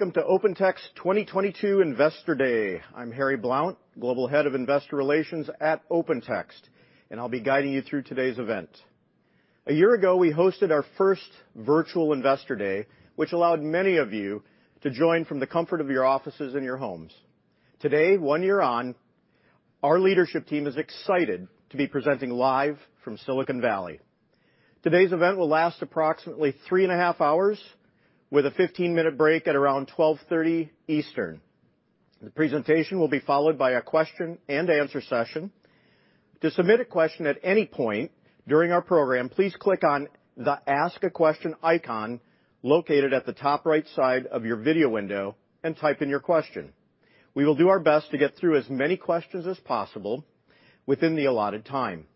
Welcome to OpenText 2022 Investor Day. I'm Harry Blount, Global Head of Investor Relations at OpenText, and I'll be guiding you through today's event. A year ago, we hosted our first virtual Investor Day, which allowed many of you to join from the comfort of your offices and your homes. Today, one year on, our leadership team is excited to be presenting live from Silicon Valley. Today's event will last approximately three and a half hours with a 15-minute break at around 12:30 P.M. Eastern. The presentation will be followed by a question-and-answer session. To submit a question at any point during our program, please click on the Ask a Question icon located at the top right side of your video window and type in your question. We will do our best to get through as many questions as possible within the allotted time.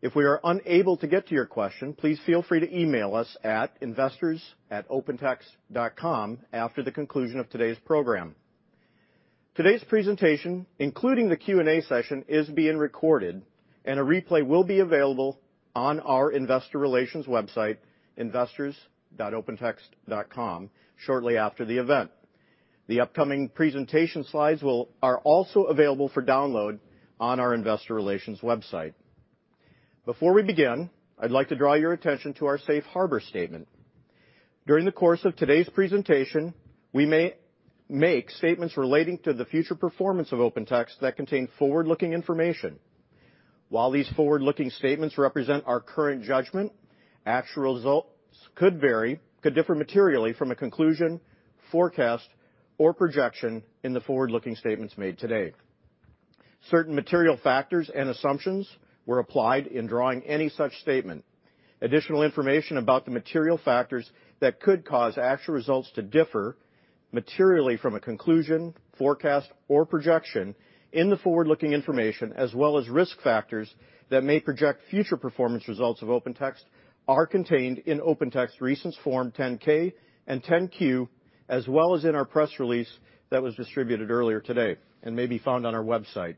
If we are unable to get to your question, please feel free to email us at investors@opentext.com after the conclusion of today's program. Today's presentation, including the Q&A session, is being recorded and a replay will be available on our investor relations website, investors.opentext.com, shortly after the event. The upcoming presentation slides are also available for download on our investor relations website. Before we begin, I'd like to draw your attention to our safe harbor statement. During the course of today's presentation, we may make statements relating to the future performance of OpenText that contain forward-looking information. While these forward-looking statements represent our current judgment, actual results could differ materially from a conclusion, forecast, or projection in the forward-looking statements made today. Certain material factors and assumptions were applied in drawing any such statement. Additional information about the material factors that could cause actual results to differ materially from a conclusion, forecast, or projection in the forward-looking information as well as risk factors that may project future performance results of OpenText are contained in OpenText's recent Form 10-K and 10-Q, as well as in our press release that was distributed earlier today and may be found on our website.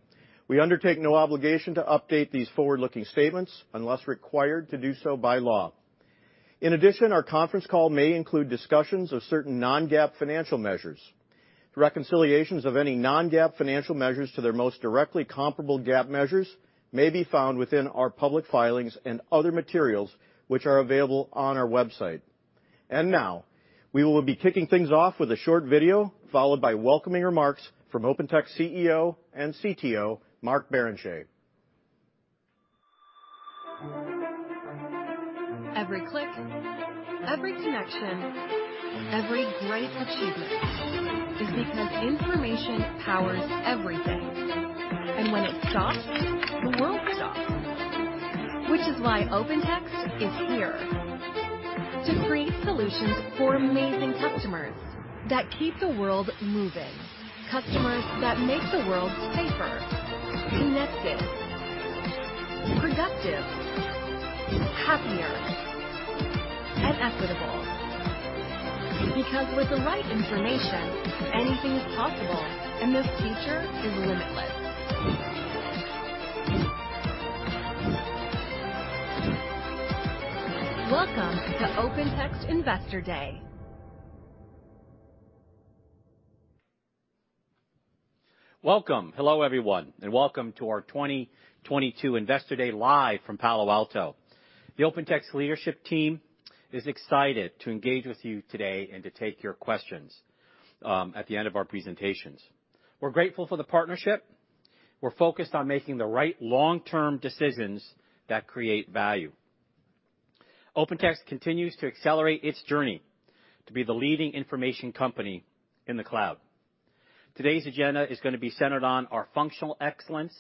We undertake no obligation to update these forward-looking statements unless required to do so by law. In addition, our conference call may include discussions of certain non-GAAP financial measures. The reconciliations of any non-GAAP financial measures to their most directly comparable GAAP measures may be found within our public filings and other materials which are available on our website. Now we will be kicking things off with a short video, followed by welcoming remarks from OpenText CEO and CTO Mark Barrenechea. Every click, every connection, every great achievement is because information powers everything. When it stops, the world stops. Which is why OpenText is here to create solutions for amazing customers that keep the world moving. Customers that make the world safer, connected, productive, happier, and equitable. Because with the right information, anything is possible, and the future is limitless. Welcome to OpenText Investor Day. Welcome. Hello, everyone, and welcome to our 2022 Investor Day live from Palo Alto. The OpenText leadership team is excited to engage with you today and to take your questions at the end of our presentations. We're grateful for the partnership. We're focused on making the right long-term decisions that create value. OpenText continues to accelerate its journey to be the leading information company in the cloud. Today's agenda is gonna be centered on our functional excellence,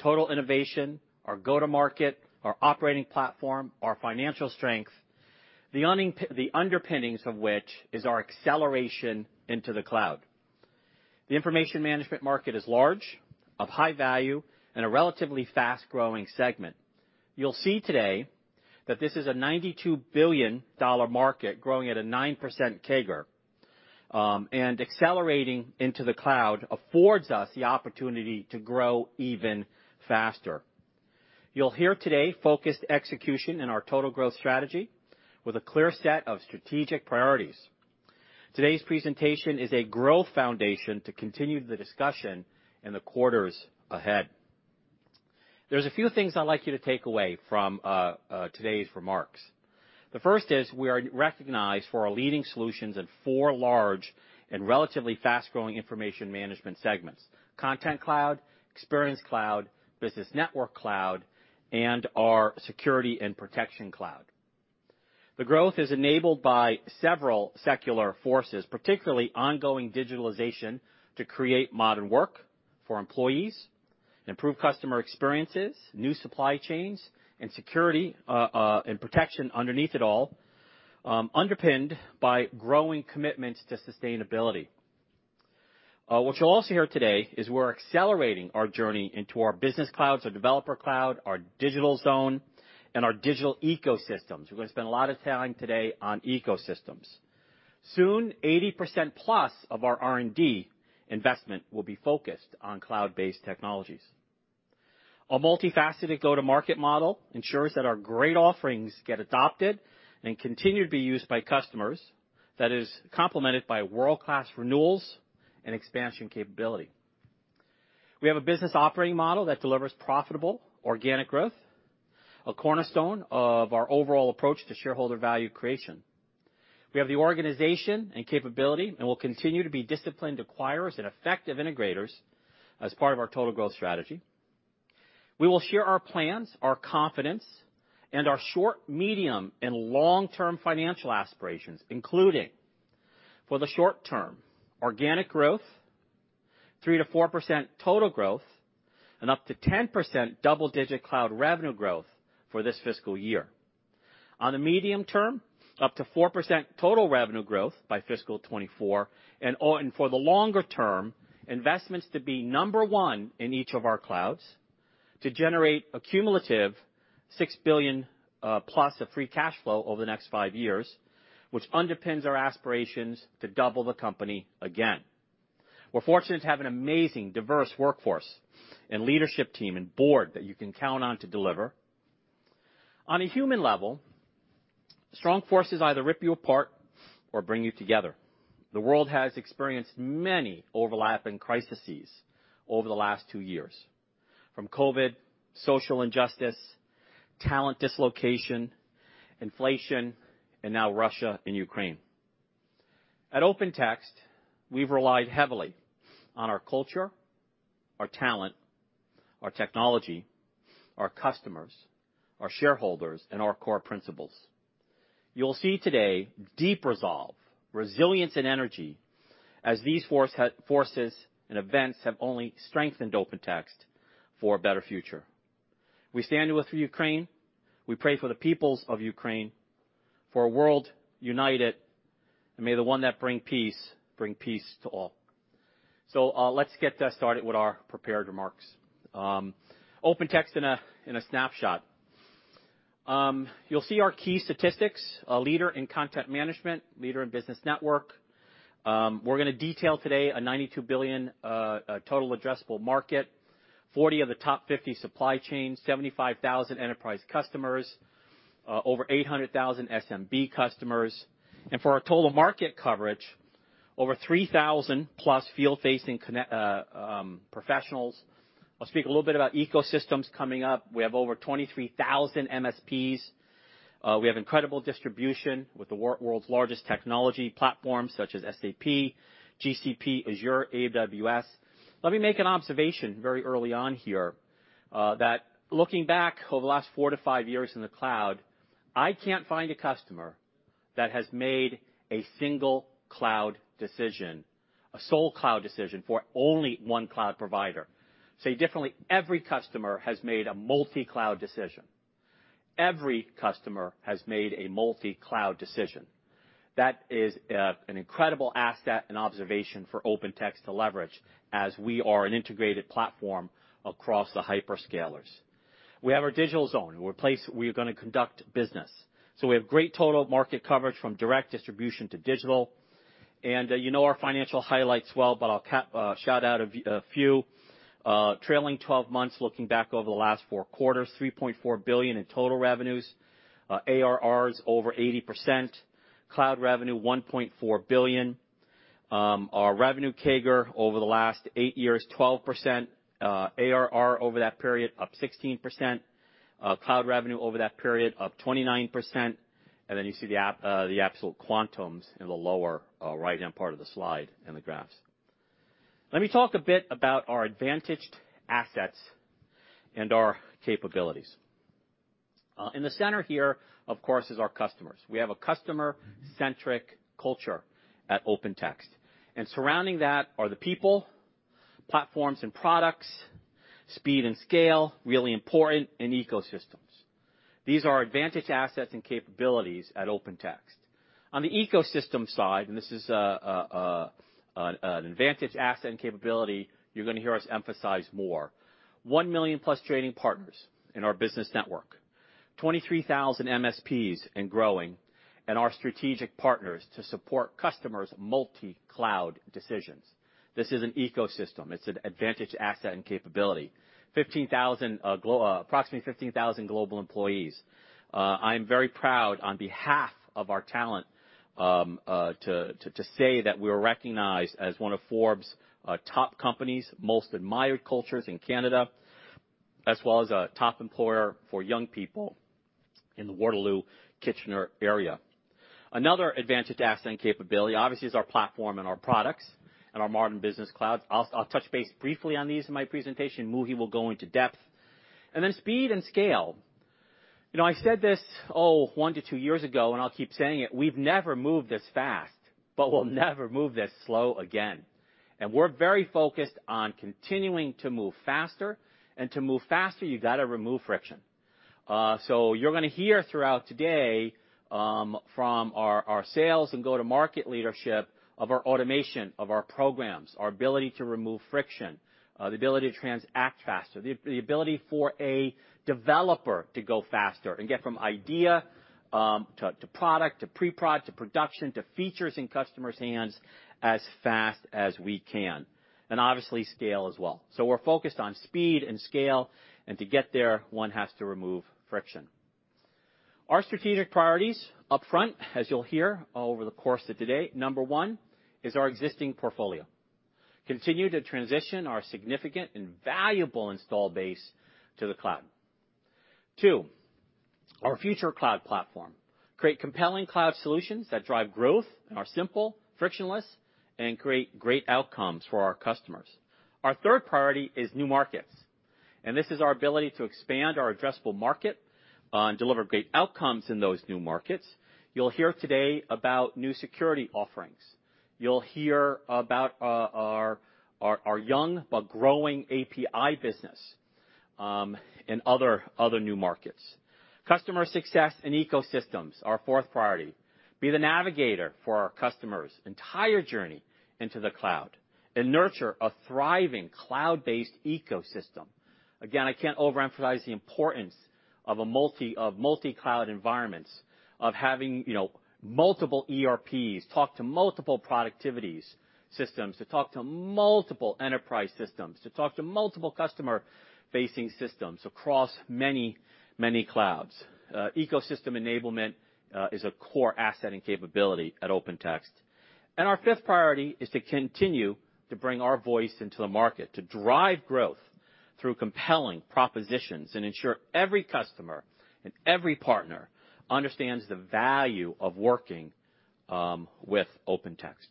total innovation, our go-to-market, our operating platform, our financial strength, the underpinnings of which is our acceleration into the cloud. The information management market is large, of high value, and a relatively fast-growing segment. You'll see today that this is a $92 billion market growing at a 9% CAGR. Accelerating into the cloud affords us the opportunity to grow even faster. You'll hear today focused execution in our total growth strategy with a clear set of strategic priorities. Today's presentation is a growth foundation to continue the discussion in the quarters ahead. There's a few things I'd like you to take away from today's remarks. The first is we are recognized for our leading solutions in four large and relatively fast-growing information management segments: Content Cloud, Experience Cloud, Business Network Cloud, and our Security & Protection Cloud. The growth is enabled by several secular forces, particularly ongoing digitalization to create modern work for employees, improve customer experiences, new supply chains, and security and protection underneath it all, underpinned by growing commitments to sustainability. What you'll also hear today is we're accelerating our journey into our business clouds, our Developer Cloud, our Digital Zone, and our digital ecosystems. We're gonna spend a lot of time today on ecosystems. Soon, 80%+ of our R&D investment will be focused on cloud-based technologies. A multifaceted go-to-market model ensures that our great offerings get adopted and continue to be used by customers. That is complemented by world-class renewals and expansion capability. We have a business operating model that delivers profitable organic growth, a cornerstone of our overall approach to shareholder value creation. We have the organization and capability, and we'll continue to be disciplined acquirers and effective integrators as part of our total growth strategy. We will share our plans, our confidence, and our short, medium, and long-term financial aspirations, including, for the short term, organic growth, 3%-4% total growth, and up to 10% double-digit cloud revenue growth for this fiscal year. On the medium term, up to 4% total revenue growth by fiscal 2024, and for the longer term, investments to be number one in each of our clouds to generate a cumulative $6 billion+ of free cash flow over the next five years, which underpins our aspirations to double the company again. We're fortunate to have an amazing, diverse workforce and leadership team and board that you can count on to deliver. On a human level, strong forces either rip you apart or bring you together. The world has experienced many overlapping crises over the last two years, from COVID, social injustice, talent dislocation, inflation, and now Russia and Ukraine. At OpenText, we've relied heavily on our culture, our talent, our technology, our customers, our shareholders, and our core principles. You'll see today deep resolve, resilience, and energy as these forces and events have only strengthened OpenText for a better future. We stand with Ukraine. We pray for the peoples of Ukraine, for a world united, and may the one that bring peace bring peace to all. Let's get started with our prepared remarks. OpenText in a snapshot. You'll see our key statistics, a leader in content management, leader in business network. We're gonna detail today a $92 billion total addressable market, 40 supply chains of the top 50 supply chains, 75,000 enterprise customers, over 0.8 million SMB customers. For our total market coverage, over 3,000+ field-facing professionals. I'll speak a little bit about ecosystems coming up. We have over 23,000 MSPs. We have incredible distribution with the world's largest technology platforms, such as SAP, GCP, Azure, AWS. Let me make an observation very early on here: looking back over the last 4 years-5 years in the cloud, I can't find a customer that has made a single cloud decision, a sole cloud decision for only one cloud provider. Say differently, every customer has made a multi-cloud decision. That is an incredible asset and observation for OpenText to leverage, as we are an integrated platform across the hyperscalers. We have our Digital Zone, the place we are gonna conduct business. We have great total market coverage from direct distribution to digital. You know our financial highlights well, but I'll shout out a few. Trailing 12 months, looking back over the last four quarters, $3.4 billion in total revenues. ARR is over 80%. Cloud revenue, $1.4 billion. Our revenue CAGR over the last eight years, 12%. ARR over that period, up 16%. Cloud revenue over that period, up 29%. Then you see the absolute quantums in the lower right-hand part of the slide in the graphs. Let me talk a bit about our advantaged assets and our capabilities. In the center here, of course, is our customers. We have a customer-centric culture at OpenText. Surrounding that are the people, platforms and products, speed and scale (really important), and ecosystems. These are advantaged assets and capabilities at OpenText. On the ecosystem side, and this is an advantaged asset and capability you're gonna hear us emphasize more. 1 million+ trading partners in our business network. 23,000 MSPs and growing, and our strategic partners to support customers' multi-cloud decisions. This is an ecosystem. It's an advantaged asset and capability. Approximately 15,000 global employees. I'm very proud on behalf of our talent to say that we're recognized as one of Forbes' top companies, most admired cultures in Canada, as well as a top employer for young people in the Waterloo-Kitchener area. Another advantaged asset and capability, obviously, is our platform and our products and our modern business clouds. I'll touch base briefly on these in my presentation. Muhi will go into depth. Speed and scale. You know, I said this 1 years-2 years ago, and I'll keep saying it: we've never moved this fast, but we'll never move this slow again. We're very focused on continuing to move faster. To move faster, you gotta remove friction. So you're gonna hear throughout today from our sales and go-to-market leadership of our automation, of our programs, our ability to remove friction, the ability to transact faster, the ability for a developer to go faster and get from idea to product, to pre-prod, to production, to features in customers' hands as fast as we can. Obviously, scale as well. We're focused on speed and scale, and to get there, one has to remove friction. Our strategic priorities upfront, as you'll hear over the course of today, number one is our existing portfolio. Continue to transition our significant and valuable install base to the cloud. Two, our future cloud platform. Create compelling cloud solutions that drive growth and are simple, frictionless, and create great outcomes for our customers. Our third priority is new markets, and this is our ability to expand our addressable market and deliver great outcomes in those new markets. You'll hear today about new security offerings. You'll hear about our young but growing API business and other new markets. Customer success and ecosystems, our fourth priority. Be the navigator for our customers' entire journey into the cloud and nurture a thriving cloud-based ecosystem. Again, I can't overemphasize the importance of multi-cloud environments, of having, you know, multiple ERPs talk to multiple productivity systems, to talk to multiple enterprise systems, to talk to multiple customer-facing systems across many, many clouds. Ecosystem enablement is a core asset and capability at OpenText. Our fifth priority is to continue to bring our voice into the market, to drive growth through compelling propositions and ensure every customer and every partner understands the value of working with OpenText.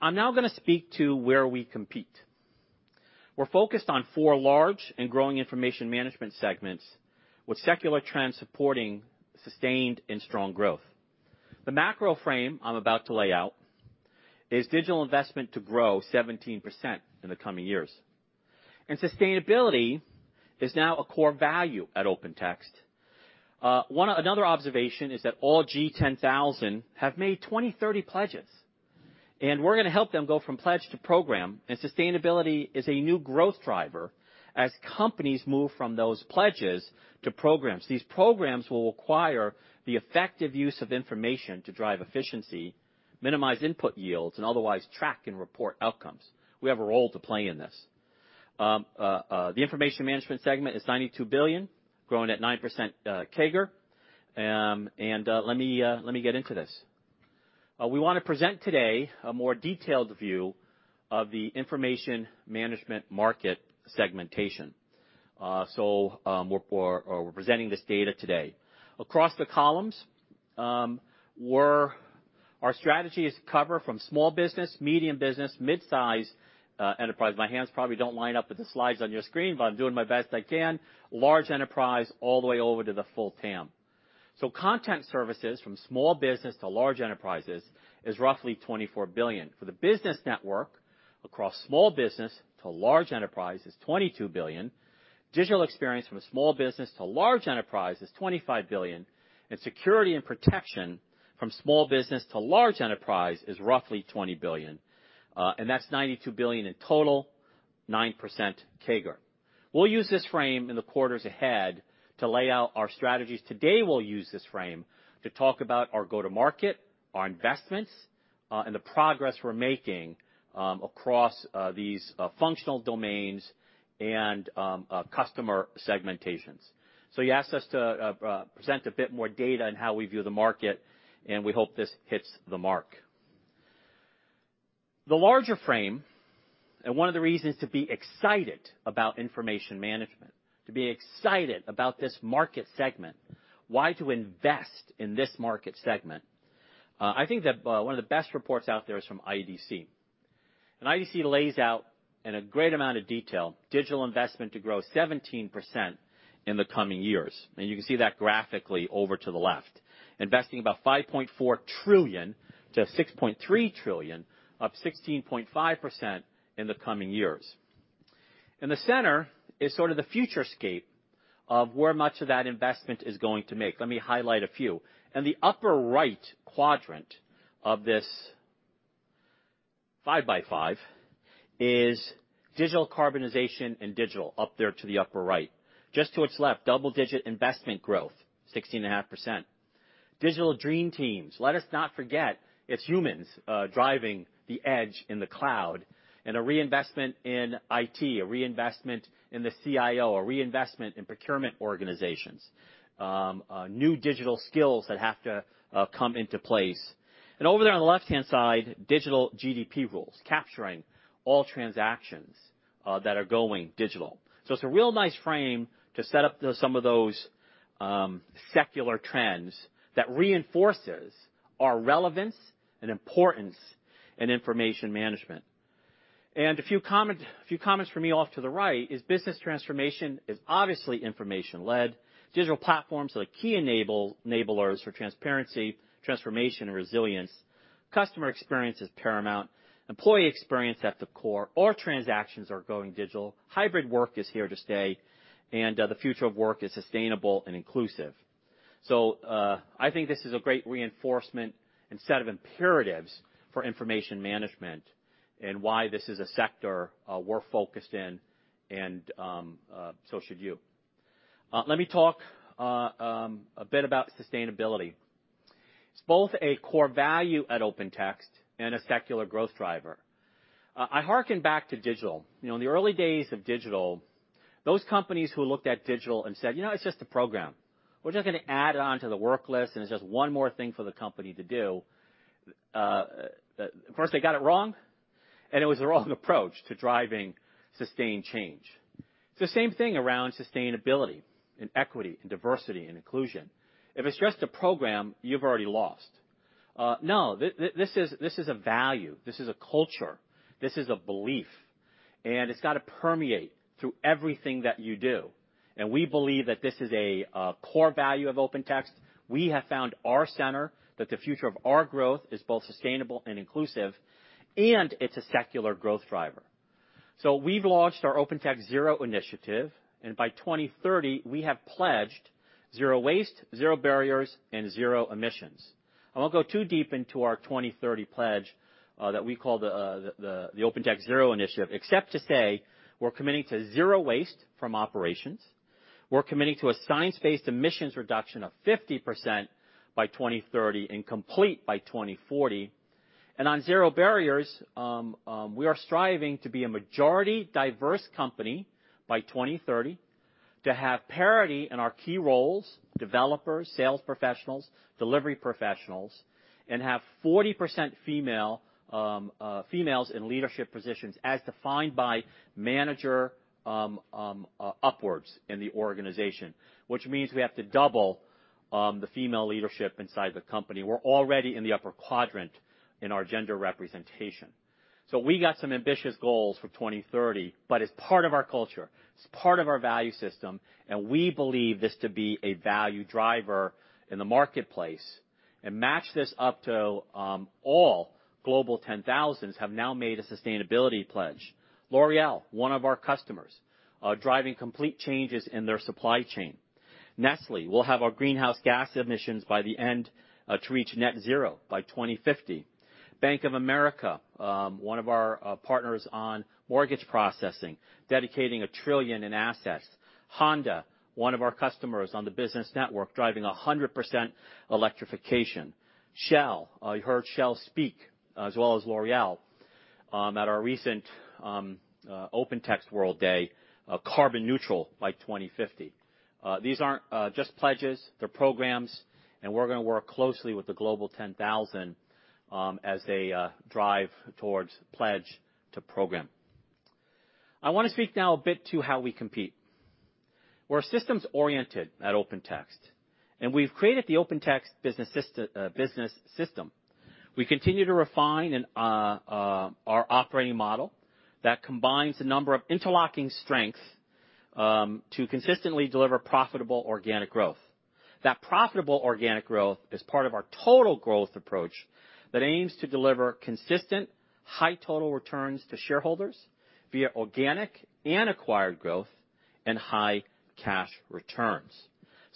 I'm now gonna speak to where we compete. We're focused on four large and growing information management segments with secular trends supporting sustained and strong growth. The macro frame I'm about to lay out is digital investment to grow 17% in the coming years. Sustainability is now a core value at OpenText. Another observation is that all G10K have made 2030 pledges, and we're gonna help them go from pledge to program, and sustainability is a new growth driver as companies move from those pledges to programs. These programs will require the effective use of information to drive efficiency, minimize input yields, and otherwise track and report outcomes. We have a role to play in this. The information management segment is $92 billion, growing at 9% CAGR. Let me get into this. We wanna present today a more detailed view of the information management market segmentation. We're presenting this data today. Across the columns, our strategy is to cover from small business, medium business, midsize enterprise. My hands probably don't line up with the slides on your screen, but I'm doing my best I can. Large enterprise all the way over to the full TAM. Content services from small business to large enterprises is roughly $24 billion. For the business network across small business to large enterprise is $22 billion. Digital experience from a small business to large enterprise is $25 billion. Security and protection from small business to large enterprise is roughly $20 billion. That's $92 billion in total, 9% CAGR. We'll use this frame in the quarters ahead to lay out our strategies. Today, we'll use this frame to talk about our go-to-market, our investments, and the progress we're making, across these functional domains and customer segmentations. You asked us to present a bit more data on how we view the market, and we hope this hits the mark. The larger frame, and one of the reasons to be excited about information management, to be excited about this market segment, why to invest in this market segment, I think that, one of the best reports out there is from IDC. IDC lays out in a great amount of detail digital investment to grow 17% in the coming years. You can see that graphically over to the left, investing about $5.4 trillion-$6.3 trillion, up 16.5% in the coming years. In the center is sort of the FutureScape of where much of that investment is going to make. Let me highlight a few. In the upper-right quadrant of this 5x5 is digital decarbonization up there to the upper right. Just to its left, double-digit investment growth, 16.5%. Digital dream teams—let us not forget it's humans driving the edge in the cloud—and a reinvestment in IT, a reinvestment in the CIO, a reinvestment in procurement organizations, new digital skills that have to come into place. Over there on the left-hand side, digital GDP rules, capturing all transactions that are going digital. It's a real nice frame to set up some of those secular trends that reinforces our relevance and importance in information management. A few comments from me off to the right is business transformation is obviously information-led. Digital platforms are the key enablers for transparency, transformation, and resilience. Customer experience is paramount. Employee experience at the core. All transactions are going digital. Hybrid work is here to stay. The future of work is sustainable and inclusive. I think this is a great reinforcement and set of imperatives for information management and why this is a sector we're focused in and so should you. Let me talk a bit about sustainability. It's both a core value at OpenText and a secular growth driver. I harken back to digital. You know, in the early days of digital, those companies who looked at digital and said, "You know, it's just a program. We're just gonna add it on to the work list, and it's just one more thing for the company to do." First they got it wrong, and it was the wrong approach to driving sustained change. It's the same thing around sustainability and equity and diversity and inclusion. If it's just a program, you've already lost. No, this is a value, this is a culture, this is a belief, and it's gotta permeate through everything that you do. We believe that this is a core value of OpenText. We have found our center, that the future of our growth is both sustainable and inclusive, and it's a secular growth driver. We've launched our OpenText Zero Initiative, and by 2030, we have pledged zero waste, zero barriers, and zero emissions. I won't go too deep into our 2030 pledge that we call the OpenText Zero Initiative, except to say we're committing to zero waste from operations. We're committing to a science-based emissions reduction of 50% by 2030 and complete by 2040. On zero barriers, we are striving to be a majority diverse company by 2030, to have parity in our key roles: developers, sales professionals, delivery professionals, and have 40% female females in leadership positions as defined by manager upwards in the organization, which means we have to double the female leadership inside the company. We're already in the upper quadrant in our gender representation. We got some ambitious goals for 2030, but it's part of our culture. It's part of our value system, and we believe this to be a value driver in the marketplace and match this up to all G10K have now made a sustainability pledge. L'Oréal, one of our customers, are driving complete changes in their supply chain. Nestlé will halve our greenhouse gas emissions by the end to reach net zero by 2050. Bank of America, one of our partners on mortgage processing, dedicating $1 trillion in assets. Honda, one of our customers on the business network, driving 100% electrification. Shell, you heard Shell speak as well as L'Oréal at our recent OpenText World Day, carbon neutral by 2050. These aren't just pledges, they're programs, and we're gonna work closely with the Global 10,000 as they drive towards pledge to program. I wanna speak now a bit to how we compete. We're systems-oriented at OpenText, and we've created the OpenText business system. We continue to refine and our operating model that combines a number of interlocking strengths to consistently deliver profitable organic growth. That profitable organic growth is part of our total growth approach that aims to deliver consistent high total returns to shareholders via organic and acquired growth and high cash returns.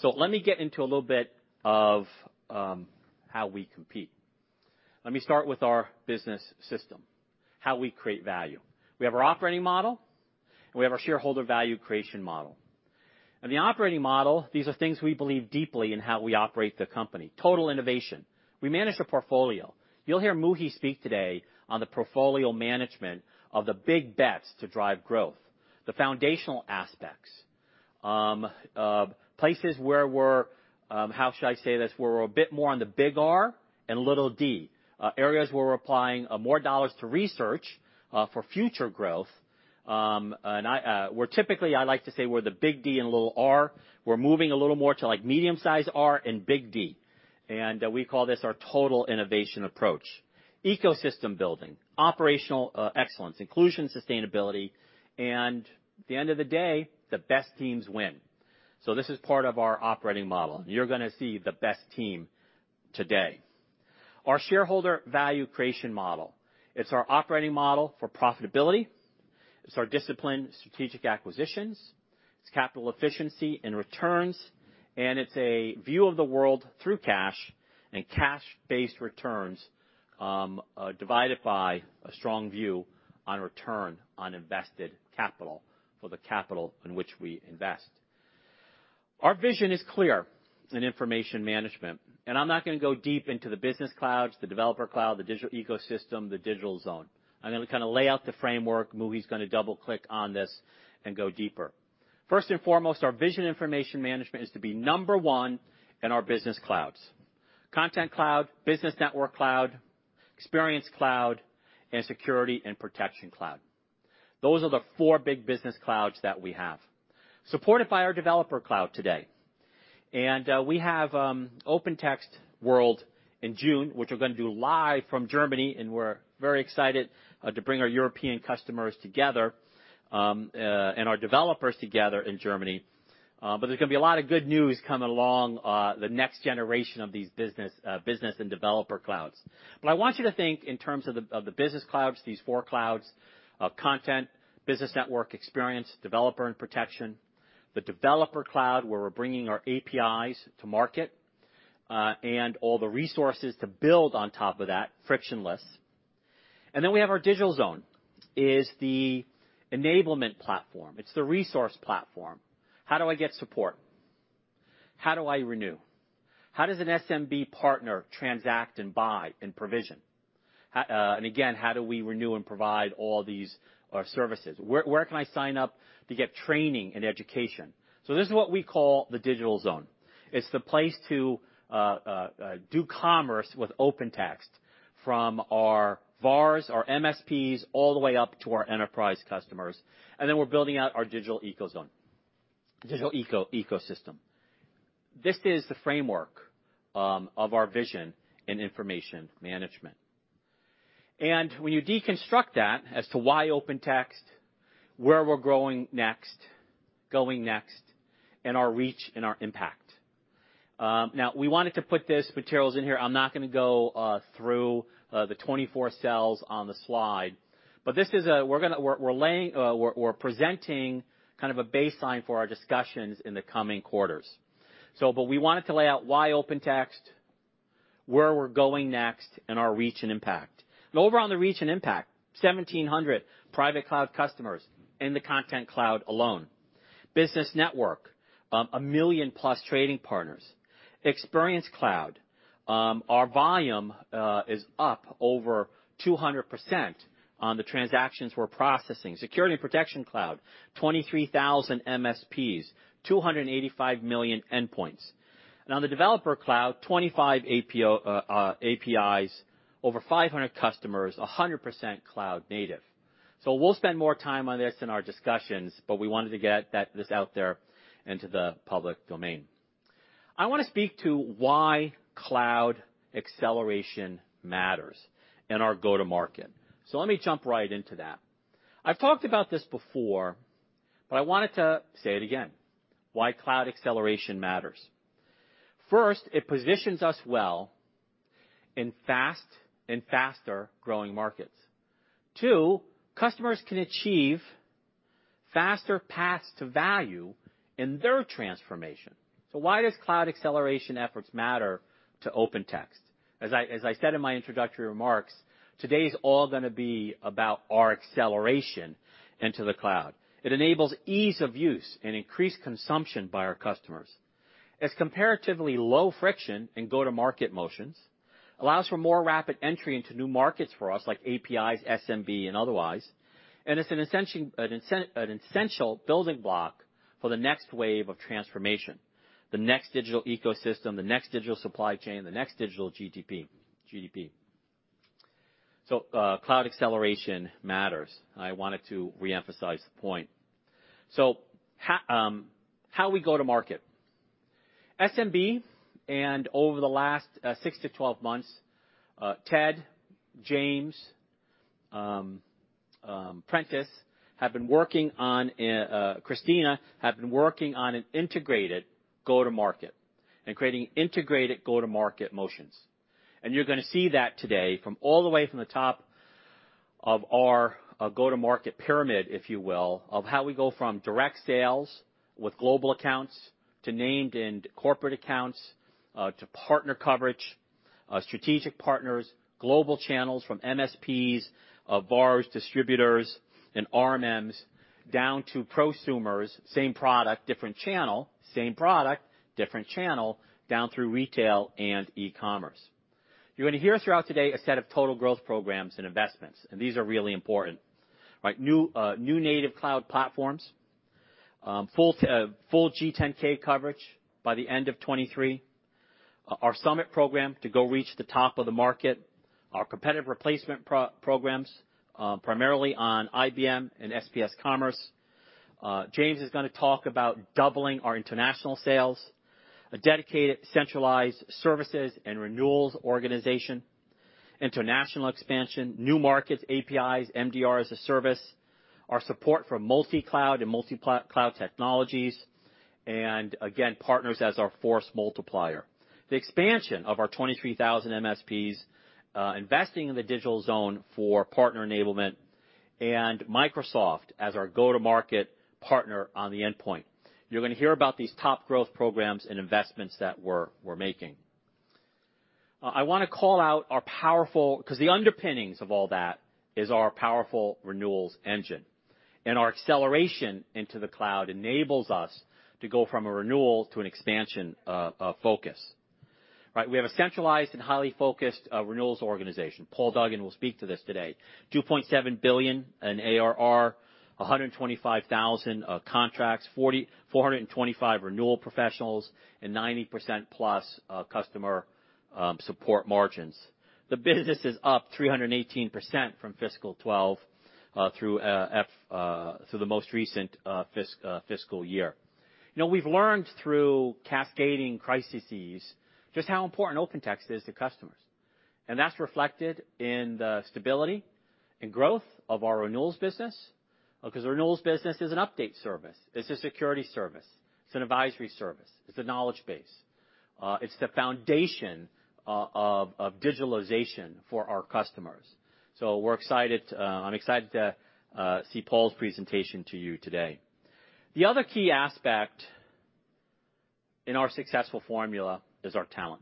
Let me get into a little bit of how we compete. Let me start with our business system, how we create value. We have our operating model, and we have our shareholder value creation model. In the operating model, these are things we believe deeply in how we operate the company. Total innovation. We manage the portfolio. You'll hear Muhi speak today on the portfolio management of the big bets to drive growth, the foundational aspects, places where we're, how should I say this? We're a bit more on the big R and little D. Areas where we're applying more dollars to research for future growth. I like to say we're the big D and little R. We're moving a little more to, like, medium-sized R and big D. We call this our total innovation approach. Ecosystem building, operational excellence, inclusion, sustainability, and at the end of the day, the best teams win. This is part of our operating model. You're gonna see the best team today. Our shareholder value creation model. It's our operating model for profitability. It's our disciplined strategic acquisitions. It's capital efficiency and returns, and it's a view of the world through cash and cash-based returns, divided by a strong view on return on invested capital for the capital in which we invest. Our vision is clear in information management, and I'm not gonna go deep into the business clouds, the developer cloud, the digital ecosystem, the digital zone. I'm gonna kinda lay out the framework. Muhi's gonna double-click on this and go deeper. First and foremost, our vision for information management is to be number one in our business clouds. Content Cloud, Business Network Cloud, Experience Cloud, and Security & Protection Cloud. Those are the four big business clouds that we have, supported by our Developer Cloud today. We have OpenText World in June, which we're gonna do live from Germany, and we're very excited to bring our European customers together and our developers together in Germany. But there's gonna be a lot of good news coming along the next generation of these business and developer clouds. I want you to think in terms of the business clouds, these four clouds of content, business network experience, developer and protection, the developer cloud, where we're bringing our APIs to market, and all the resources to build on top of that frictionless. Then we have our digital zone. It is the enablement platform. It is the resource platform. How do I get support? How do I renew? How does an SMB partner transact and buy and provision? And again, how do we renew and provide all these services? Where can I sign up to get training and education? This is what we call the digital zone. It is the place to do commerce with OpenText from our VARs, our MSPs, all the way up to our enterprise customers. Then we're building out our digital eco zone, digital eco-ecosystem. This is the framework of our vision in information management. When you deconstruct that as to why OpenText, where we're growing next, going next, and our reach and our impact. Now we wanted to put this materials in here. I'm not gonna go through the 24 cells on the slide. But this is a baseline for our discussions in the coming quarters. But we wanted to lay out why OpenText, where we're going next, and our reach and impact. Over on the reach and impact, 1,700 private cloud customers in the Content Cloud alone. Business Network, 1 million+ trading partners. Experience Cloud, our volume is up over 200% on the transactions we're processing. Security & Protection Cloud, 23,000 MSPs, 285 million endpoints. Now the Developer Cloud, 25 APIs, over 500 customers, 100% cloud native. We'll spend more time on this in our discussions, but we wanted to get that, this out there into the public domain. I wanna speak to why cloud acceleration matters in our go-to-market. Let me jump right into that. I've talked about this before, but I wanted to say it again: why cloud acceleration matters. First, it positions us well in fast and faster growing markets. Two, customers can achieve faster paths to value in their transformation. Why does cloud acceleration efforts matter to OpenText? As I said in my introductory remarks, today is all gonna be about our acceleration into the cloud. It enables ease of use and increased consumption by our customers. It's comparatively low friction in go-to-market motions, allows for more rapid entry into new markets for us like APIs, SMB, and otherwise. It's an essential building block for the next wave of transformation, the next digital ecosystem, the next digital supply chain, the next digital GDP. Cloud acceleration matters. I wanted to reemphasize the point. How we go to market. SMB, and over the last 6 months-12 months, Ted, James, Prentiss have been working on, Kristina, have been working on an integrated go-to-market and creating integrated go-to-market motions. You're gonna see that today from all the way from the top of our go-to-market pyramid, if you will, of how we go from direct sales with global accounts, to named and corporate accounts, to partner coverage, strategic partners, global channels from MSPs, VARs, distributors, and RMMs, down to prosumers, same product, different channel, same product, different channel, down through retail and e-commerce. You're gonna hear throughout today a set of total growth programs and investments, and these are really important, right? New native cloud platforms. Full G10K coverage by the end of 2023. Our summit program to go reach the top of the market. Our competitive replacement programs, primarily on IBM and SPS Commerce. James is gonna talk about doubling our international sales, a dedicated centralized services and renewals organization, international expansion, new markets, APIs, MDR as a service, our support for multi-cloud and cloud technologies, and again, partners as our force multiplier. The expansion of our 23,000 MSPs, investing in the Digital Zone for partner enablement, and Microsoft as our go-to-market partner on the endpoint. You're gonna hear about these top growth programs and investments that we're making. I wanna call out 'cause the underpinnings of all that is our powerful renewals engine. Our acceleration into the cloud enables us to go from a renewal to an expansion focus. Right, we have a centralized and highly focused renewals organization. Paul Duggan will speak to this today. $2.7 billion in ARR, 125,000 contracts, 425 renewal professionals, and 90%+ customer support margins. The business is up 318% from fiscal 2012 through the most recent fiscal year. You know, we've learned through cascading crises just how important OpenText is to customers, and that's reflected in the stability and growth of our renewals business, 'cause the renewals business is an update service. It's a security service. It's an advisory service. It's a knowledge base. It's the foundation of digitalization for our customers. We're excited. I'm excited to see Paul's presentation to you today. The other key aspect in our successful formula is our talent.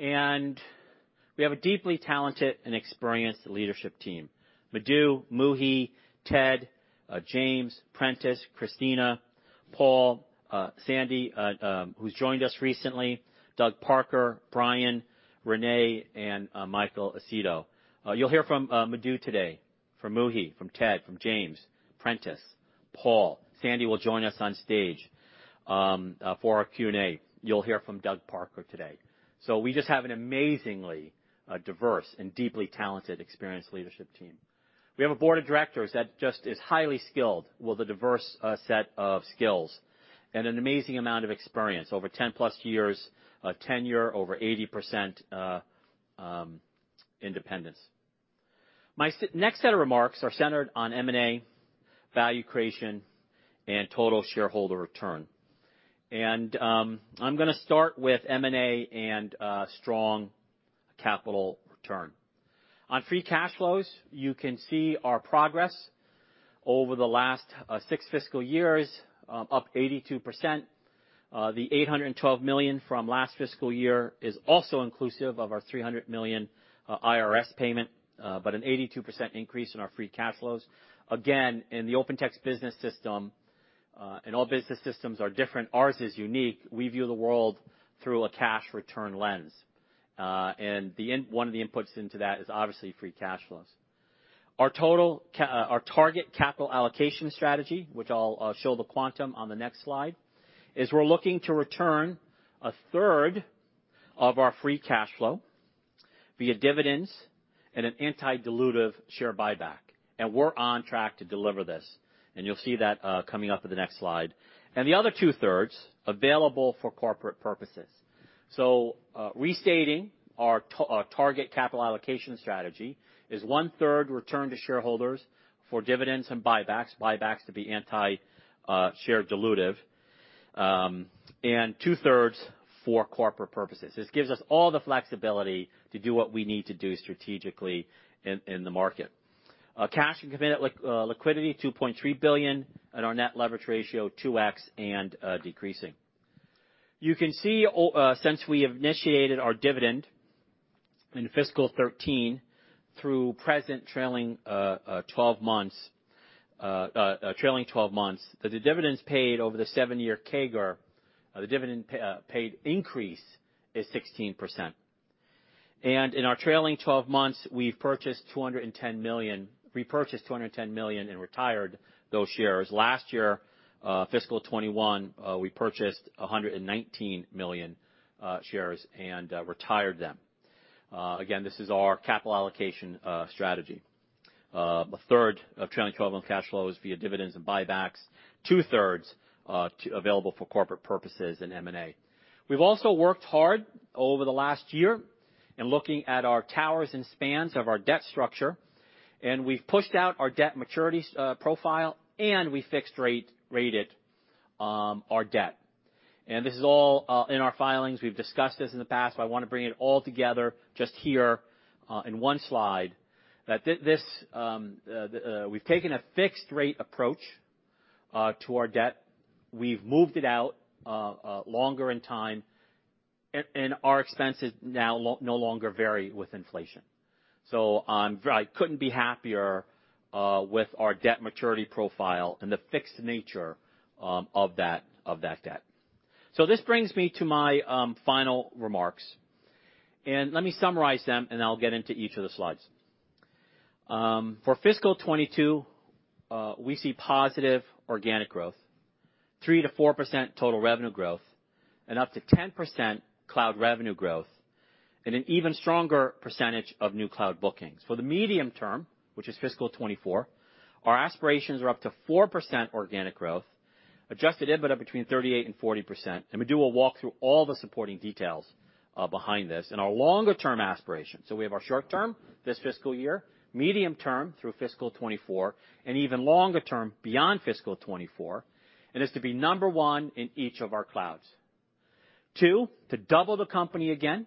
We have a deeply talented and experienced leadership team. Madhu, Muhi, Ted, James, Prentiss, Kristina, Paul, Sandy, who's joined us recently, Doug Parker, Brian, Renee, and Michael Acedo. You'll hear from Madhu today, from Muhi, from Ted, from James, Prentiss, Paul. Sandy will join us on stage for our Q&A. You'll hear from Doug Parker today. We just have an amazingly diverse and deeply talented, experienced leadership team. We have a board of directors that just is highly skilled with a diverse set of skills and an amazing amount of experience, over 10+ years of tenure, over 80% independence. My next set of remarks are centered on M&A, value creation, and total shareholder return. I'm gonna start with M&A and strong capital return. On free cash flows, you can see our progress over the last six fiscal years up 82%. The $812 million from last fiscal year is also inclusive of our $300 million IRS payment, but an 82% increase in our free cash flows. Again, in the OpenText business system, and all business systems are different, ours is unique. We view the world through a cash return lens. One of the inputs into that is obviously free cash flows. Our target capital allocation strategy, which I'll show the quantum on the next slide, is we're looking to return 1/3 of our free cash flow via dividends and an anti-dilutive share buyback. We're on track to deliver this. You'll see that coming up in the next slide. The other 2/3 available for corporate purposes. Restating our target capital allocation strategy is 1/3 return to shareholders for dividends and buybacks to be anti-share dilutive, and 2/3 for corporate purposes. This gives us all the flexibility to do what we need to do strategically in the market. Our cash and committed liquidity $2.3 billion, and our net leverage ratio 2x and decreasing. You can see since we initiated our dividend in fiscal 2013 through present trailing 12 months, that the dividends paid over the seven-year CAGR, the dividend paid increase is 16%. In our trailing twelve months, we've repurchased $210 million and retired those shares. Last year, fiscal 2021, we purchased 119 million shares and retired them. Again, this is our capital allocation strategy. 1/3 of trailing 12 months cash flow is via dividends and buybacks, 2/3 available for corporate purposes and M&A. We've also worked hard over the last year in looking at our towers and spans of our debt structure, and we've pushed out our debt maturities profile, and we fixed rate our debt. This is all in our filings. We've discussed this in the past, but I wanna bring it all together just here in one slide. We've taken a fixed rate approach to our debt. We've moved it out longer in time, and our expenses now no longer vary with inflation. I couldn't be happier with our debt maturity profile and the fixed nature of that debt. This brings me to my final remarks. Let me summarize them, and then I'll get into each of the slides. For fiscal 2022, we see positive organic growth, 3%-4% total revenue growth, and up to 10% cloud revenue growth, and an even stronger percentage of new cloud bookings. For the medium term, which is fiscal 2024, our aspirations are up to 4% organic growth, adjusted EBITDA between 38%-40%, and Madhu will walk through all the supporting details behind this. Our longer term aspirations, so we have our short term, this fiscal year, medium term through fiscal 2024, and even longer term beyond fiscal 2024, and is to be number one in each of our clouds. Two, to double the company again.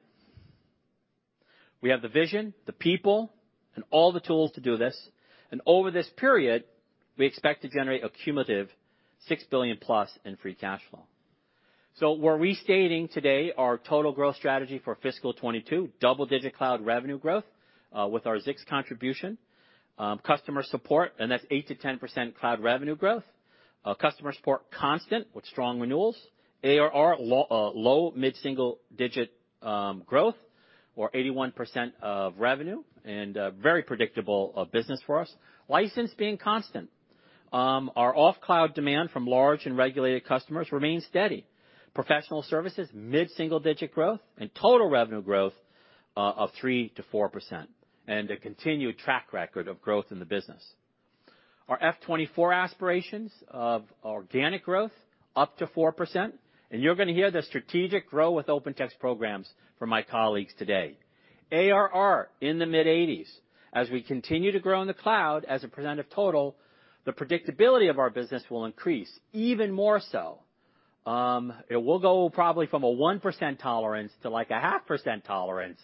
We have the vision, the people, and all the tools to do this. Over this period, we expect to generate a cumulative $6 billion+ in free cash flow. We're restating today our total growth strategy for fiscal 2022. Double-digit cloud revenue growth with our Zix contribution. Customer support, and that's 8%-10% cloud revenue growth. Customer support constant with strong renewals. ARR low mid-single digit growth or 81% of revenue and very predictable business for us. License being constant. Our off-cloud demand from large and regulated customers remains steady. Professional services, mid-single digit growth and total revenue growth of 3%-4%, and a continued track record of growth in the business. Our FY 2024 aspirations of organic growth up to 4%, and you're gonna hear the strategic Grow with OpenText programs from my colleagues today. ARR in the mid-80s. As we continue to grow in the cloud as a percent of total, the predictability of our business will increase even more so. It will go probably from a 1% tolerance to like a 0.5% tolerance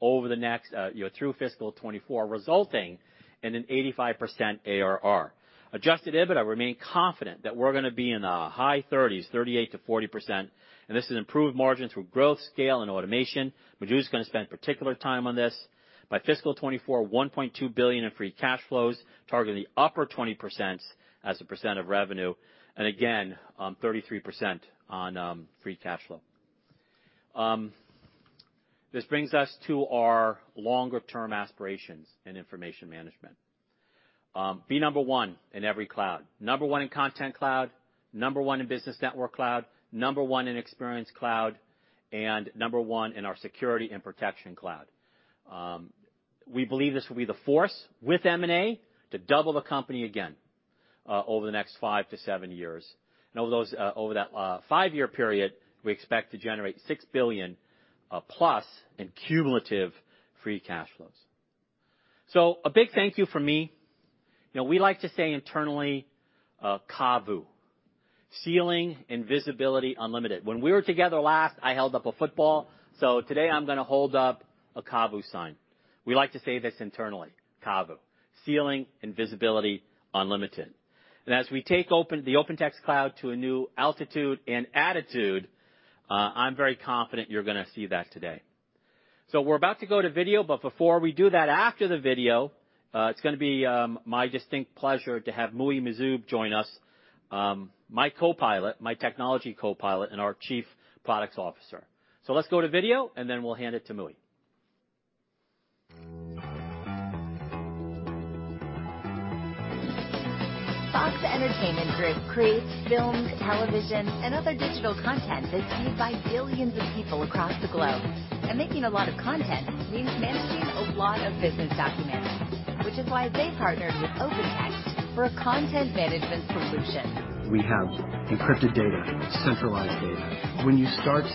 over the next, you know, through fiscal 2024, resulting in an 85% ARR. For Adjusted EBITDA we remain confident that we're gonna be in the high 30%s, 38%-40%, and this is improved margins through growth, scale, and automation. Muhi's gonna spend particular time on this. By fiscal 2024, $1.2 billion in free cash flow, targeting the upper 20% as a percent of revenue, and again, 33% on free cash flow. This brings us to our longer term aspirations in information management. Be number one in every cloud. Number one in Content Cloud, number one in Business Network Cloud, number one in Experience Cloud, and number one in our Security & Protection Cloud. We believe this will be the force with M&A to double the company again over the next 5 years-7 years. Over that 5-year period, we expect to generate $6 billion+ in cumulative free cash flow. A big thank you from me. You know, we like to say internally, CAVU, ceiling and visibility unlimited. When we were together last, I held up a football, so today I'm gonna hold up a CAVU sign. We like to say this internally, CAVU, ceiling and visibility unlimited. As we take the OpenText Cloud to a new altitude and attitude, I'm very confident you're gonna see that today. We're about to go to video, but before we do that, after the video, it's gonna be my distinct pleasure to have Muhi Majzoub join us, my co-pilot, my technology co-pilot and our Chief Product Officer. Let's go to video, and then we'll hand it to Muhi. Fox Entertainment Group creates films, television, and other digital content that's viewed by billions of people across the globe. Making a lot of content means managing a lot of business documents, which is why they partnered with OpenText for a content management solution. We have encrypted data, centralized data. When you start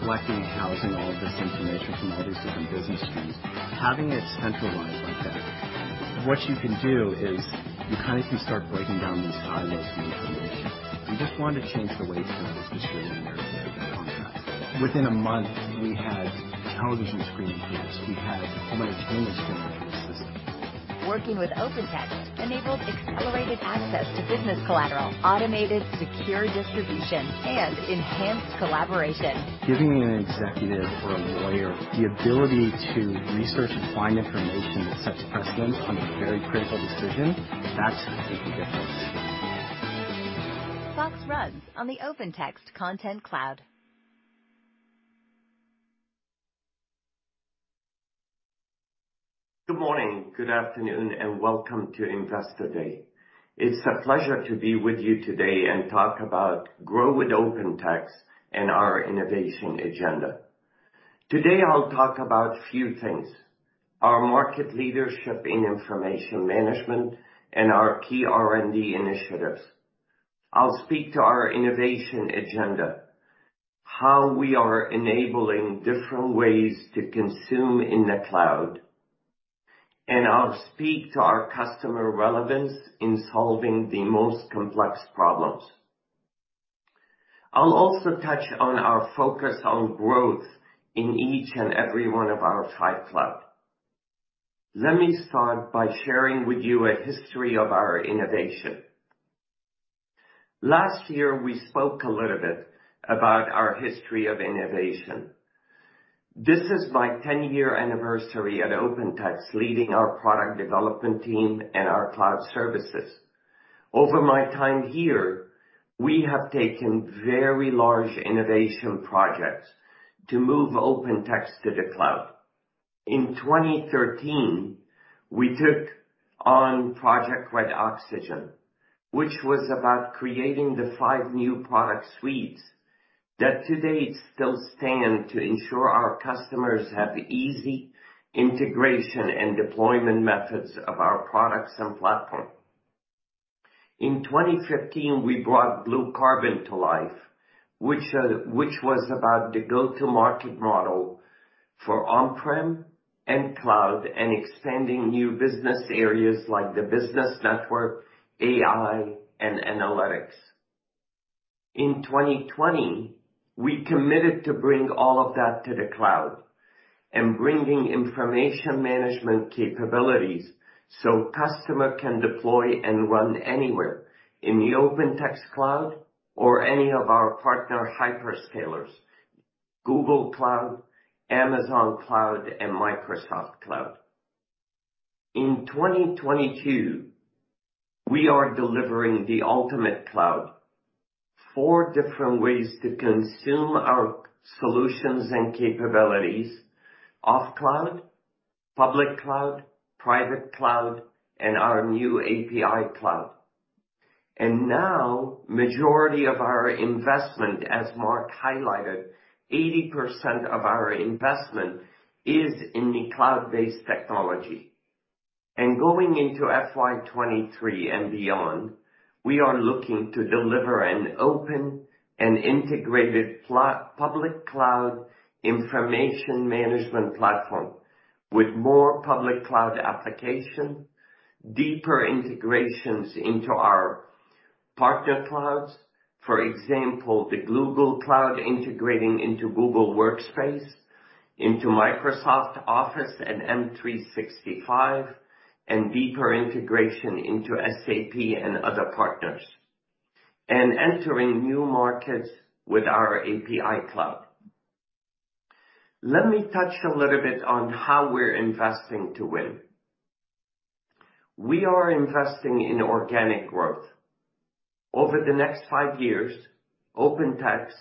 collecting, housing all of this information from all these different business streams, having it centralized like that, what you can do is you kind of can start breaking down these silos of information. We just wanted to change the way services was distributed within the company. Within a month, we had television screening hits. We had home entertainment screening hits. Working with OpenText enabled accelerated access to business collateral, automated secure distribution, and enhanced collaboration. Giving an executive or a lawyer the ability to research and find information that sets precedent on a very critical decision, that's a big difference. Fox runs on the OpenText Content Cloud. Good morning, good afternoon, and welcome to Investor Day. It's a pleasure to be with you today and talk about Grow with OpenText and our innovation agenda. Today, I'll talk about few things, our market leadership in information management and our key R&D initiatives. I'll speak to our innovation agenda, how we are enabling different ways to consume in the cloud, and I'll speak to our customer relevance in solving the most complex problems. I'll also touch on our focus on growth in each and every one of our five cloud. Let me start by sharing with you a history of our innovation. Last year, we spoke a little bit about our history of innovation. This is my 10-year anniversary at OpenText leading our product development team and our cloud services. Over my time here, we have taken very large innovation projects to move OpenText to the cloud. In 2013, we took on Project Red Oxygen, which was about creating the five new product suites that today still stand to ensure our customers have easy integration and deployment methods of our products and platform. In 2015, we brought Blue Carbon to life, which was about the go-to-market model for on-prem and cloud and extending new business areas like the business network, AI, and analytics. In 2020, we committed to bring all of that to the cloud and bringing information management capabilities so customers can deploy and run anywhere in the OpenText Cloud or any of our partner hyperscalers, Google Cloud, Amazon Cloud, and Microsoft Cloud. In 2022, we are delivering the ultimate cloud, four different ways to consume our solutions and capabilities, on cloud, public cloud, private cloud, and our new API cloud. Now, majority of our investment, as Mark highlighted, 80% of our investment is in the cloud-based technology. Going into FY 2023 and beyond, we are looking to deliver an open and integrated public cloud information management platform with more public cloud application, deeper integrations into our Partner Clouds, for example, the Google Cloud integrating into Google Workspace, into Microsoft Office and M365, and deeper integration into SAP and other partners, and entering new markets with our API Cloud. Let me touch a little bit on how we're investing to win. We are investing in organic growth. Over the next 5 years, OpenText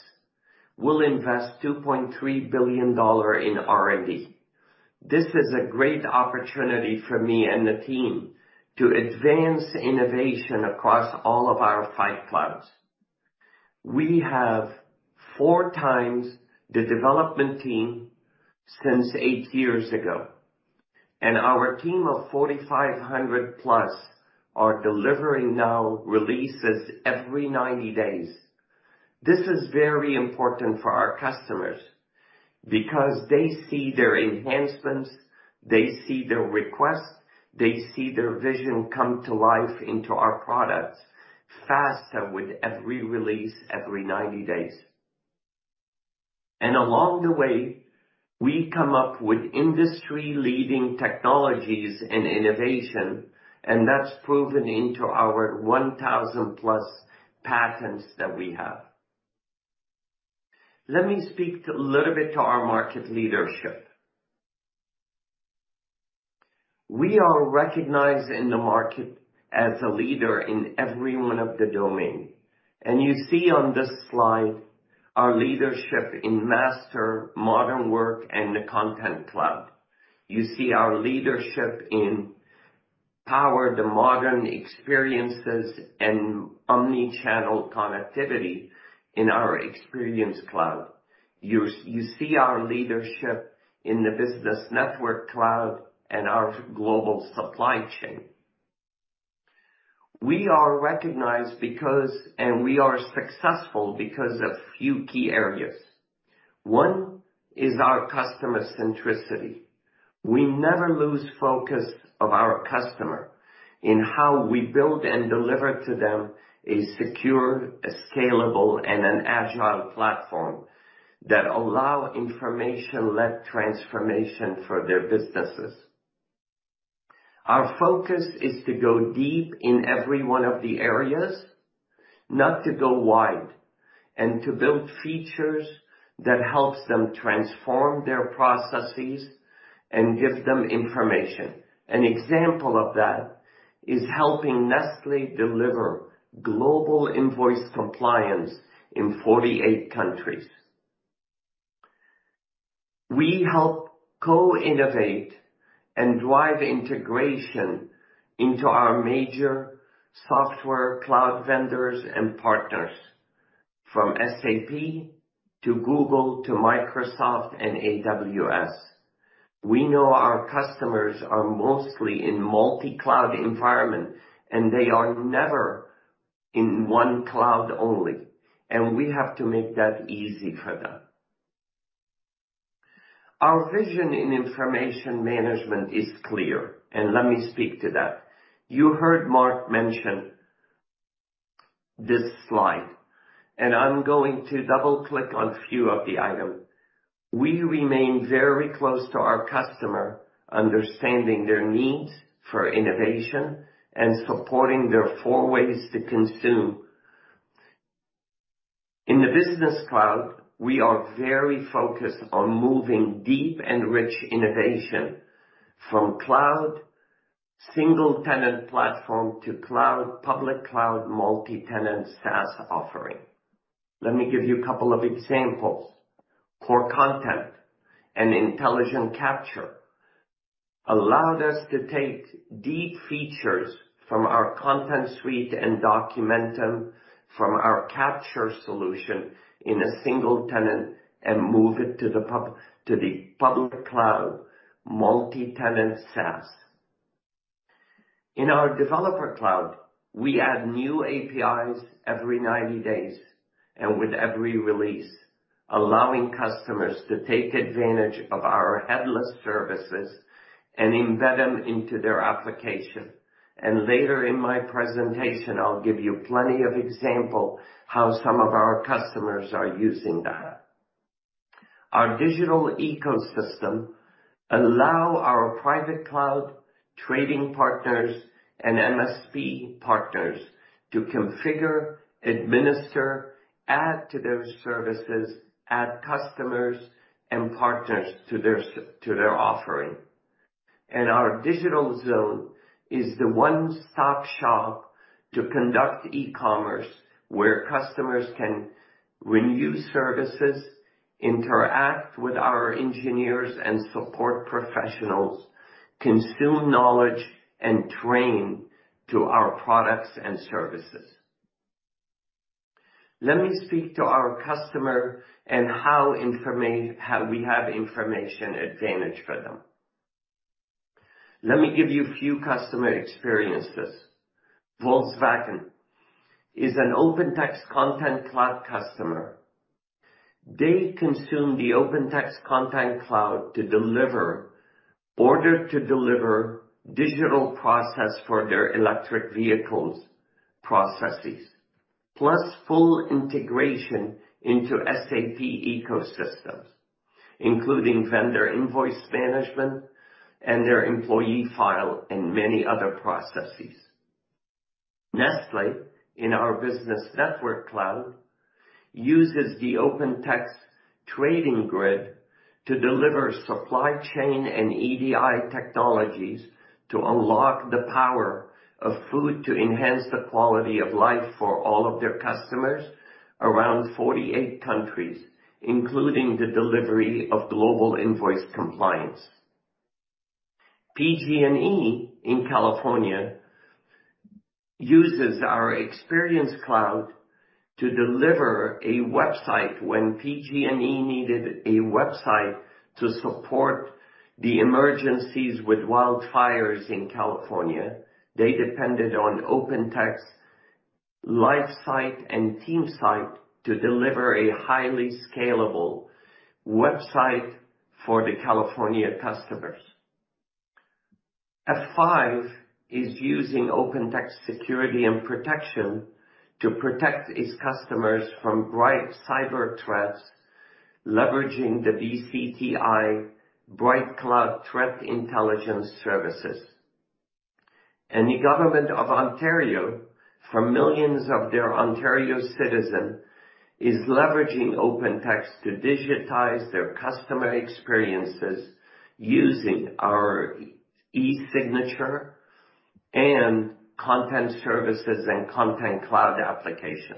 will invest $2.3 billion in R&D. This is a great opportunity for me and the team to advance innovation across all of our five clouds. We have 4 times the development team since eight years ago, and our team of 4,500+ are delivering new releases every 90 days. This is very important for our customers because they see their enhancements, they see their requests, they see their vision come to life into our products faster with every release, every 90 days. Along the way, we come up with industry-leading technologies and innovation, and that's proven into our 1,000+ patents that we have. Let me speak a little bit to our market leadership. We are recognized in the market as a leader in every one of the domains. You see on this slide our leadership in Master, Modern Work, and the Content Cloud. You see our leadership in powering the modern experiences, and omni-channel connectivity in our Experience Cloud. You see our leadership in the Business Network Cloud and our global supply chain. We are recognized and we are successful because of a few key areas. One is our customer centricity. We never lose focus of our customer in how we build and deliver to them a secure, a scalable, and an agile platform that allow information-led transformation for their businesses. Our focus is to go deep in every one of the areas, not to go wide, and to build features that helps them transform their processes and give them information. An example of that is helping Nestlé deliver global invoice compliance in 48 countries. We help co-innovate and drive integration into our major software cloud vendors and partners, from SAP to Google to Microsoft and AWS. We know our customers are mostly in multi-cloud environment, and they are never in one cloud only, and we have to make that easy for them. Our vision in information management is clear, and let me speak to that. You heard Mark mention this slide, and I'm going to double-click on few of the item. We remain very close to our customer, understanding their needs for innovation and supporting their four ways to consume. In the Business Cloud, we are very focused on moving deep and rich innovation from cloud single-tenant platform to cloud, public cloud multi-tenant SaaS offering. Let me give you a couple of examples. Core Content and Intelligent Capture allowed us to take deep features from our content suite and document them from our capture solution in a single tenant and move it to the public cloud multi-tenant SaaS. In our Developer Cloud, we add new APIs every 90 days and with every release, allowing customers to take advantage of our headless services and embed them into their application. Later in my presentation, I'll give you plenty of example how some of our customers are using that. Our digital ecosystem allow our private cloud trading partners and MSP partners to configure, administer, add to their services, add customers and partners to their offering. Our Digital Zone is the one-stop shop to conduct e-commerce where customers can renew services, interact with our engineers and support professionals, consume knowledge, and train to our products and services. Let me speak to our customer and how we have information advantage for them. Let me give you few customer experiences. Volkswagen is an OpenText Content Cloud customer. They consume the OpenText Content Cloud to deliver order to deliver digital process for their electric vehicles processes, plus full integration into SAP ecosystems, including vendor invoice management and their employee file and many other processes. Nestlé in our Business Network Cloud uses the OpenText Trading Grid to deliver supply chain and EDI technologies to unlock the power of food, to enhance the quality of life for all of their customers around 48 countries, including the delivery of global invoice compliance. PG&E in California uses our Experience Cloud to deliver a website. When PG&E needed a website to support the emergencies with wildfires in California, they depended on OpenText LiveSite and TeamSite to deliver a highly scalable website for the California customers. F5 is using OpenText Security and Protection to protect its customers from BrightCloud cyber threats, leveraging the BrightCloud Threat Intelligence services. The government of Ontario for millions of their Ontario citizens is leveraging OpenText to digitize their customer experiences using our e-signature and content services and Content Cloud application.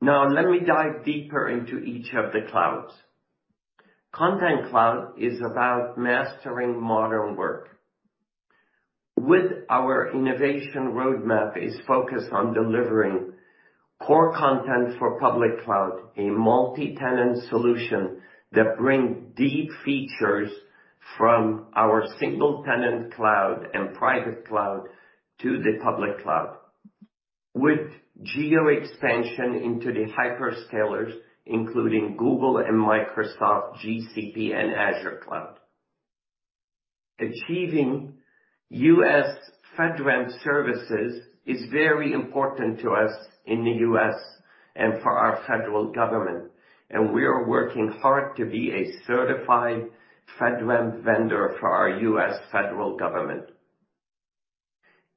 Now, let me dive deeper into each of the clouds. Content Cloud is about mastering modern work. With our innovation roadmap is focused on delivering Core Content for public cloud, a multi-tenant solution that bring deep features from our single tenant cloud and private cloud to the public cloud. With geo expansion into the hyperscalers, including Google and Microsoft, GCP and Azure Cloud. Achieving U.S. FedRAMP services is very important to us in the U.S. and for our federal government, and we are working hard to be a certified FedRAMP vendor for our U.S. federal government.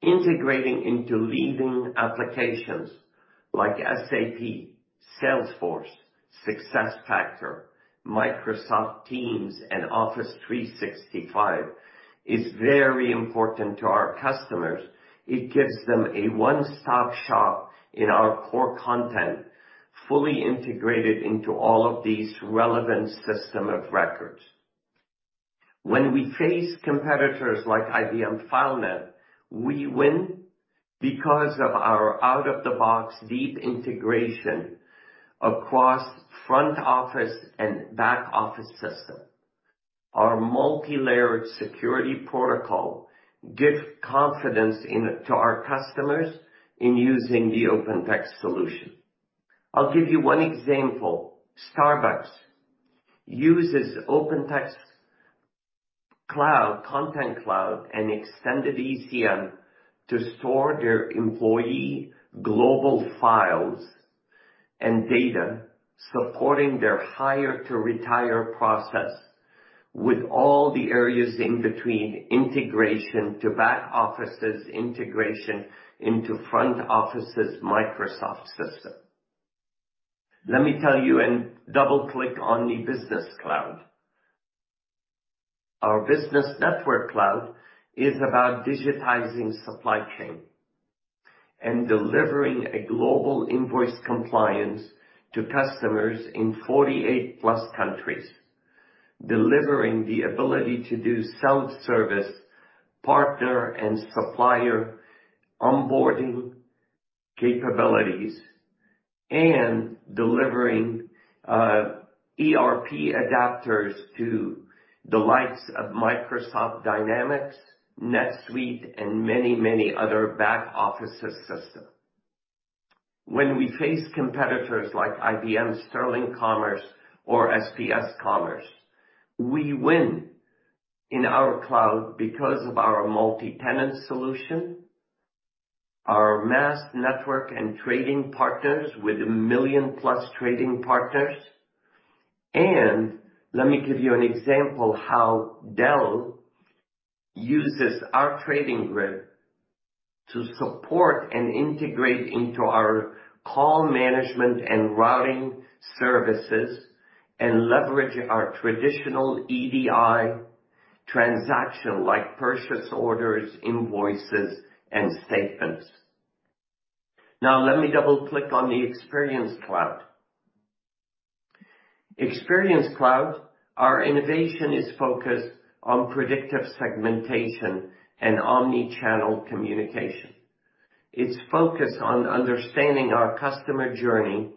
Integrating into leading applications like SAP, Salesforce, SuccessFactors, Microsoft Teams and Office 365 is very important to our customers. It gives them a one-stop shop in our Core Content, fully integrated into all of these relevant systems of record. When we face competitors like IBM FileNet, we win because of our out-of-the-box deep integration across front office and back office systems. Our multi-layered security protocols give confidence to our customers in using the OpenText solution. I'll give you one example. Starbucks uses OpenText Cloud, Content Cloud, and Extended ECM to store their employee global files and data supporting their hire-to-retire process with all the areas in between integration to back offices, integration into front offices' Microsoft systems. Let me tell you and double-click on the Business Network Cloud. Our Business Network Cloud is about digitizing supply chain and delivering a global invoice compliance to customers in 48+ countries, delivering the ability to do self-service partner and supplier onboarding capabilities, and delivering ERP adapters to the likes of Microsoft Dynamics, NetSuite, and many, many other back office system. When we face competitors like IBM Sterling Commerce or SPS Commerce, we win in our cloud because of our multi-tenant solution, our massive network and trading partners with 1 million+ trading partners. Let me give you an example how Dell uses our Trading Grid to support and integrate into our call management and routing services and leverage our traditional EDI transaction like purchase orders, invoices, and statements. Now, let me double click on the Experience Cloud. Experience Cloud, our innovation is focused on predictive segmentation and omni-channel communication. It's focused on understanding our customer journey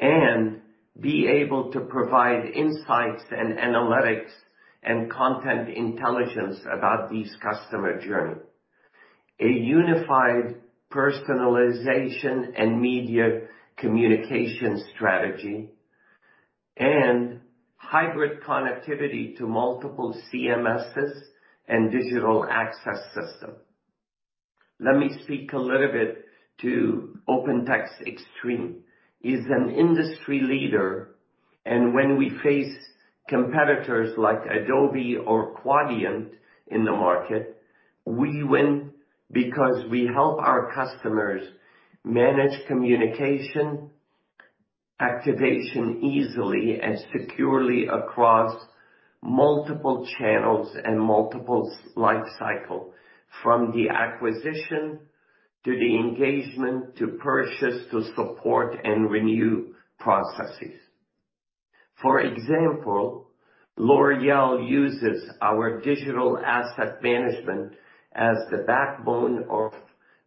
and be able to provide insights and analytics and content intelligence about these customer journey. A unified personalization and media communication strategy and hybrid connectivity to multiple CMSs and digital access system. Let me speak a little bit to OpenText Exstream. It's an industry leader, and when we face competitors like Adobe or Quadient in the market, we win because we help our customers manage communication, activation easily and securely across multiple channels and multiple customer lifecycle, from the acquisition to the engagement to purchase to support and renew processes. For example, L'Oréal uses our digital asset management as the backbone of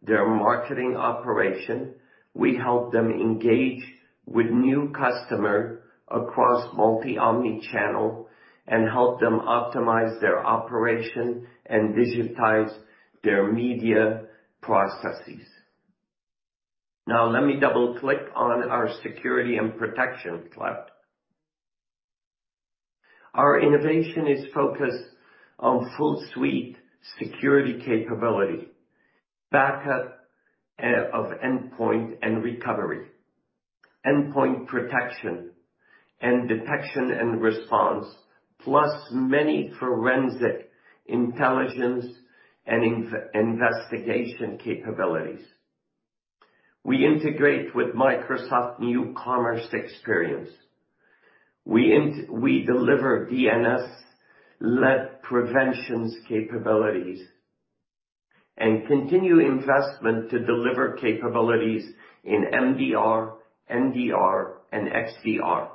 their marketing operation. We help them engage with new customer across omnichannel and help them optimize their operation and digitize their media processes. Now let me double-click on our Security and Protection Cloud. Our innovation is focused on full suite security capability, backup of endpoint and recovery, endpoint protection, and detection and response, plus many forensic intelligence and investigation capabilities. We integrate with Microsoft New Commerce Experience. We deliver DNS-led prevention capabilities and continue investment to deliver capabilities in MDR, NDR, and XDR.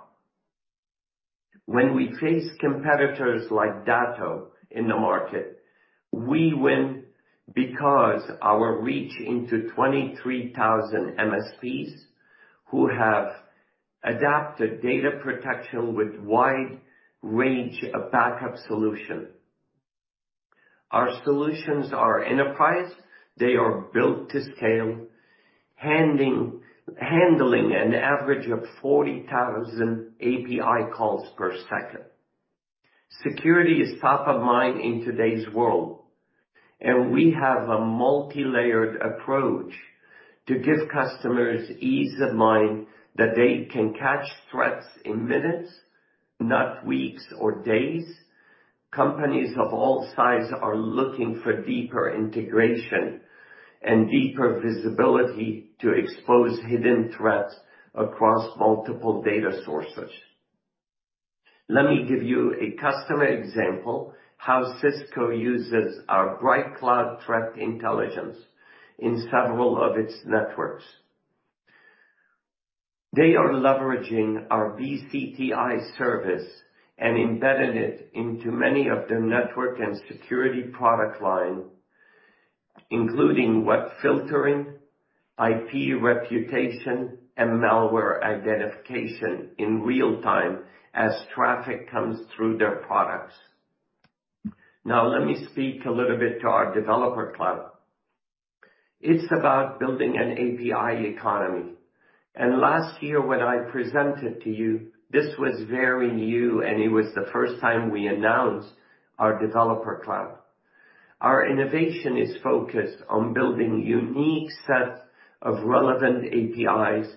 When we face competitors like Datto in the market, we win because our reach into 23,000 MSPs who have adopted data protection with wide range of backup solution. Our solutions are enterprise. They are built to scale, handling an average of 40,000 API calls per second. Security is top of mind in today's world, and we have a multi-layered approach to give customers ease of mind that they can catch threats in minutes, not weeks or days. Companies of all sizes are looking for deeper integration and deeper visibility to expose hidden threats across multiple data sources. Let me give you a customer example how Cisco uses our BrightCloud Threat Intelligence in several of its networks. They are leveraging our BCTI service and embedded it into many of their network and security product line, including web filtering, IP reputation, and malware identification in real time as traffic comes through their products. Now let me speak a little bit to our developer cloud. It's about building an API economy. Last year when I presented to you, this was very new, and it was the first time we announced our developer cloud. Our innovation is focused on building unique sets of relevant APIs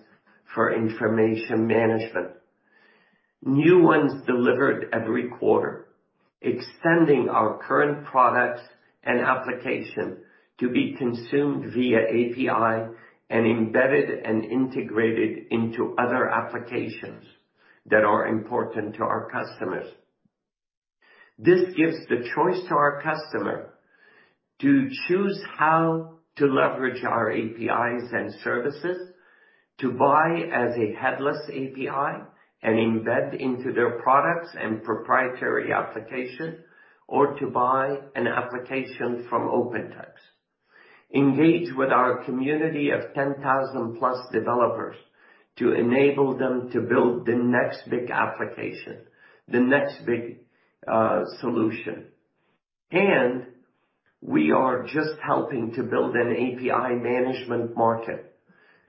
for information management. New ones delivered every quarter, extending our current products and application to be consumed via API and embedded and integrated into other applications that are important to our customers. This gives the choice to our customer to choose how to leverage our APIs and services, to buy as a headless API and embed into their products and proprietary application, or to buy an application from OpenText. Engage with our community of 10,000+ developers to enable them to build the next big application, the next big solution. We are just helping to build an API management market.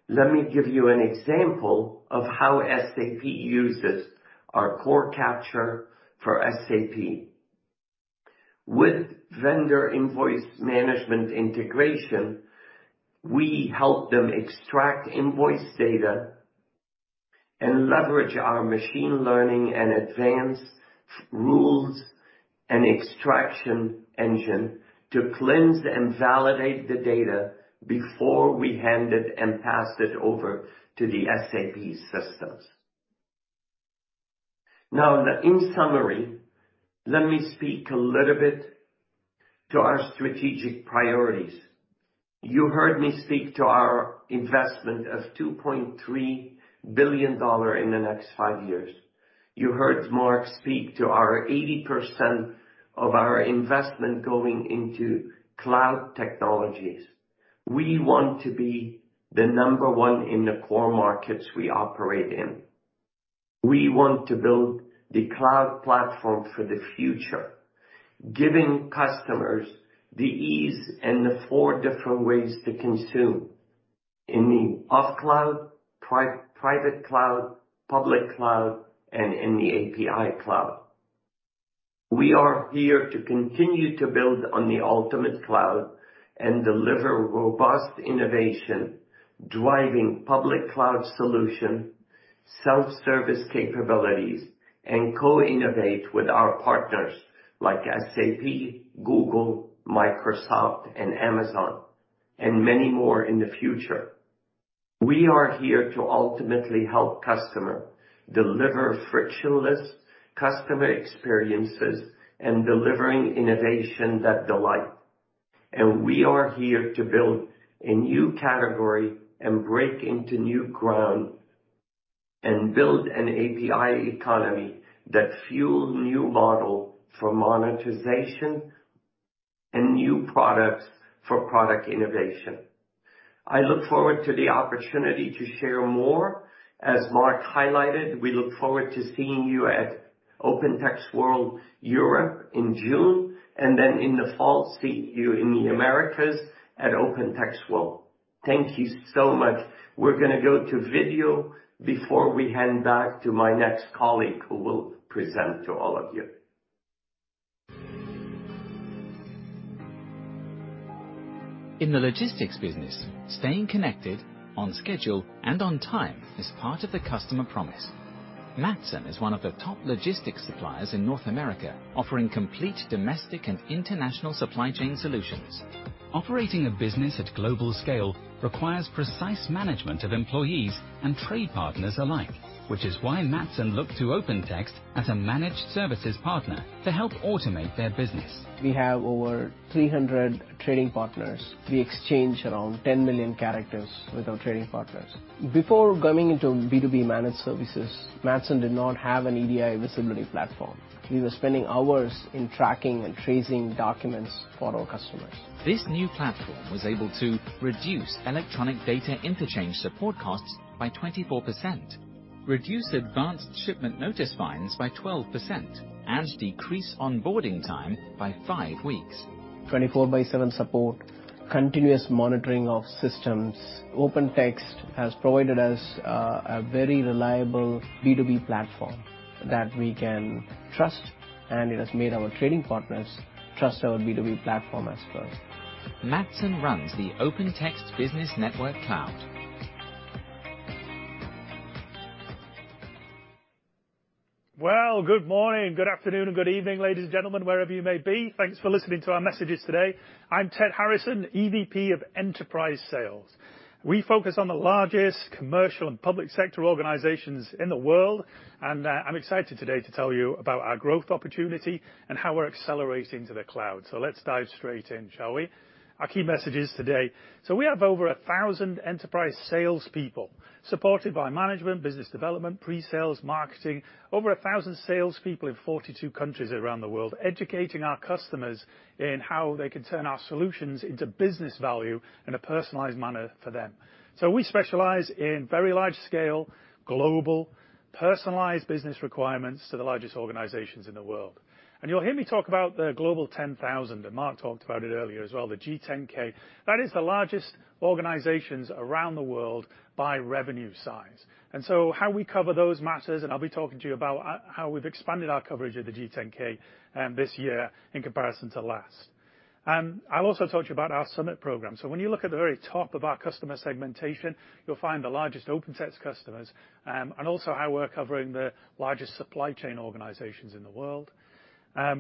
Let me give you an example of how SAP uses our Core Capture for SAP. With vendor invoice management integration, we help them extract invoice data and leverage our machine learning and advanced rules and extraction engine to cleanse and validate the data before we hand it and pass it over to the SAP systems. Now, in summary, let me speak a little bit to our strategic priorities. You heard me speak to our investment of $2.3 billion in the next five years. You heard Mark speak to our 80% of our investment going into cloud technologies. We want to be the number one in the core markets we operate in. We want to build the cloud platform for the future, giving customers the ease and the four different ways to consume in the on cloud, private cloud, public cloud, and in the API cloud. We are here to continue to build on the ultimate cloud and deliver robust innovation, driving public cloud solution, self-service capabilities, and co-innovate with our partners like SAP, Google, Microsoft, and Amazon, and many more in the future. We are here to ultimately help customer deliver frictionless customer experiences and delivering innovation that delight. We are here to build a new category and break into new ground and build an API economy that fuel new model for monetization and new products for product innovation. I look forward to the opportunity to share more. As Mark highlighted, we look forward to seeing you at OpenText World Europe in June, and then in the fall, see you in the Americas at OpenText World. Thank you so much. We're gonna go to video before we hand back to my next colleague, who will present to all of you. In the logistics business, staying connected, on schedule, and on time is part of the customer promise. Matson is one of the top logistics suppliers in North America, offering complete domestic and international supply chain solutions. Operating a business at global scale requires precise management of employees and trade partners alike, which is why Matson looked to OpenText as a managed services partner to help automate their business. We have over 300 trading partners. We exchange around 10 million characters with our trading partners. Before going into B2B managed services, Matson did not have an EDI visibility platform. We were spending hours in tracking and tracing documents for our customers. This new platform was able to reduce electronic data interchange support costs by 24%, reduce advanced shipment notice fines by 12%, and decrease onboarding time by 5 weeks. 24x7 support, continuous monitoring of systems. OpenText has provided us a very reliable B2B platform that we can trust, and it has made our trading partners trust our B2B platform as well. Matson runs the OpenText Business Network Cloud. Well, good morning, good afternoon, and good evening, ladies and gentlemen, wherever you may be. Thanks for listening to our messages today. I'm Ted Harrison, EVP, Enterprise Sales. We focus on the largest commercial and public sector organizations in the world, and I'm excited today to tell you about our growth opportunity and how we're accelerating to the cloud. Let's dive straight in, shall we? Our key messages today. We have over 1,000 enterprise salespeople, supported by management, business development, pre-sales, marketing, over 1,000 salespeople in 42 countries around the world, educating our customers in how they can turn our solutions into business value in a personalized manner for them. We specialize in very large scale, global, personalized business requirements to the largest organizations in the world. You'll hear me talk about the Global 10,000, and Mark talked about it earlier as well, the G10K. That is the largest organizations around the world by revenue size. How we cover those matters, and I'll be talking to you about how we've expanded our coverage of the G10K this year in comparison to last. I'll also talk to you about our summit program. When you look at the very top of our customer segmentation, you'll find the largest OpenText customers, and also how we're covering the largest supply chain organizations in the world.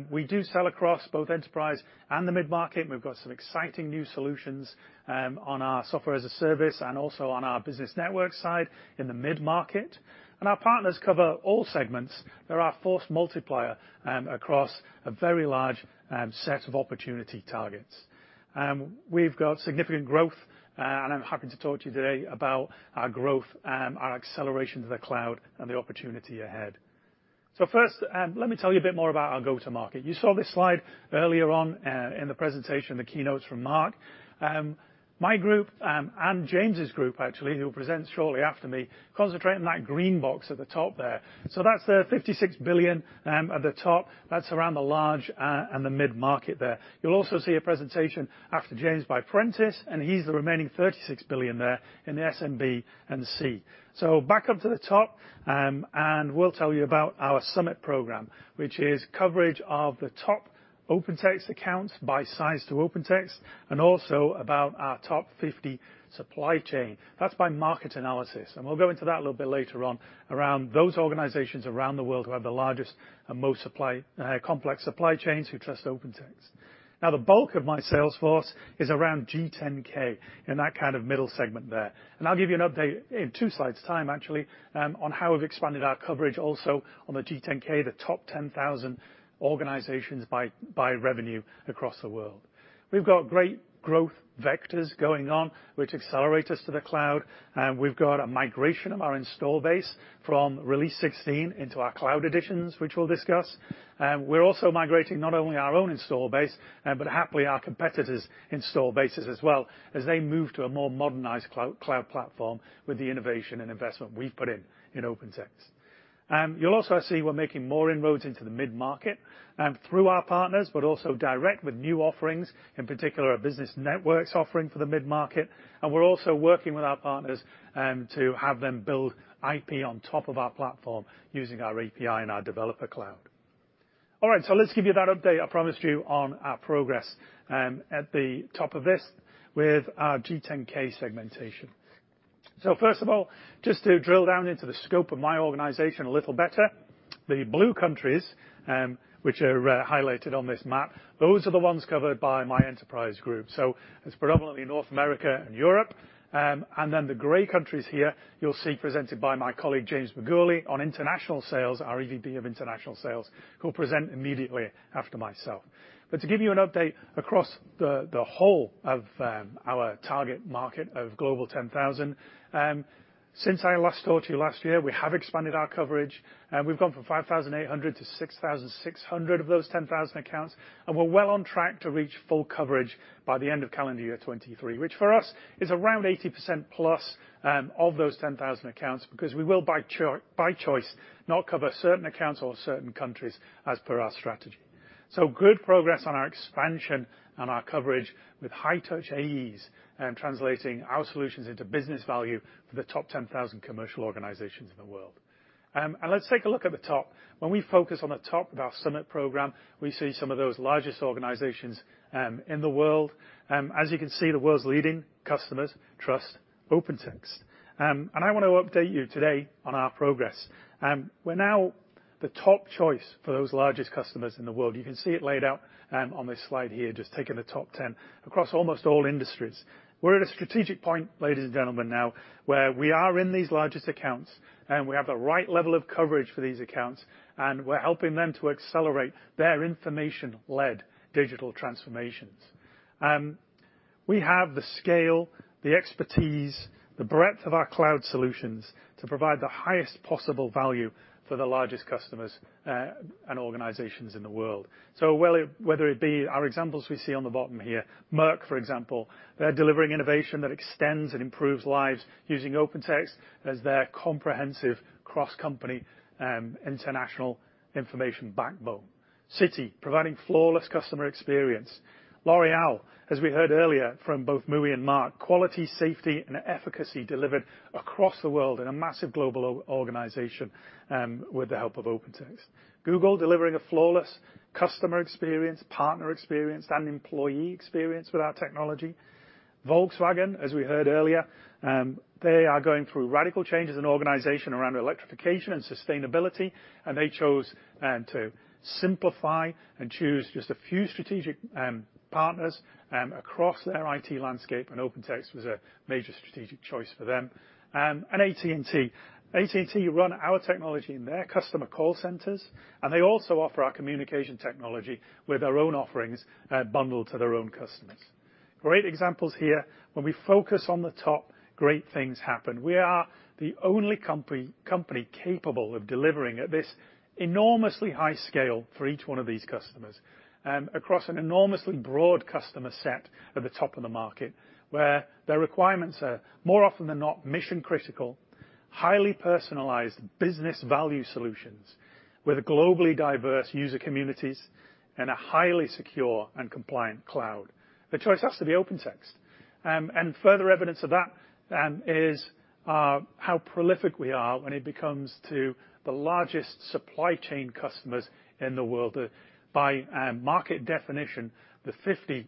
We do sell across both enterprise and the mid-market. We've got some exciting new solutions on our software as a service and also on our business network side in the mid-market. Our partners cover all segments. They're our force multiplier across a very large set of opportunity targets. We've got significant growth, and I'm happy to talk to you today about our growth, our acceleration to the cloud and the opportunity ahead. First, let me tell you a bit more about our go-to market. You saw this slide earlier on in the presentation, the keynotes from Mark. My group and James' group, actually, who will present shortly after me, concentrate on that green box at the top there. That's the $56 billion at the top. That's around the large and the mid-market there. You'll also see a presentation after James by Prentiss, and he's the remaining $36 billion there in the SMB&C. Back up to the top, and we'll tell you about our summit program, which is coverage of the top OpenText accounts by size to OpenText, and also about our top 50 supply chain. That's by market analysis, and we'll go into that a little bit later on around those organizations around the world who have the largest and most supply, complex supply chains who trust OpenText. Now, the bulk of my sales force is around G10K, in that kind of middle segment there. I'll give you an update in two slides' time, actually, on how we've expanded our coverage also on the G10K, the top 10,000 organizations by revenue across the world. We've got great growth vectors going on which accelerate us to the cloud, and we've got a migration of our install base from Release 16 into our cloud editions, which we'll discuss. We're also migrating not only our own install base, but happily our competitors' install bases as well as they move to a more modernized cloud platform with the innovation and investment we've put in in OpenText. You'll also see we're making more inroads into the mid-market, through our partners, but also direct with new offerings, in particular a business networks offering for the mid-market, and we're also working with our partners, to have them build IP on top of our platform using our API and our developer cloud. All right, so let's give you that update I promised you on our progress, at the top of this with our G10K segmentation. First of all, just to drill down into the scope of my organization a little better, the blue countries, which are highlighted on this map, those are the ones covered by my enterprise group. It's predominantly North America and Europe. Then the gray countries here, you'll see presented by my colleague James McGourlay on international sales, our EVP of international sales, who will present immediately after myself. To give you an update across the whole of our target market of Global 10,000, since I last talked to you last year, we have expanded our coverage, and we've gone from 5,800 accounts to 6,600 accounts of those 10,000 accounts, and we're well on track to reach full coverage by the end of calendar year 2023, which for us is around 80%+ of those 10,000 accounts, because we will by choice not cover certain accounts or certain countries as per our strategy. Good progress on our expansion and our coverage with high-touch AEs and translating our solutions into business value for the top 10,000 commercial organizations in the world. Let's take a look at the top. When we focus on the top of our summit program, we see some of those largest organizations in the world. As you can see, the world's leading customers trust OpenText. I wanna update you today on our progress. We're now the top choice for those largest customers in the world. You can see it laid out on this slide here, just taking the top ten across almost all industries. We're at a strategic point, ladies and gentlemen, now, where we are in these largest accounts, and we have the right level of coverage for these accounts, and we're helping them to accelerate their information-led digital transformations. We have the scale, the expertise, the breadth of our cloud solutions to provide the highest possible value for the largest customers and organizations in the world. Whether it be our examples we see on the bottom here, Merck, for example, they're delivering innovation that extends and improves lives using OpenText as their comprehensive cross-company international information backbone. Citi, providing flawless customer experience. L'Oréal, as we heard earlier from both Muhi and Mark, quality, safety, and efficacy delivered across the world in a massive global organization with the help of OpenText. Google delivering a flawless customer experience, partner experience, and employee experience with our technology. Volkswagen, as we heard earlier, they are going through radical change as an organization around electrification and sustainability, and they chose to simplify and choose just a few strategic partners across their IT landscape, and OpenText was a major strategic choice for them. AT&T. AT&T run our technology in their customer call centers, and they also offer our communication technology with their own offerings, bundled to their own customers. Great examples here. When we focus on the top, great things happen. We are the only company capable of delivering at this enormously high scale for each one of these customers, across an enormously broad customer set at the top of the market, where their requirements are more often than not mission-critical, highly personalized business value solutions with globally diverse user communities and a highly secure and compliant cloud. The choice has to be OpenText. Further evidence of that is how prolific we are when it comes to the largest supply chain customers in the world. By market definition, the 50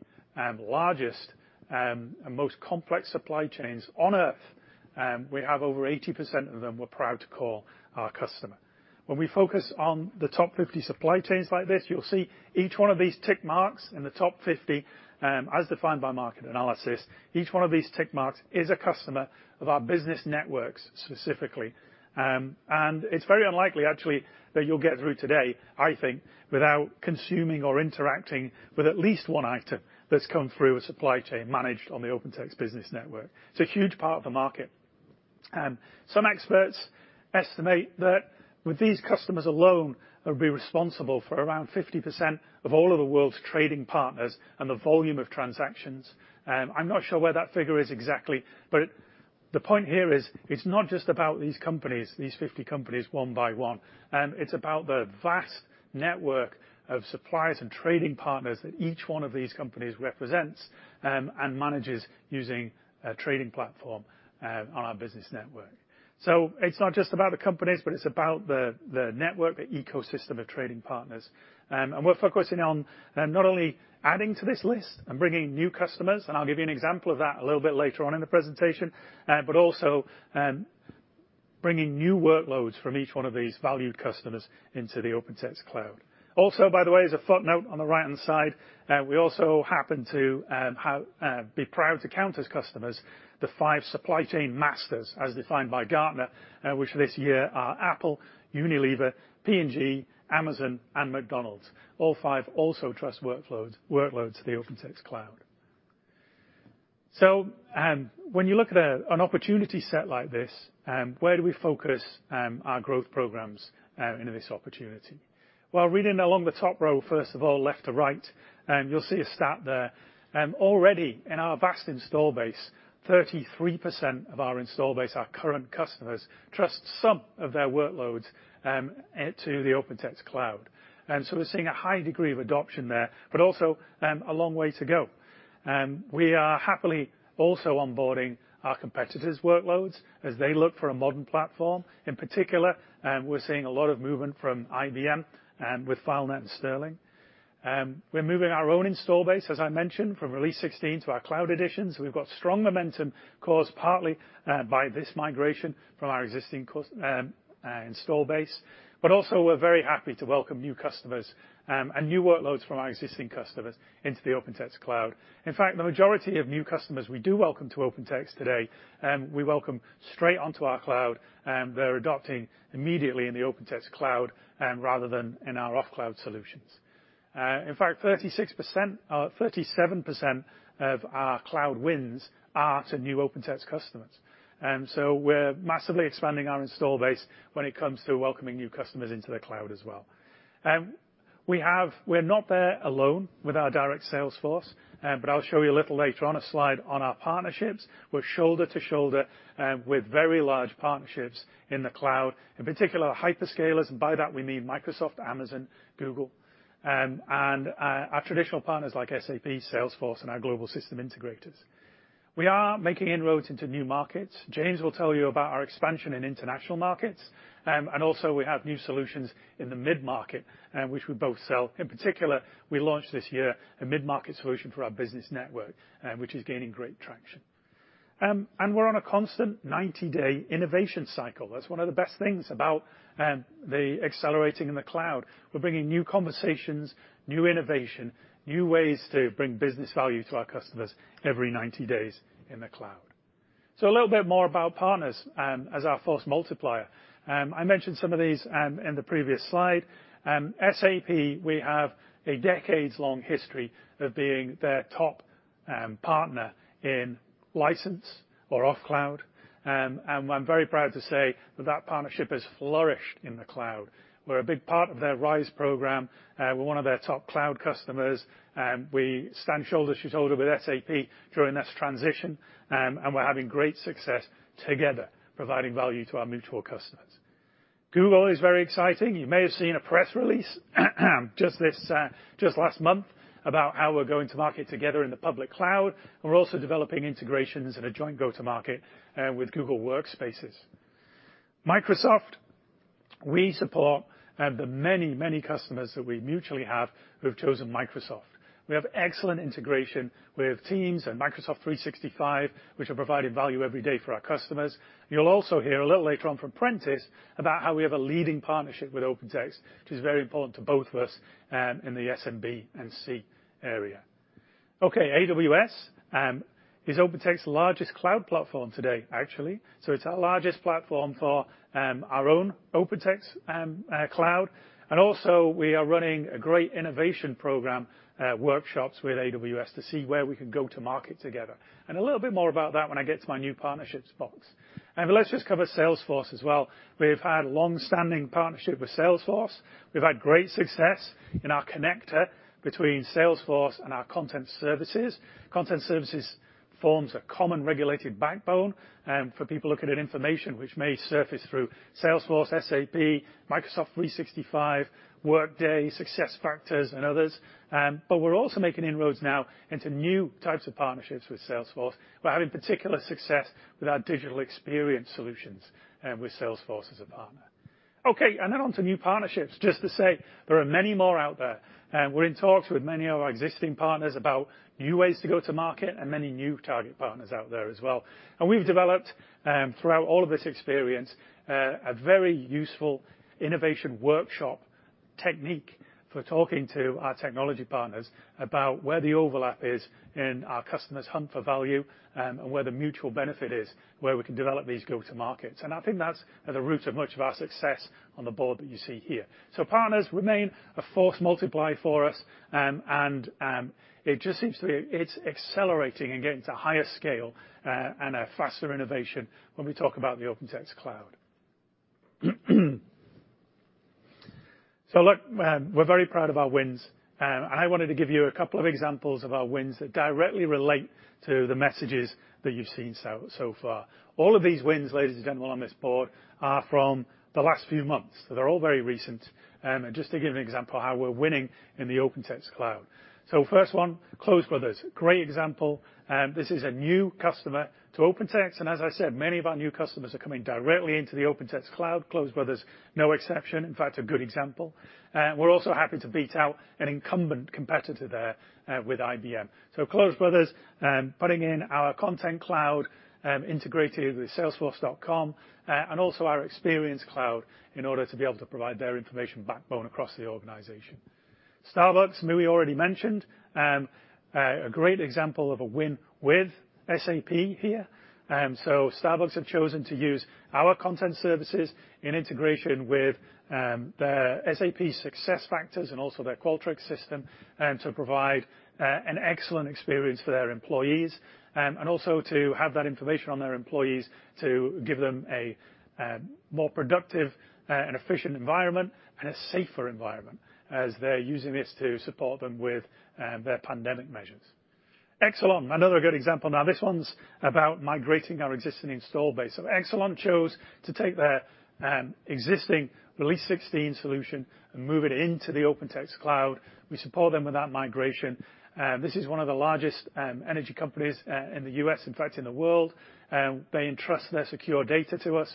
largest and most complex supply chains on Earth, we have over 80% of them we're proud to call our customer. When we focus on the top 50 supply chains like this, you'll see each one of these tick marks in the top 50 supply chains, as defined by market analysis; each one of these tick marks is a customer of our business networks specifically. It's very unlikely, actually, that you'll get through today, I think, without consuming or interacting with at least one item that's come through a supply chain managed on the OpenText business network. It's a huge part of the market. Some experts estimate that with these customers alone, it would be responsible for around 50% of all of the world's trading partners and the volume of transactions. I'm not sure where that figure is exactly, but the point here is it's not just about these companies, these 50 companies one by one, it's about the vast network of suppliers and trading partners that each one of these companies represents, and manages using a trading platform, on our business network. It's not just about the companies, but it's about the network, the ecosystem of trading partners. We're focusing on not only adding to this list and bringing new customers, and I'll give you an example of that a little bit later on in the presentation, but also, bringing new workloads from each one of these valued customers into the OpenText cloud. By the way, as a footnote on the right-hand side, we also happen to be proud to count as customers the five supply chain masters as defined by Gartner, which this year are Apple, Unilever, P&G, Amazon, and McDonald's. All five also trust workloads to the OpenText cloud. When you look at an opportunity set like this, where do we focus our growth programs into this opportunity? Well, reading along the top row first of all left to right, you'll see a stat there. Already in our vast installed base, 33% of our installed base are current customers, trust some of their workloads to the OpenText Cloud. We're seeing a high degree of adoption there, but also a long way to go. We are happily also onboarding our competitors' workloads as they look for a modern platform. In particular, we're seeing a lot of movement from IBM with FileNet and Sterling. We're moving our own install base, as I mentioned, from Release 16 to our cloud editions. We've got strong momentum caused partly by this migration from our existing install base. Also we're very happy to welcome new customers and new workloads from our existing customers into the OpenText cloud. In fact, the majority of new customers we do welcome to OpenText today we welcome straight onto our cloud; they're adopting immediately in the OpenText Cloud and rather than in our off-cloud solutions. In fact, 36%, 37% of our cloud wins are to new OpenText customers. We're massively expanding our install base when it comes to welcoming new customers into the cloud as well. We're not there alone with our direct sales force, but I'll show you a little later on a slide on our partnerships. We're shoulder to shoulder with very large partnerships in the cloud, in particular, hyperscalers, and by that we mean Microsoft, Amazon, Google, and our traditional partners like SAP, Salesforce, and our global system integrators. We are making inroads into new markets. James will tell you about our expansion in international markets. We have new solutions in the mid-market, which we both sell. In particular, we launched this year a mid-market solution for our business network, which is gaining great traction. We're on a constant 90-day innovation cycle. That's one of the best things about the accelerating in the cloud. We're bringing new conversations, new innovation, new ways to bring business value to our customers every 90 days in the cloud. A little bit more about partners as our force multiplier. I mentioned some of these in the previous slide. SAP, we have a decades-long history of being their top partner in license or off cloud. And I'm very proud to say that that partnership has flourished in the cloud. We're a big part of their RISE program. We're one of their top cloud customers. We stand shoulder to shoulder with SAP during this transition, and we're having great success together, providing value to our mutual customers. Google is very exciting. You may have seen a press release just last month about how we're going to market together in the public cloud. We're also developing integrations in a joint go-to-market with Google Workspace. Microsoft, we support the many, many customers that we mutually have who have chosen Microsoft. We have excellent integration with Teams and Microsoft 365, which are providing value every day for our customers. You'll also hear a little later on from Prentiss about how we have a leading partnership with OpenText, which is very important to both of us in the SMB and C area. Okay, AWS is OpenText's largest cloud platform today, actually. So it's our largest platform for our own OpenText cloud. Also we are running a great innovation program, workshops with AWS to see where we can go to market together. A little bit more about that when I get to my new partnerships box. Let's just cover Salesforce as well. We've had longstanding partnership with Salesforce. We've had great success in our connector between Salesforce and our content services. Content services forms a common regulated backbone for people looking at information which may surface through Salesforce, SAP, Microsoft 365, Workday, SuccessFactors, and others. We're also making inroads now into new types of partnerships with Salesforce. We're having particular success with our digital experience solutions with Salesforce as a partner. Okay, on to new partnerships. Just to say there are many more out there. We're in talks with many of our existing partners about new ways to go to market and many new target partners out there as well. We've developed throughout all of this experience a very useful innovation workshop technique for talking to our technology partners about where the overlap is in our customers' hunt for value and where the mutual benefit is, where we can develop these go-to markets. I think that's at the root of much of our success on the board that you see here. Partners remain a force multiplier for us. It just seems to be it's accelerating and getting to higher scale and a faster innovation when we talk about the OpenText Cloud. Look, we're very proud of our wins. I wanted to give you a couple of examples of our wins that directly relate to the messages that you've seen so far. All of these wins, ladies and gentlemen, on this board are from the last few months. They're all very recent. Just to give you an example how we're winning in the OpenText Cloud. First one, Close Brothers. Great example. This is a new customer to OpenText. As I said, many of our new customers are coming directly into the OpenText Cloud. Close Brothers, no exception, in fact, a good example. We're also happy to beat out an incumbent competitor there, with IBM. Close Brothers, putting in our Content Cloud, integrated with salesforce.com, and also our Experience Cloud in order to be able to provide their information backbone across the organization. Starbucks, Muhi already mentioned. A great example of a win with SAP here. Starbucks have chosen to use our content services in integration with their SAP SuccessFactors and also their Qualtrics system and to provide an excellent experience for their employees. And also to have that information on their employees to give them a more productive and efficient environment and a safer environment as they're using this to support them with their pandemic measures. Exelon, another good example. Now this one's about migrating our existing installed base. Exelon chose to take their existing Release 16 solution and move it into the OpenText cloud. We support them with that migration. This is one of the largest energy companies in the U.S., in fact, in the world. They entrust their secure data to us.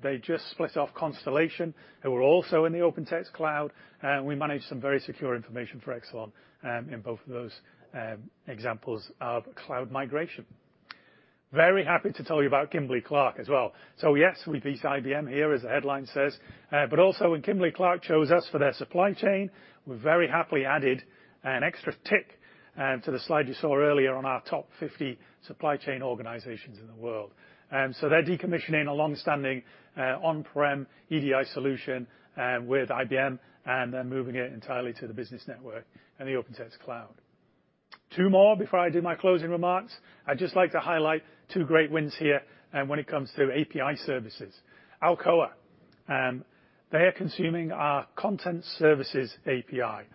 They just split off Constellation, who are also in the OpenText cloud, and we manage some very secure information for Exelon, in both of those, examples of cloud migration. Very happy to tell you about Kimberly-Clark as well. Yes, we beat IBM here as the headline says, but also when Kimberly-Clark chose us for their supply chain, we very happily added an extra tick, to the slide you saw earlier on our top 50 supply chain organizations in the world. They're decommissioning a long-standing, on-prem EDI solution, with IBM, and they're moving it entirely to the business network and the OpenText cloud. Two more before I do my closing remarks. I'd just like to highlight two great wins here when it comes to API services. Alcoa, they are consuming our content services API,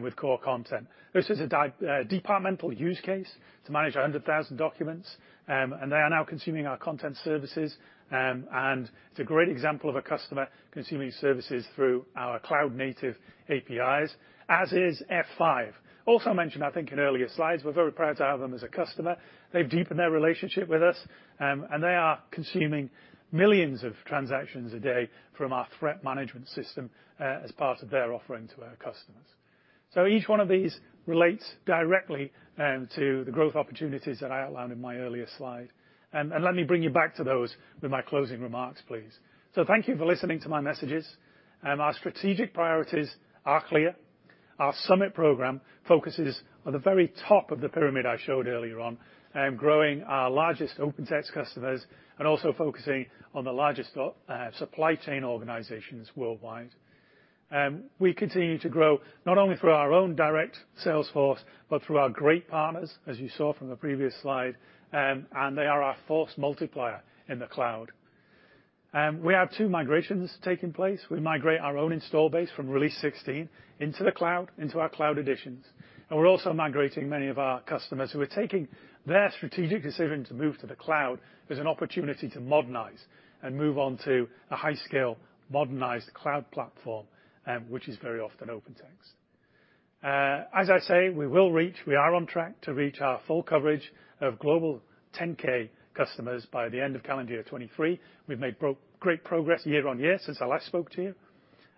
with Core Content. This is a departmental use case to manage 0.1 million documents, and they are now consuming our content services. It's a great example of a customer consuming services through our cloud native APIs, as is F5. Also mentioned, I think in earlier slides, we're very proud to have them as a customer. They've deepened their relationship with us, and they are consuming millions of transactions a day from our threat management system, as part of their offering to their customers. Each one of these relates directly to the growth opportunities that I outlined in my earlier slide. Let me bring you back to those with my closing remarks, please. Thank you for listening to my messages. Our strategic priorities are clear. Our summit program focuses on the very top of the pyramid I showed earlier on, growing our largest OpenText customers and also focusing on the largest, supply chain organizations worldwide. We continue to grow not only through our own direct sales force, but through our great partners, as you saw from the previous slide, and they are our force multiplier in the cloud. We have two migrations taking place. We migrate our own install base from Release 16 into the cloud, into our cloud editions, and we're also migrating many of our customers who are taking their strategic decision to move to the cloud as an opportunity to modernize and move on to a high-scale modernized cloud platform, which is very often OpenText. As I say, we will reach. We are on track to reach our full coverage of global G10K customers by the end of calendar year 2023. We've made great progress year on year since I last spoke to you.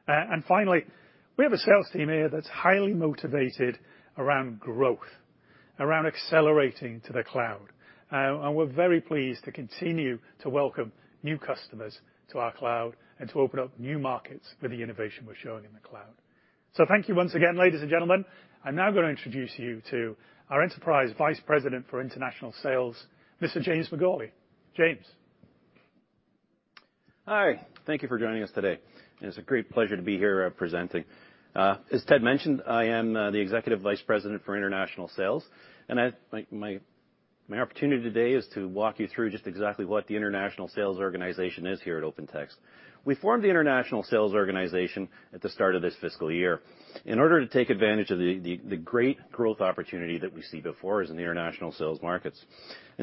And finally, we have a sales team here that's highly motivated around growth, around accelerating to the cloud. And we're very pleased to continue to welcome new customers to our cloud and to open up new markets for the innovation we're showing in the cloud. Thank you once again, ladies and gentlemen. I'm now gonna introduce you to our Executive Vice President for International Sales, Mr. James McGourlay. James. Hi. Thank you for joining us today. It's a great pleasure to be here, presenting. As Ted mentioned, I am the Executive Vice President for International Sales, and my opportunity today is to walk you through just exactly what the International Sales organization is here at OpenText. We formed the International Sales organization at the start of this fiscal year in order to take advantage of the great growth opportunity that we see before us in the international sales markets.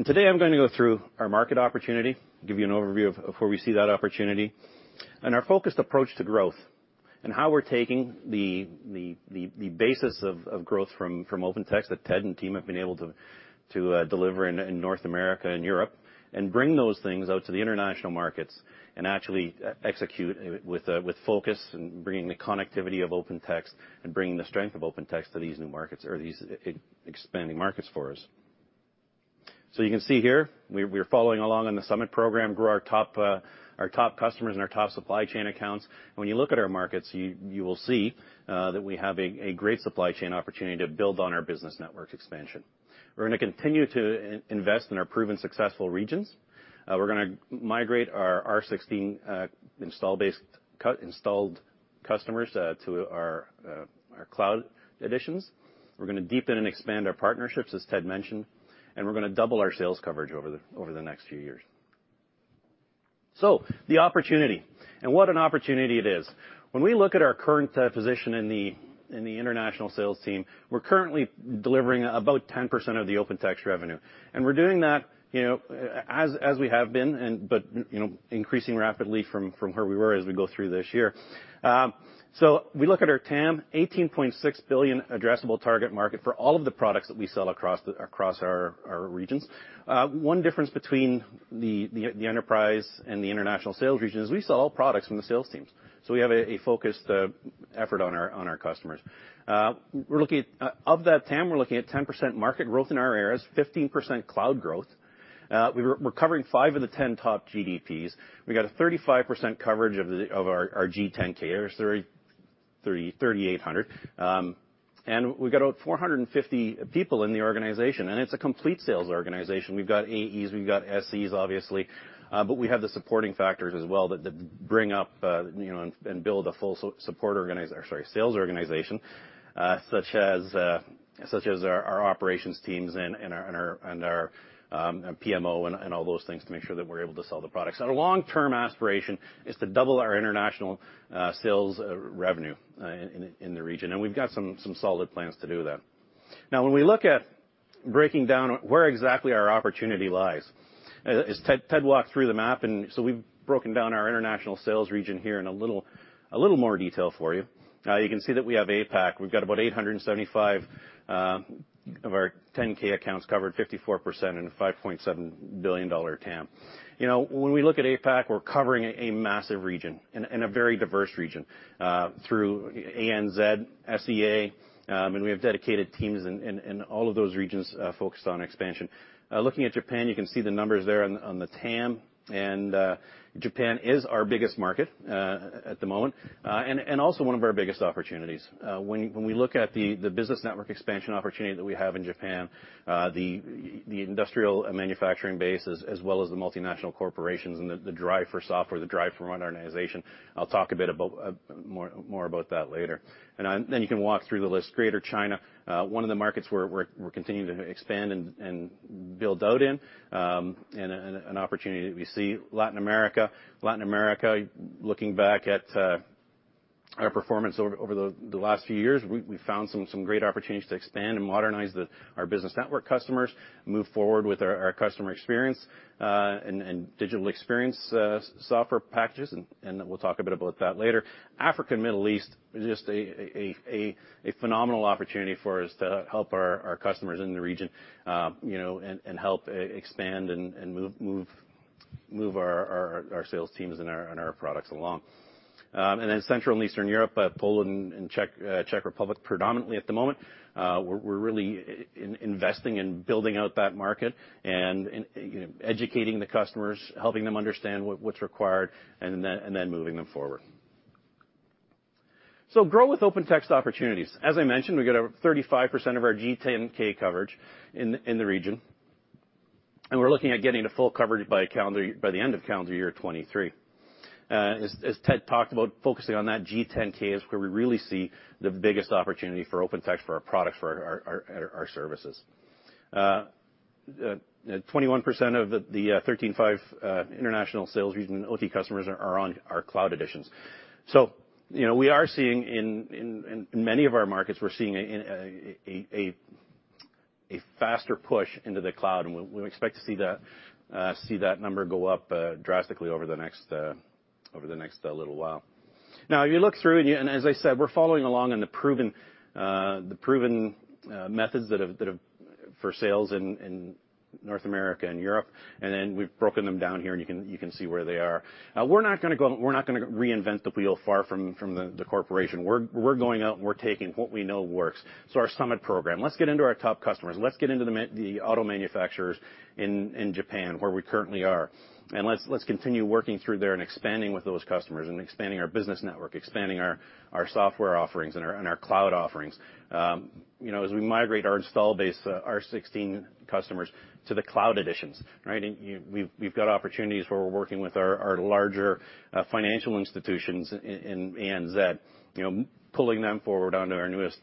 Today I'm gonna go through our market opportunity, give you an overview of where we see that opportunity, and our focused approach to growth and how we're taking the basis of growth from OpenText that Ted and team have been able to deliver in North America and Europe and bring those things out to the international markets and actually execute with focus and bringing the connectivity of OpenText and bringing the strength of OpenText to these new markets or these expanding markets for us. You can see here we're following along on the summit program, grow our top customers and our top supply chain accounts. When you look at our markets, you will see that we have a great supply chain opportunity to build on our business network expansion. We're gonna continue to invest in our proven successful regions. We're gonna migrate our R16 install base installed customers to our cloud editions. We're gonna deepen and expand our partnerships, as Ted mentioned, and we're gonna double our sales coverage over the next few years. The opportunity, and what an opportunity it is. When we look at our current position in the international sales team, we're currently delivering about 10% of the OpenText revenue. We're doing that, you know, as we have been, but increasing rapidly from where we were as we go through this year. We look at our TAM, $18.6 billion addressable target market for all of the products that we sell across our regions. One difference between the enterprise and the international sales region is we sell all products from the sales teams, so we have a focused effort on our customers. Of that TAM, we're looking at 10% market growth in our areas, 15% cloud growth. We're covering five GDPs of the 10 top GDPs. We got a 35% coverage of our G10K areas, 3,800. We've got about 450 people in the organization, and it's a complete sales organization. We've got AEs, we've got SEs, obviously, but we have the supporting factors as well that bring up, you know, and build a full sales organization, such as our operations teams and our PMO and all those things to make sure that we're able to sell the products. Our long-term aspiration is to double our international sales revenue in the region, and we've got some solid plans to do that. Now, when we look at breaking down where exactly our opportunity lies, as Ted walked through the map, and so we've broken down our international sales region here in a little more detail for you. You can see that we have APAC. We've got about 875 accounts of our 10K accounts covered 54% in a $5.7 billion TAM. When we look at APAC, we're covering a massive region and a very diverse region through ANZ, SEA, and we have dedicated teams in all of those regions focused on expansion. Looking at Japan, you can see the numbers there on the TAM, and Japan is our biggest market at the moment and also one of our biggest opportunities. When we look at the business network expansion opportunity that we have in Japan, the industrial manufacturing bases as well as the multinational corporations and the drive for software, the drive for modernization. I'll talk a bit more about that later. You can walk through the list. Greater China, one of the markets where we're continuing to expand and build out in, and an opportunity that we see. Latin America. Latin America, looking back at our performance over the last few years, we found some great opportunities to expand and modernize our business network customers, move forward with our customer experience and digital experience software packages, and we'll talk a bit about that later. Africa and Middle East is just a phenomenal opportunity for us to help our customers in the region, you know, and help expand and move our sales teams and our products along. Central and Eastern Europe, Poland and Czech Republic predominantly at the moment. We're really investing in building out that market and in, you know, educating the customers, helping them understand what's required, and then moving them forward. Grow with OpenText opportunities. As I mentioned, we've got 35% of our G10K coverage in the region. We're looking at getting to full coverage by the end of calendar year 2023. As Ted talked about, focusing on that G10K is where we really see the biggest opportunity for OpenText for our products, for our services. 21% of the 135 international sales region OT customers are on our cloud editions. You know, we are seeing in many of our markets, we're seeing a faster push into the cloud, and we expect to see that number go up drastically over the next little while. Now if you look through, as I said, we're following along in the proven methods that have for sales in North America and Europe, and then we've broken them down here, and you can see where they are. We're not gonna reinvent the wheel far from the corporation. We're going out, and we're taking what we know works. Our summit program. Let's get into our top customers. Let's get into the auto manufacturers in Japan, where we currently are. Let's continue working through there and expanding with those customers and expanding our business network, expanding our software offerings and our cloud offerings. You know, as we migrate our install base, our 16 customers to the cloud editions, right? We've got opportunities where we're working with our larger financial institutions in ANZ, you know, pulling them forward onto our newest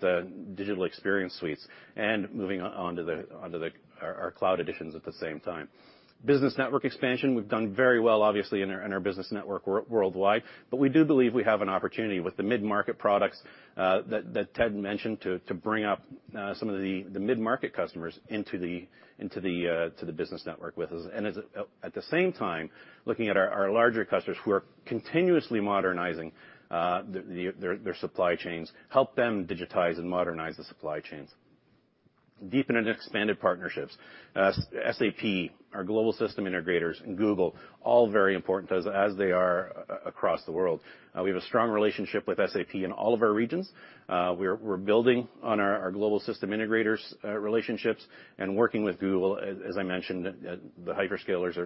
digital experience suites and moving onto our cloud editions at the same time. Business network expansion, we've done very well, obviously, in our business network worldwide. We do believe we have an opportunity with the mid-market products that Ted mentioned, to bring up some of the mid-market customers into the business network with us. At the same time, looking at our larger customers who are continuously modernizing their supply chains, help them digitize and modernize the supply chains. Deepen and expanded partnerships. SAP, our global system integrators, and Google, all very important as they are across the world. We have a strong relationship with SAP in all of our regions. We're building on our global system integrators relationships and working with Google. As I mentioned, the hyperscalers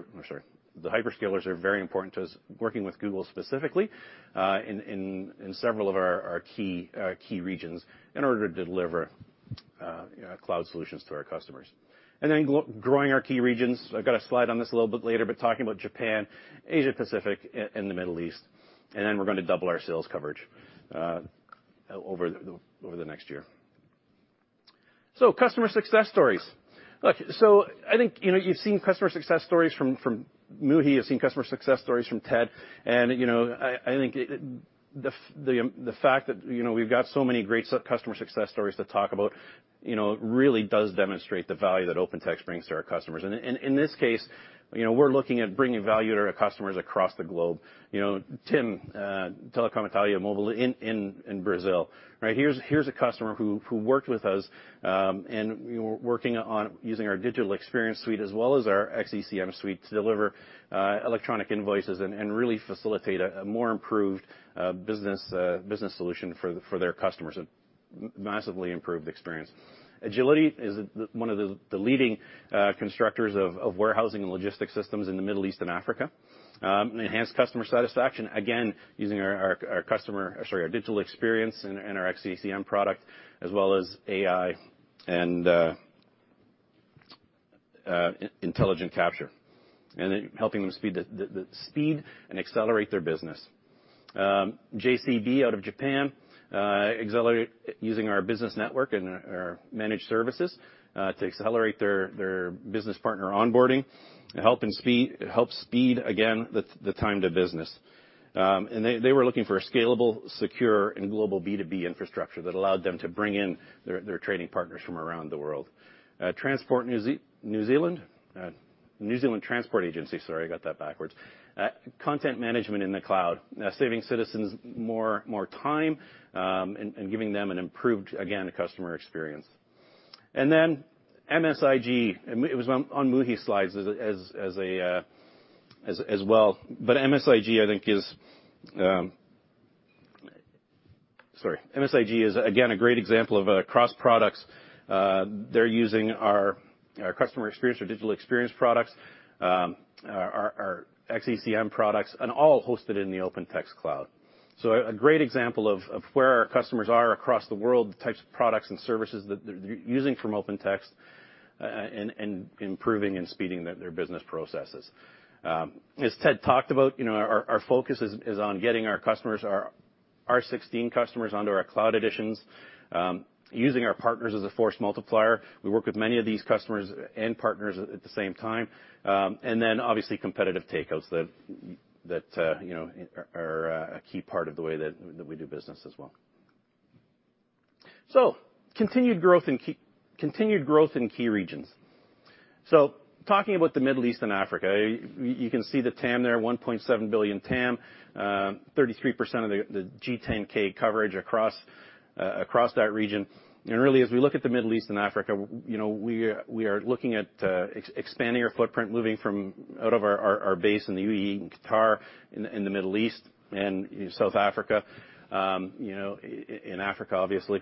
are very important to us, working with Google specifically in several of our key regions in order to deliver cloud solutions to our customers. Growing our key regions. I've got a slide on this a little bit later, but talking about Japan, Asia Pacific, and the Middle East, and then we're going to double our sales coverage over the next year. Customer success stories. Look, I think, you know, you've seen customer success stories from Muhi, you've seen customer success stories from Ted, and, you know, I think the fact that, you know, we've got so many great customer success stories to talk about, you know, really does demonstrate the value that OpenText brings to our customers. In this case, you know, we're looking at bringing value to our customers across the globe. You know, TIM Brasil in Brazil, right? Here's a customer who worked with us and working on using our Digital Experience suite as well as our xECM suite to deliver electronic invoices and really facilitate a more improved business solution for their customers. Massively improved experience. Agility is one of the leading constructors of warehousing and logistics systems in the Middle East and Africa. Enhanced customer satisfaction, again, using our customer, sorry, our Digital Experience and our xECM product, as well as AI and intelligent capture. Helping them speed the speed and accelerate their business. JCB out of Japan using our business network and our managed services to accelerate their business partner onboarding and help speed the time to business. They were looking for a scalable, secure, and global B2B infrastructure that allowed them to bring in their trading partners from around the world. New Zealand Transport Agency, content management in the cloud, saving citizens more time and giving them an improved customer experience. Then MSIG, it was on Muhi's slides as well. MSIG is again a great example of a cross products. They're using our customer experience or digital experience products, our xECM products, and all hosted in the OpenText Cloud. A great example of where our customers are across the world, the types of products and services that they're using from OpenText and improving and speeding their business processes. As Ted talked about, you know, our focus is on getting our customers, our R16 customers onto our cloud editions, using our partners as a force multiplier. We work with many of these customers and partners at the same time. And then obviously competitive takeouts that you know are a key part of the way that we do business as well. Continued growth in key regions. Talking about the Middle East and Africa, you can see the TAM there, $1.7 billion TAM, 33% of the G10K coverage across that region. Really, as we look at the Middle East and Africa, you know, we are looking at expanding our footprint, moving from out of our base in the UAE and Qatar, in the Middle East and South Africa, you know, in Africa, obviously.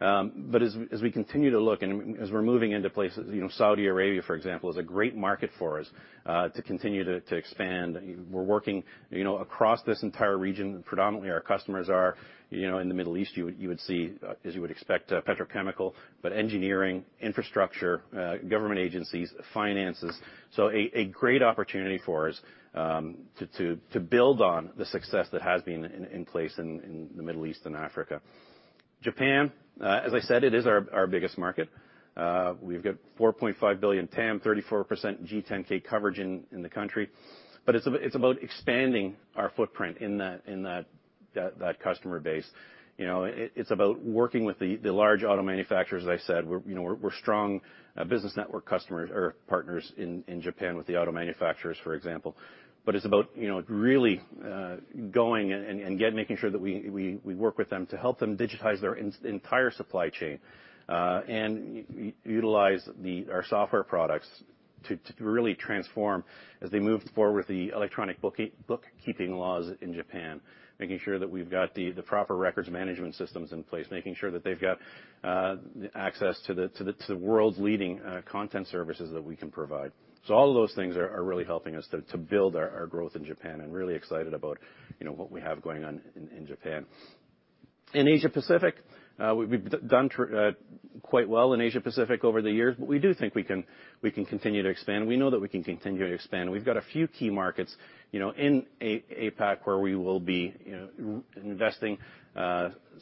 As we continue to look and as we're moving into places, you know, Saudi Arabia, for example, is a great market for us to continue to expand. We're working, you know, across this entire region. Predominantly, our customers are, you know, in the Middle East, you would see, as you would expect, petrochemical, but engineering, infrastructure, government agencies, finances. A great opportunity for us to build on the success that has been in place in the Middle East and Africa. Japan, as I said, it is our biggest market. We've got $4.5 billion TAM, 34% G10K coverage in the country. It's about expanding our footprint in that customer base. You know, it's about working with the large auto manufacturers, as I said. We're strong business network customers or partners in Japan with the auto manufacturers, for example. It's about, you know, really going and making sure that we work with them to help them digitize their entire supply chain, and utilize our software products to really transform as they move forward with the electronic bookkeeping laws in Japan, making sure that we've got the proper records management systems in place, making sure that they've got access to the world's leading content services that we can provide. All of those things are really helping us to build our growth in Japan and really excited about, you know, what we have going on in Japan. In Asia-Pacific, we've done quite well in Asia-Pacific over the years, but we do think we can continue to expand. We know that we can continue to expand. We've got a few key markets, you know, in APAC where we will be, you know, investing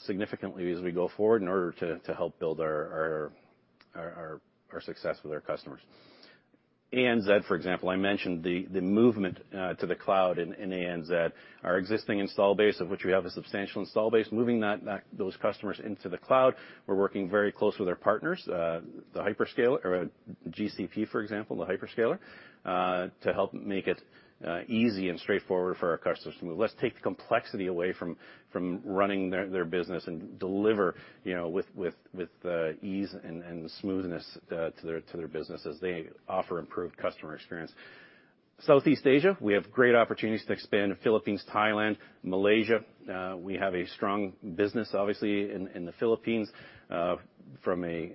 significantly as we go forward in order to help build our success with our customers. ANZ, for example, I mentioned the movement to the cloud in ANZ. Our existing install base, of which we have a substantial install base, moving those customers into the cloud, we're working very close with our partners, the hyperscaler or GCP, for example, the hyperscaler, to help make it easy and straightforward for our customers to move. Let's take the complexity away from running their business and deliver, you know, with ease and smoothness to their business as they offer improved customer experience. Southeast Asia, we have great opportunities to expand. Philippines, Thailand, Malaysia. We have a strong business, obviously, in the Philippines, from a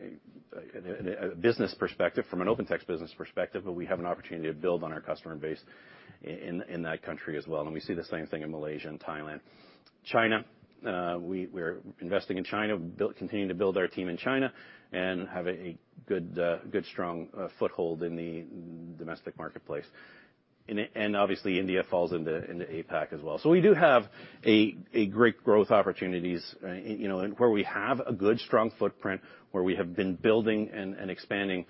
business perspective, from an OpenText business perspective, but we have an opportunity to build on our customer base in that country as well. We see the same thing in Malaysia and Thailand. China, we're investing in China, continuing to build our team in China and have a good, strong foothold in the domestic marketplace. Obviously, India falls into APAC as well. We do have a great growth opportunities, you know, where we have a good, strong footprint, where we have been building and expanding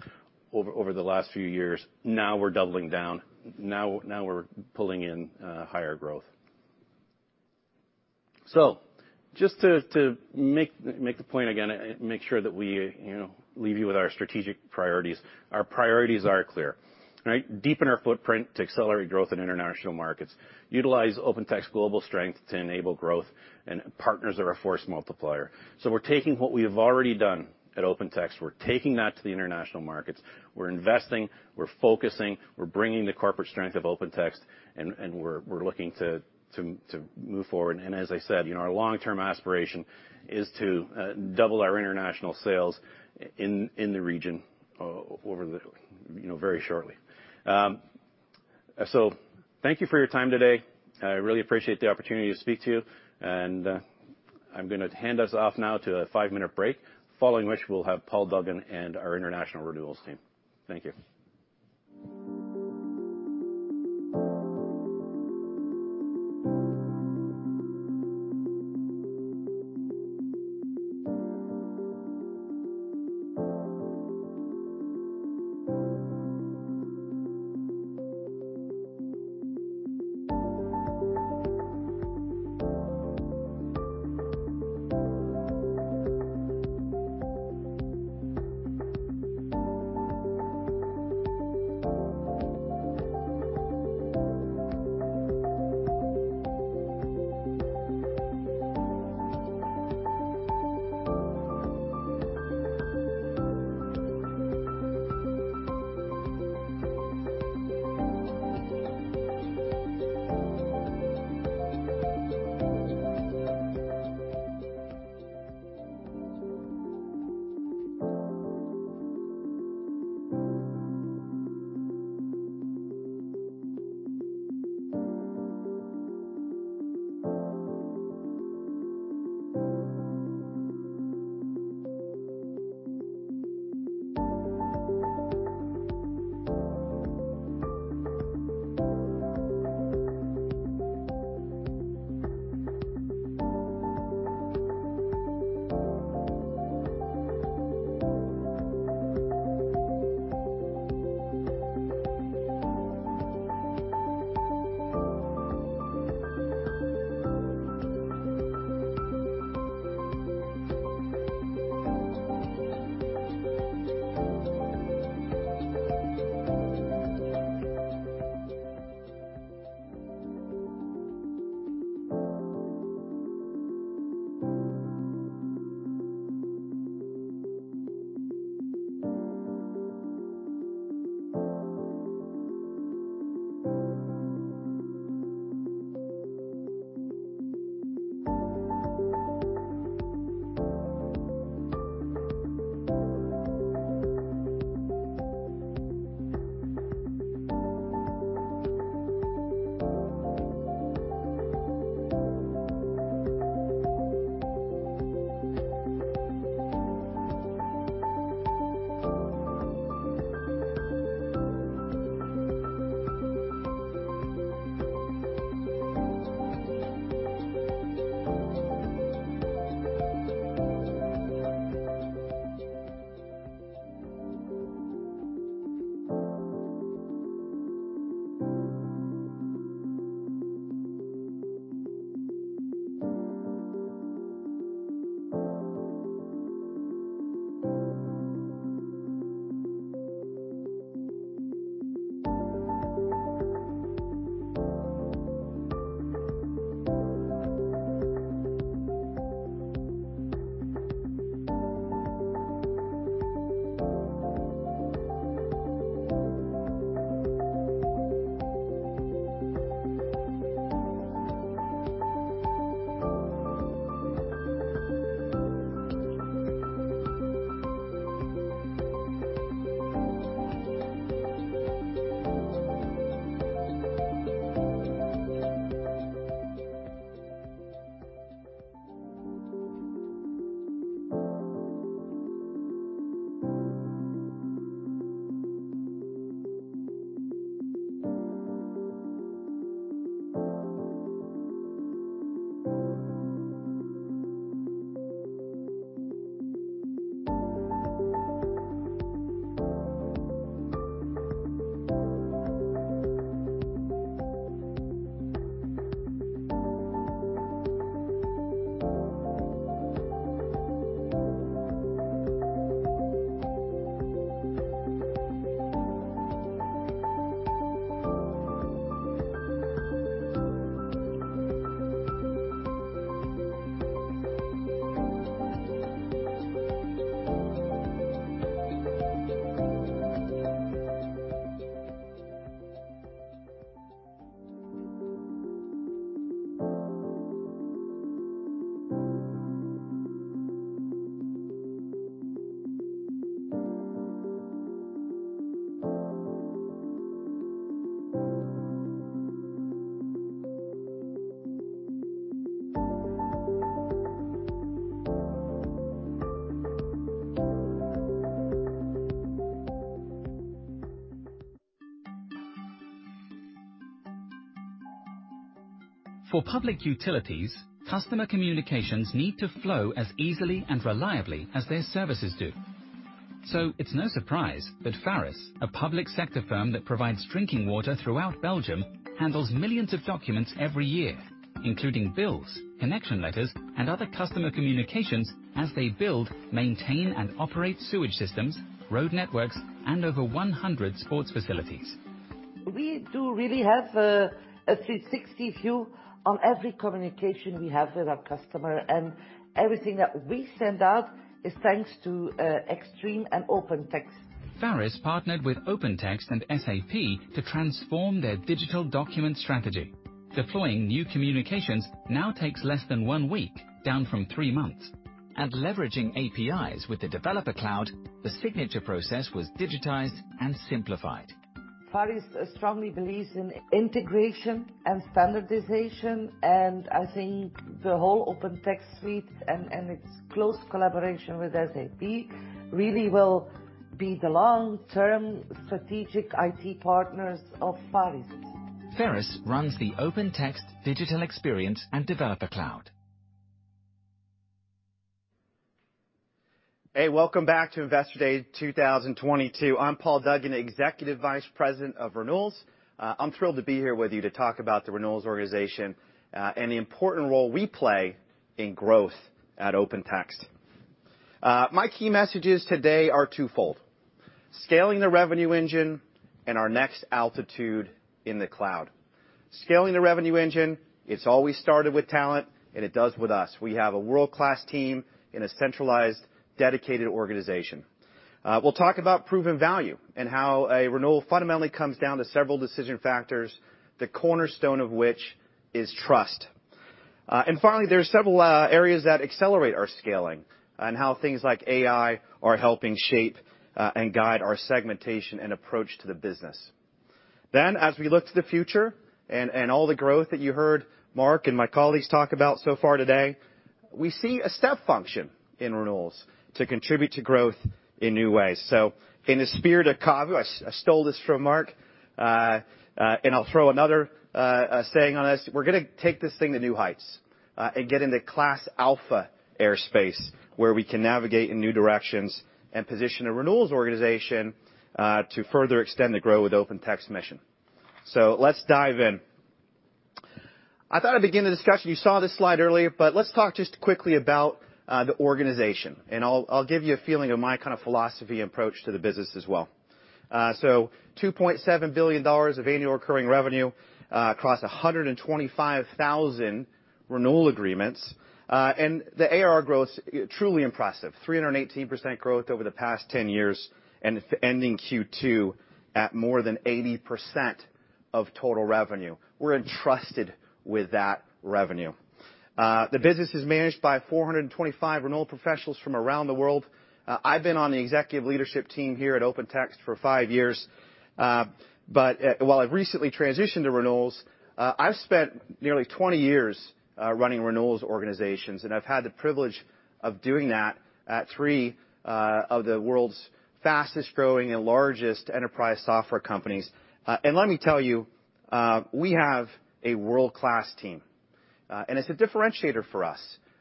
over the last few years. Now we're doubling down. Now we're pulling in higher growth. Just to make the point again, make sure that we, you know, leave you with our strategic priorities. Our priorities are clear. Right? Deepen our footprint to accelerate growth in international markets. Utilize OpenText global strength to enable growth and partners are a force multiplier. We're taking what we have already done at OpenText, we're taking that to the international markets. We're investing, we're focusing, we're bringing the corporate strength of OpenText, and we're looking to move forward. As I said, you know, our long-term aspiration is to double our international sales in the region over the, you know, very shortly. Thank you for your time today. I really appreciate the opportunity to speak to you, and I'm gonna hand us off now to a five-minute break, following which we'll have Paul Duggan and our international renewals team. Thank you. For public utilities, customer communications need to flow as easily and reliably as their services do. It's no surprise that Farys, a public sector firm that provides drinking water throughout Belgium, handles millions of documents every year, including bills, connection letters, and other customer communications as they build, maintain, and operate sewage systems, road networks, and over 100 sports facilities. We really have a 360 view on every communication we have with our customer, and everything that we send out is thanks to Exstream and OpenText. Farys partnered with OpenText and SAP to transform their digital document strategy. Deploying new communications now takes less than one week, down from three months. Leveraging APIs with the Developer Cloud, the signature process was digitized and simplified. Farys strongly believes in integration and standardization, and I think the whole OpenText suite and its close collaboration with SAP really will be the long-term strategic IT partners of Farys. Farys runs the OpenText Digital Experience and Developer Cloud. Hey, welcome back to Investor Day 2022. I'm Paul Duggan, Executive Vice President of Renewals. I'm thrilled to be here with you to talk about the renewals organization, and the important role we play in growth at OpenText. My key messages today are twofold, scaling the revenue engine and our next altitude in the cloud. Scaling the revenue engine, it's always started with talent, and it does with us. We have a world-class team in a centralized, dedicated organization. We'll talk about proven value and how a renewal fundamentally comes down to several decision factors, the cornerstone of which is trust. Finally, there are several areas that accelerate our scaling and how things like AI are helping shape and guide our segmentation and approach to the business. As we look to the future and all the growth that you heard Mark and my colleagues talk about so far today, we see a step function in renewals to contribute to growth in new ways. In the spirit of CAVU, I stole this from Mark, and I'll throw another saying on this. We're gonna take this thing to new heights, and get into class alpha airspace, where we can navigate in new directions and position a renewals organization to further extend and grow with OpenText mission. Let's dive in. I thought I'd begin the discussion. You saw this slide earlier, but let's talk just quickly about the organization, and I'll give you a feeling of my kind of philosophy approach to the business as well. So $2.7 billion of annual recurring revenue across 125,000 renewal agreements. The AR growth's truly impressive, 318% growth over the past 10 years, and it's ending Q2 at more than 80% of total revenue. We're entrusted with that revenue. The business is managed by 425 renewal professionals from around the world. I've been on the executive leadership team here at OpenText for five years. While I've recently transitioned to renewals, I've spent nearly 20 years running renewals organizations, and I've had the privilege of doing that at three of the world's fastest-growing and largest enterprise software companies. Let me tell you, we have a world-class team, and it's a differentiator for us.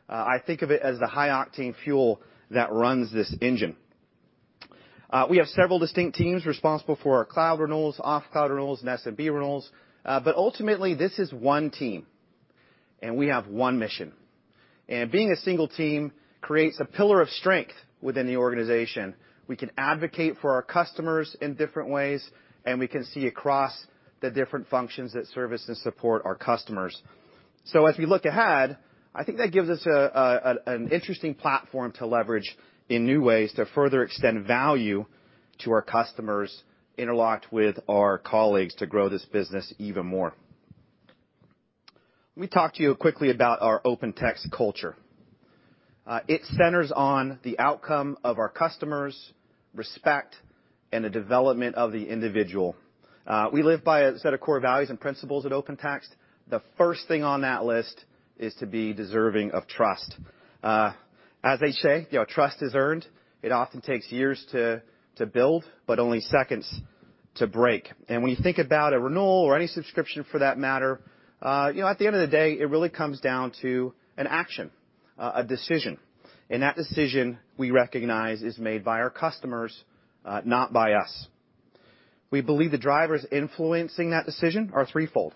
I think of it as the high octane fuel that runs this engine. We have several distinct teams responsible for our cloud renewals, off-cloud renewals, and SMB renewals. Ultimately, this is one team, and we have one mission. Being a single team creates a pillar of strength within the organization. We can advocate for our customers in different ways, and we can see across the different functions that service and support our customers. As we look ahead, I think that gives us an interesting platform to leverage in new ways to further extend value to our customers interlocked with our colleagues to grow this business even more. Let me talk to you quickly about our OpenText culture. It centers on the outcome of our customers, respect, and the development of the individual. We live by a set of core values and principles at OpenText. The first thing on that list is to be deserving of trust. As they say, you know, trust is earned. It often takes years to build, but only seconds to break. When you think about a renewal or any subscription for that matter, you know, at the end of the day, it really comes down to an action, a decision. That decision we recognize is made by our customers, not by us. We believe the drivers influencing that decision are threefold.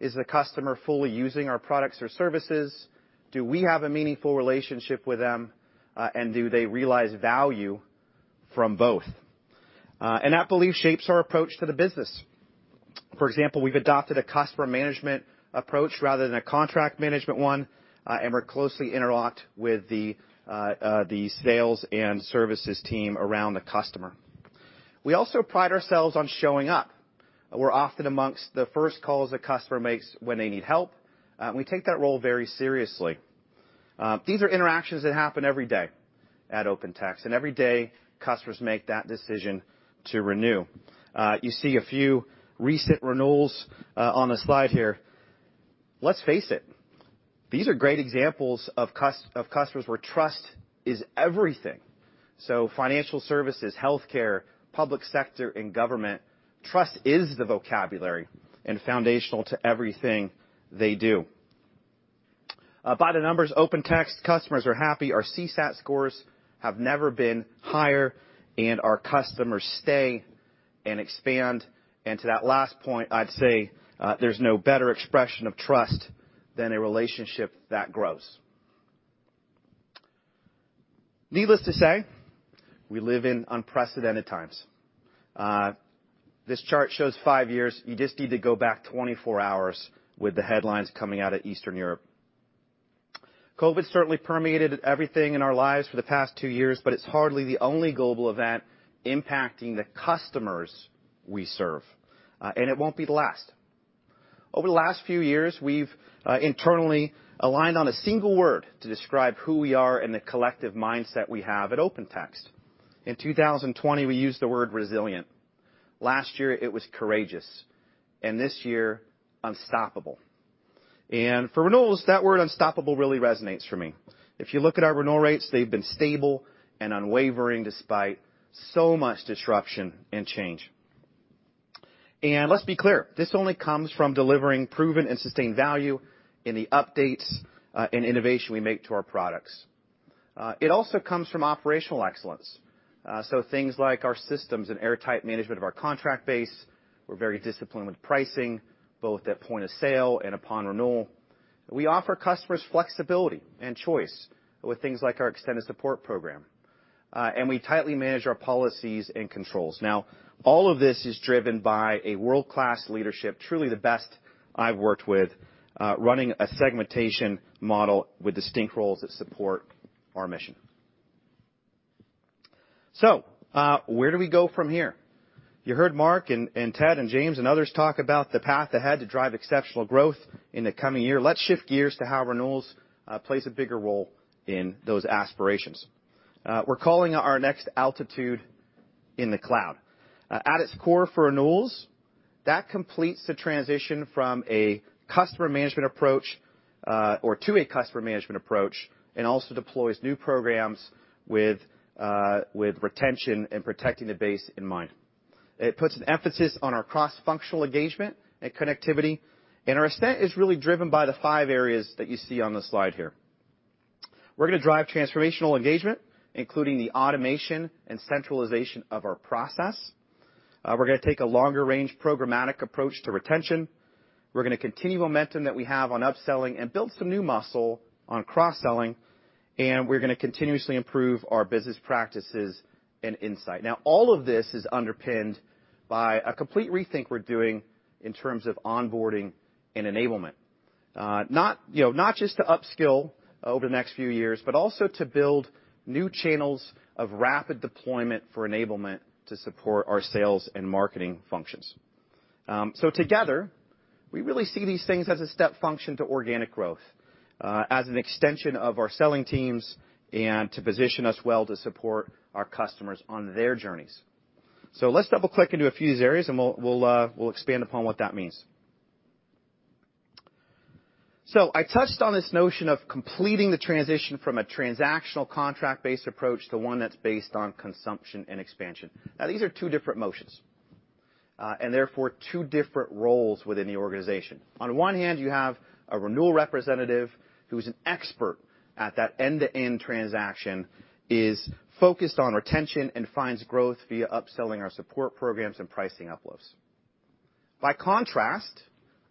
Is the customer fully using our products or services? Do we have a meaningful relationship with them? And do they realize value from both? That belief shapes our approach to the business. For example, we've adopted a customer management approach rather than a contract management one, and we're closely interlocked with the sales and services team around the customer. We also pride ourselves on showing up. We're often amongst the first calls the customer makes when they need help. We take that role very seriously. These are interactions that happen every day at OpenText, and every day, customers make that decision to renew. You see a few recent renewals on the slide here. Let's face it, these are great examples of customers where trust is everything. Financial services, healthcare, public sector, and government, trust is the vocabulary and foundational to everything they do. By the numbers, OpenText customers are happy. Our CSAT scores have never been higher, and our customers stay and expand. To that last point, I'd say, there's no better expression of trust than a relationship that grows. Needless to say, we live in unprecedented times. This chart shows five years. You just need to go back 24 hours with the headlines coming out of Eastern Europe. COVID certainly permeated everything in our lives for the past two years, but it's hardly the only global event impacting the customers we serve. It won't be the last. Over the last few years, we've internally aligned on a single word to describe who we are and the collective mindset we have at OpenText. In 2020, we used the word resilient. Last year, it was courageous. This year, unstoppable. For renewals, that word unstoppable really resonates for me. If you look at our renewal rates, they've been stable and unwavering despite so much disruption and change. Let's be clear, this only comes from delivering proven and sustained value in the updates and innovation we make to our products. It also comes from operational excellence, things like our systems and airtight management of our contract base. We're very disciplined with pricing, both at point of sale and upon renewal. We offer customers flexibility and choice with things like our extended support program. We tightly manage our policies and controls. Now, all of this is driven by a world-class leadership, truly the best I've worked with, running a segmentation model with distinct roles that support our mission. Where do we go from here? You heard Mark and Ted and James and others talk about the path ahead to drive exceptional growth in the coming year. Let's shift gears to how renewals plays a bigger role in those aspirations. We're calling our next altitude in the cloud. At its core for renewals, that completes the transition from a customer management approach or to a customer management approach, and also deploys new programs with retention and protecting the base in mind. It puts an emphasis on our cross-functional engagement and connectivity, and our extent is really driven by the five areas that you see on the slide here. We're gonna drive transformational engagement, including the automation and centralization of our process. We're gonna take a longer range programmatic approach to retention. We're gonna continue momentum that we have on upselling and build some new muscle on cross-selling, and we're gonna continuously improve our business practices and insight. Now, all of this is underpinned by a complete rethink we're doing in terms of onboarding and enablement. Not, you know, not just to upskill over the next few years, but also to build new channels of rapid deployment for enablement to support our sales and marketing functions. Together, we really see these things as a step function to organic growth, as an extension of our selling teams and to position us well to support our customers on their journeys. Let's double-click into a few of these areas, and we'll expand upon what that means. I touched on this notion of completing the transition from a transactional contract-based approach to one that's based on consumption and expansion. Now, these are two different motions, and therefore two different roles within the organization. On one hand, you have a renewal representative who is an expert at that end-to-end transaction, is focused on retention and finds growth via upselling our support programs and pricing uplifts. By contrast,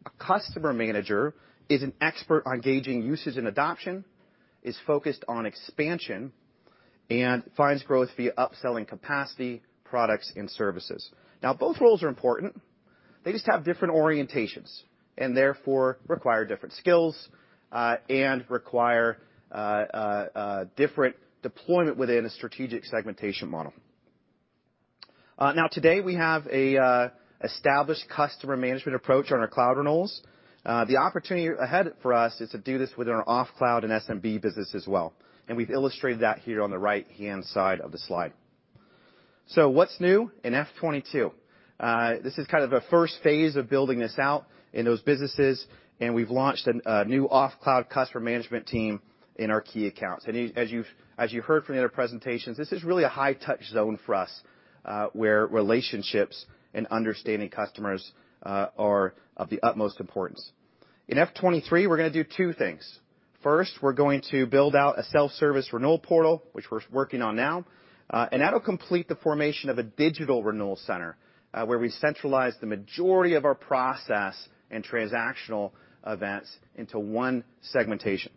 a customer manager is an expert on gauging usage and adoption, is focused on expansion, and finds growth via upselling capacity, products, and services. Now, both roles are important. They just have different orientations, and therefore require different skills and different deployment within a strategic segmentation model. Now, today, we have an established customer management approach on our cloud renewals. The opportunity ahead for us is to do this with our off-cloud and SMB business as well, and we've illustrated that here on the right-hand side of the slide. What's new in FY 2022? This is kind of a first phase of building this out in those businesses, and we've launched a new off-cloud customer management team in our key accounts. As you heard from the other presentations, this is really a high-touch zone for us, where relationships and understanding customers are of the utmost importance. In FY 2023, we're gonna do two things. First, we're going to build out a self-service renewal portal, which we're working on now, and that'll complete the formation of a digital renewal center, where we centralize the majority of our process and transactional events into one segmentation.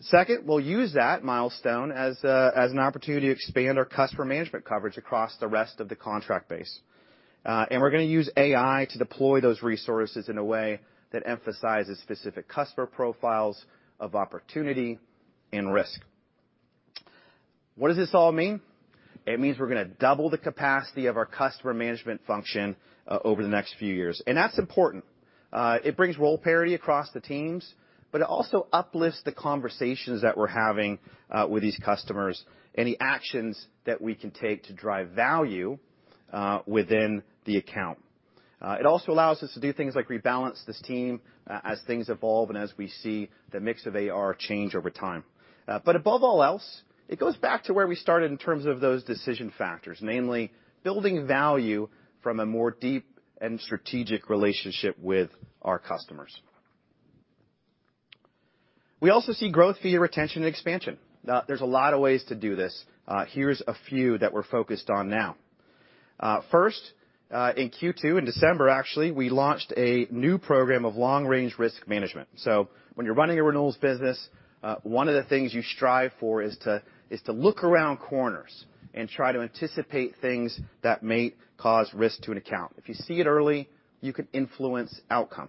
Second, we'll use that milestone as an opportunity to expand our customer management coverage across the rest of the contract base. We're gonna use AI to deploy those resources in a way that emphasizes specific customer profiles of opportunity and risk. What does this all mean? It means we're gonna double the capacity of our customer management function over the next few years, and that's important. It brings role parity across the teams, but it also uplifts the conversations that we're having with these customers and the actions that we can take to drive value within the account. It also allows us to do things like rebalance this team as things evolve and as we see the mix of AR change over time. Above all else, it goes back to where we started in terms of those decision factors, namely building value from a more deep and strategic relationship with our customers. We also see growth via retention and expansion. Now, there's a lot of ways to do this. Here's a few that we're focused on now. First, in Q2, in December actually, we launched a new program of long-range risk management. When you're running a renewals business, one of the things you strive for is to look around corners and try to anticipate things that may cause risk to an account. If you see it early, you can influence outcome.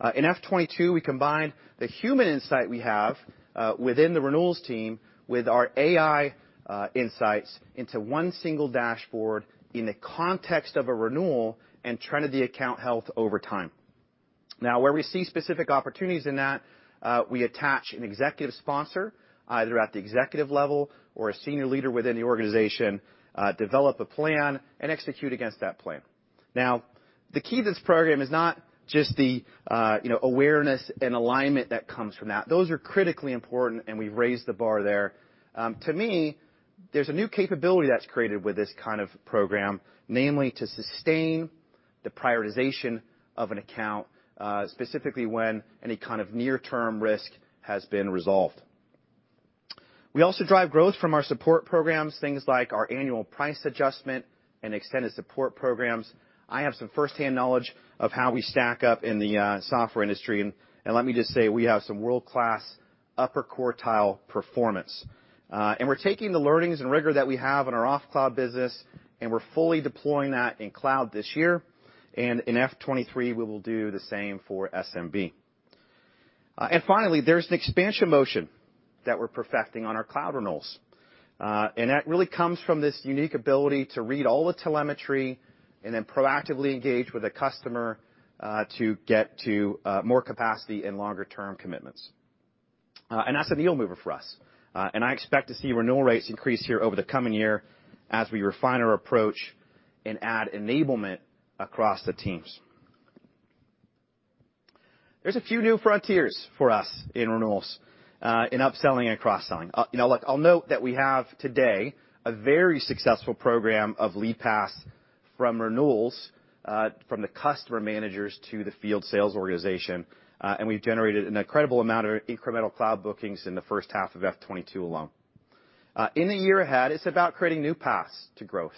In FY 2022, we combined the human insight we have within the renewals team with our AI insights into one single dashboard in the context of a renewal and trend of the account health over time. Now, where we see specific opportunities in that, we attach an executive sponsor, either at the executive level or a senior leader within the organization, develop a plan, and execute against that plan. Now, the key to this program is not just the, you know, awareness and alignment that comes from that. Those are critically important, and we've raised the bar there. To me, there's a new capability that's created with this kind of program, namely to sustain the prioritization of an account, specifically when any kind of near-term risk has been resolved. We also drive growth from our support programs, things like our annual price adjustment and extended support programs. I have some firsthand knowledge of how we stack up in the software industry, and let me just say, we have some world-class upper quartile performance. We're taking the learnings and rigor that we have in our off-cloud business, and we're fully deploying that in cloud this year. In FY 2023, we will do the same for SMB. Finally, there's an expansion motion that we're perfecting on our cloud renewals. That really comes from this unique ability to read all the telemetry and then proactively engage with a customer to get to more capacity and longer-term commitments. That's a real mover for us. I expect to see renewal rates increase here over the coming year as we refine our approach and add enablement across the teams. There's a few new frontiers for us in renewals, in upselling and cross-selling. You know, look, I'll note that we have today a very successful program of lead pass from renewals, from the customer managers to the field sales organization. We've generated an incredible amount of incremental cloud bookings in the first half of FY 2022 alone. In the year ahead, it's about creating new paths to growth.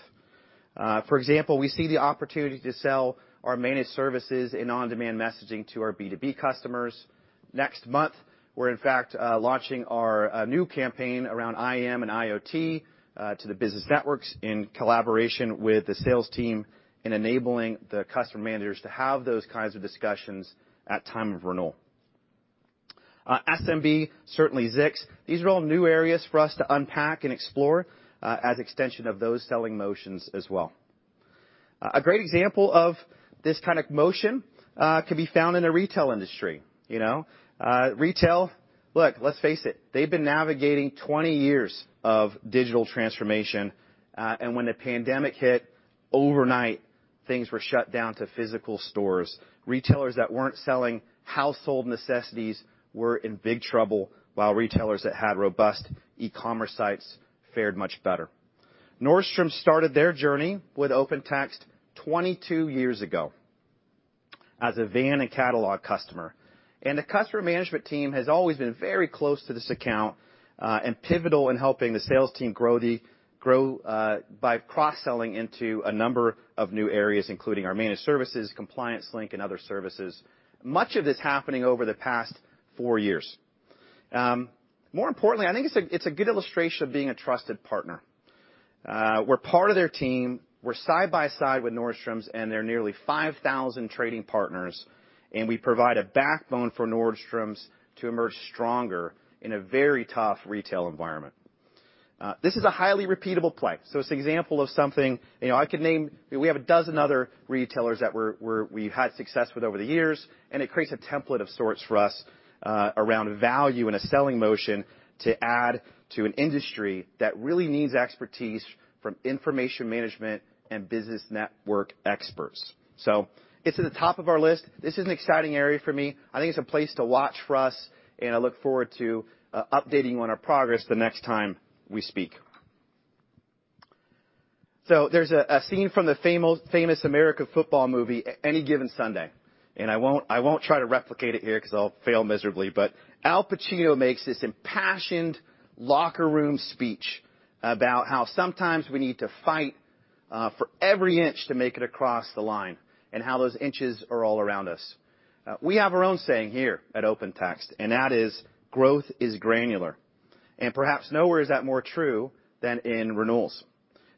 For example, we see the opportunity to sell our managed services and on-demand messaging to our B2B customers. Next month, we're in fact launching our new campaign around IM and IoT to the business networks in collaboration with the sales team in enabling the customer managers to have those kinds of discussions at time of renewal. SMB, certainly Zix; these are all new areas for us to unpack and explore as extension of those selling motions as well. A great example of this kind of motion could be found in the retail industry, you know. Retail, look, let's face it, they've been navigating 20 years of digital transformation, and when the pandemic hit, overnight, things were shut down to physical stores. Retailers that weren't selling household necessities were in big trouble, while retailers that had robust e-commerce sites fared much better. Nordstrom started their journey with OpenText 22 years ago as a van and catalog customer. The customer management team has always been very close to this account, and pivotal in helping the sales team grow by cross-selling into a number of new areas, including our managed services, ComplianceLink, and other services. Much of this happening over the past 4 years. More importantly, I think it's a good illustration of being a trusted partner. We're part of their team. We're side by side with Nordstrom and their nearly 5,000 trading partners, and we provide a backbone for Nordstrom to emerge stronger in a very tough retail environment. This is a highly repeatable play. It's an example of something, you know, I could name. We have a dozen other retailers that we've had success with over the years, and it creates a template of sorts for us around value and a selling motion to add to an industry that really needs expertise from information management and business network experts. It's at the top of our list. This is an exciting area for me. I think it's a place to watch for us, and I look forward to updating you on our progress the next time we speak. There's a scene from the famous American football movie Any Given Sunday, and I won't try to replicate it here 'cause I'll fail miserably. Al Pacino makes this impassioned locker room speech about how sometimes we need to fight for every inch to make it across the line, and how those inches are all around us. We have our own saying here at OpenText, and that is, "Growth is granular." Perhaps nowhere is that more true than in renewals.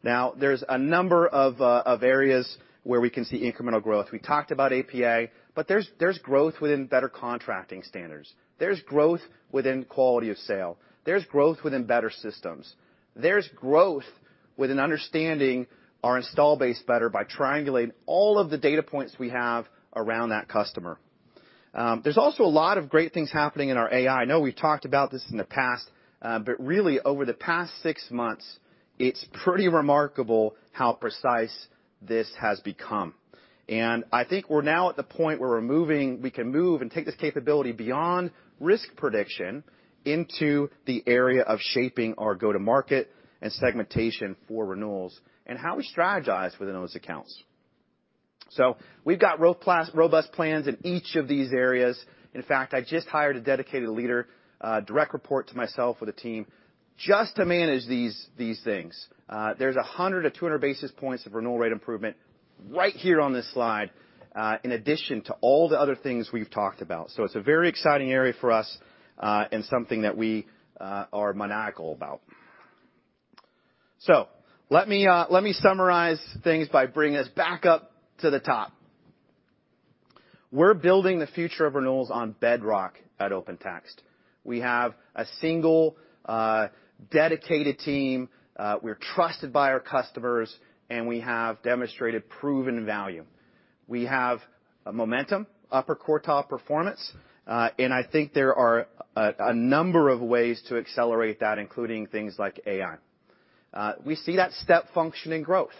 Now, there's a number of areas where we can see incremental growth. We talked about API, but there's growth within better contracting standards. There's growth within quality of sale. There's growth within better systems. There's growth with an understanding our install base better by triangulating all of the data points we have around that customer. There's also a lot of great things happening in our AI. I know we've talked about this in the past, but really over the past six months, it's pretty remarkable how precise this has become. I think we're now at the point where we can move and take this capability beyond risk prediction into the area of shaping our go-to market and segmentation for renewals and how we strategize within those accounts. We've got robust plans in each of these areas. In fact, I just hired a dedicated leader, direct report to myself with a team just to manage these things. There's 120 basis points of renewal rate improvement right here on this slide, in addition to all the other things we've talked about. It's a very exciting area for us, and something that we are maniacal about. Let me summarize things by bringing us back up to the top. We're building the future of renewals on bedrock at OpenText. We have a single, dedicated team, we're trusted by our customers, and we have demonstrated proven value. We have a momentum, upper quartile performance, and I think there are a number of ways to accelerate that, including things like AI. We see that step-function growth.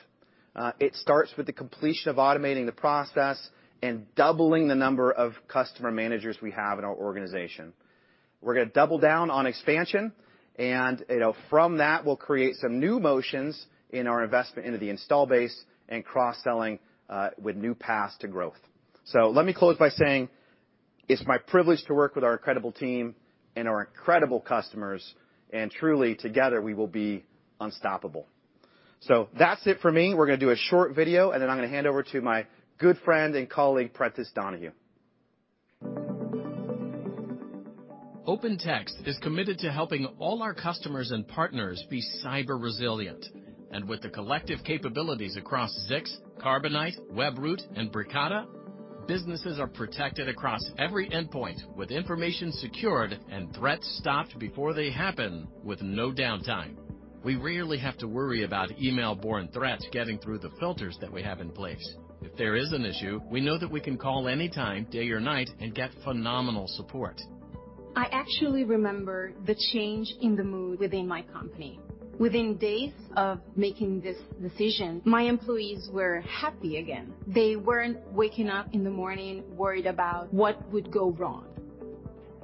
It starts with the completion of automating the process and doubling the number of customer managers we have in our organization. We're gonna double down on expansion and, you know, from that will create some new motions in our investment into the installed base and cross-selling with new paths to growth. Let me close by saying it's my privilege to work with our incredible team and our incredible customers, and truly together we will be unstoppable. That's it for me. We're gonna do a short video, and then I'm gonna hand over to my good friend and colleague, Prentiss Donohue. OpenText is committed to helping all our customers and partners be cyber resilient. With the collective capabilities across Zix, Carbonite, Webroot, and Bricata, businesses are protected across every endpoint with information secured and threats stopped before they happen with no downtime. We rarely have to worry about email-borne threats getting through the filters that we have in place. If there is an issue, we know that we can call any time, day or night, and get phenomenal support. I actually remember the change in the mood within my company. Within days of making this decision, my employees were happy again. They weren't waking up in the morning worried about what would go wrong.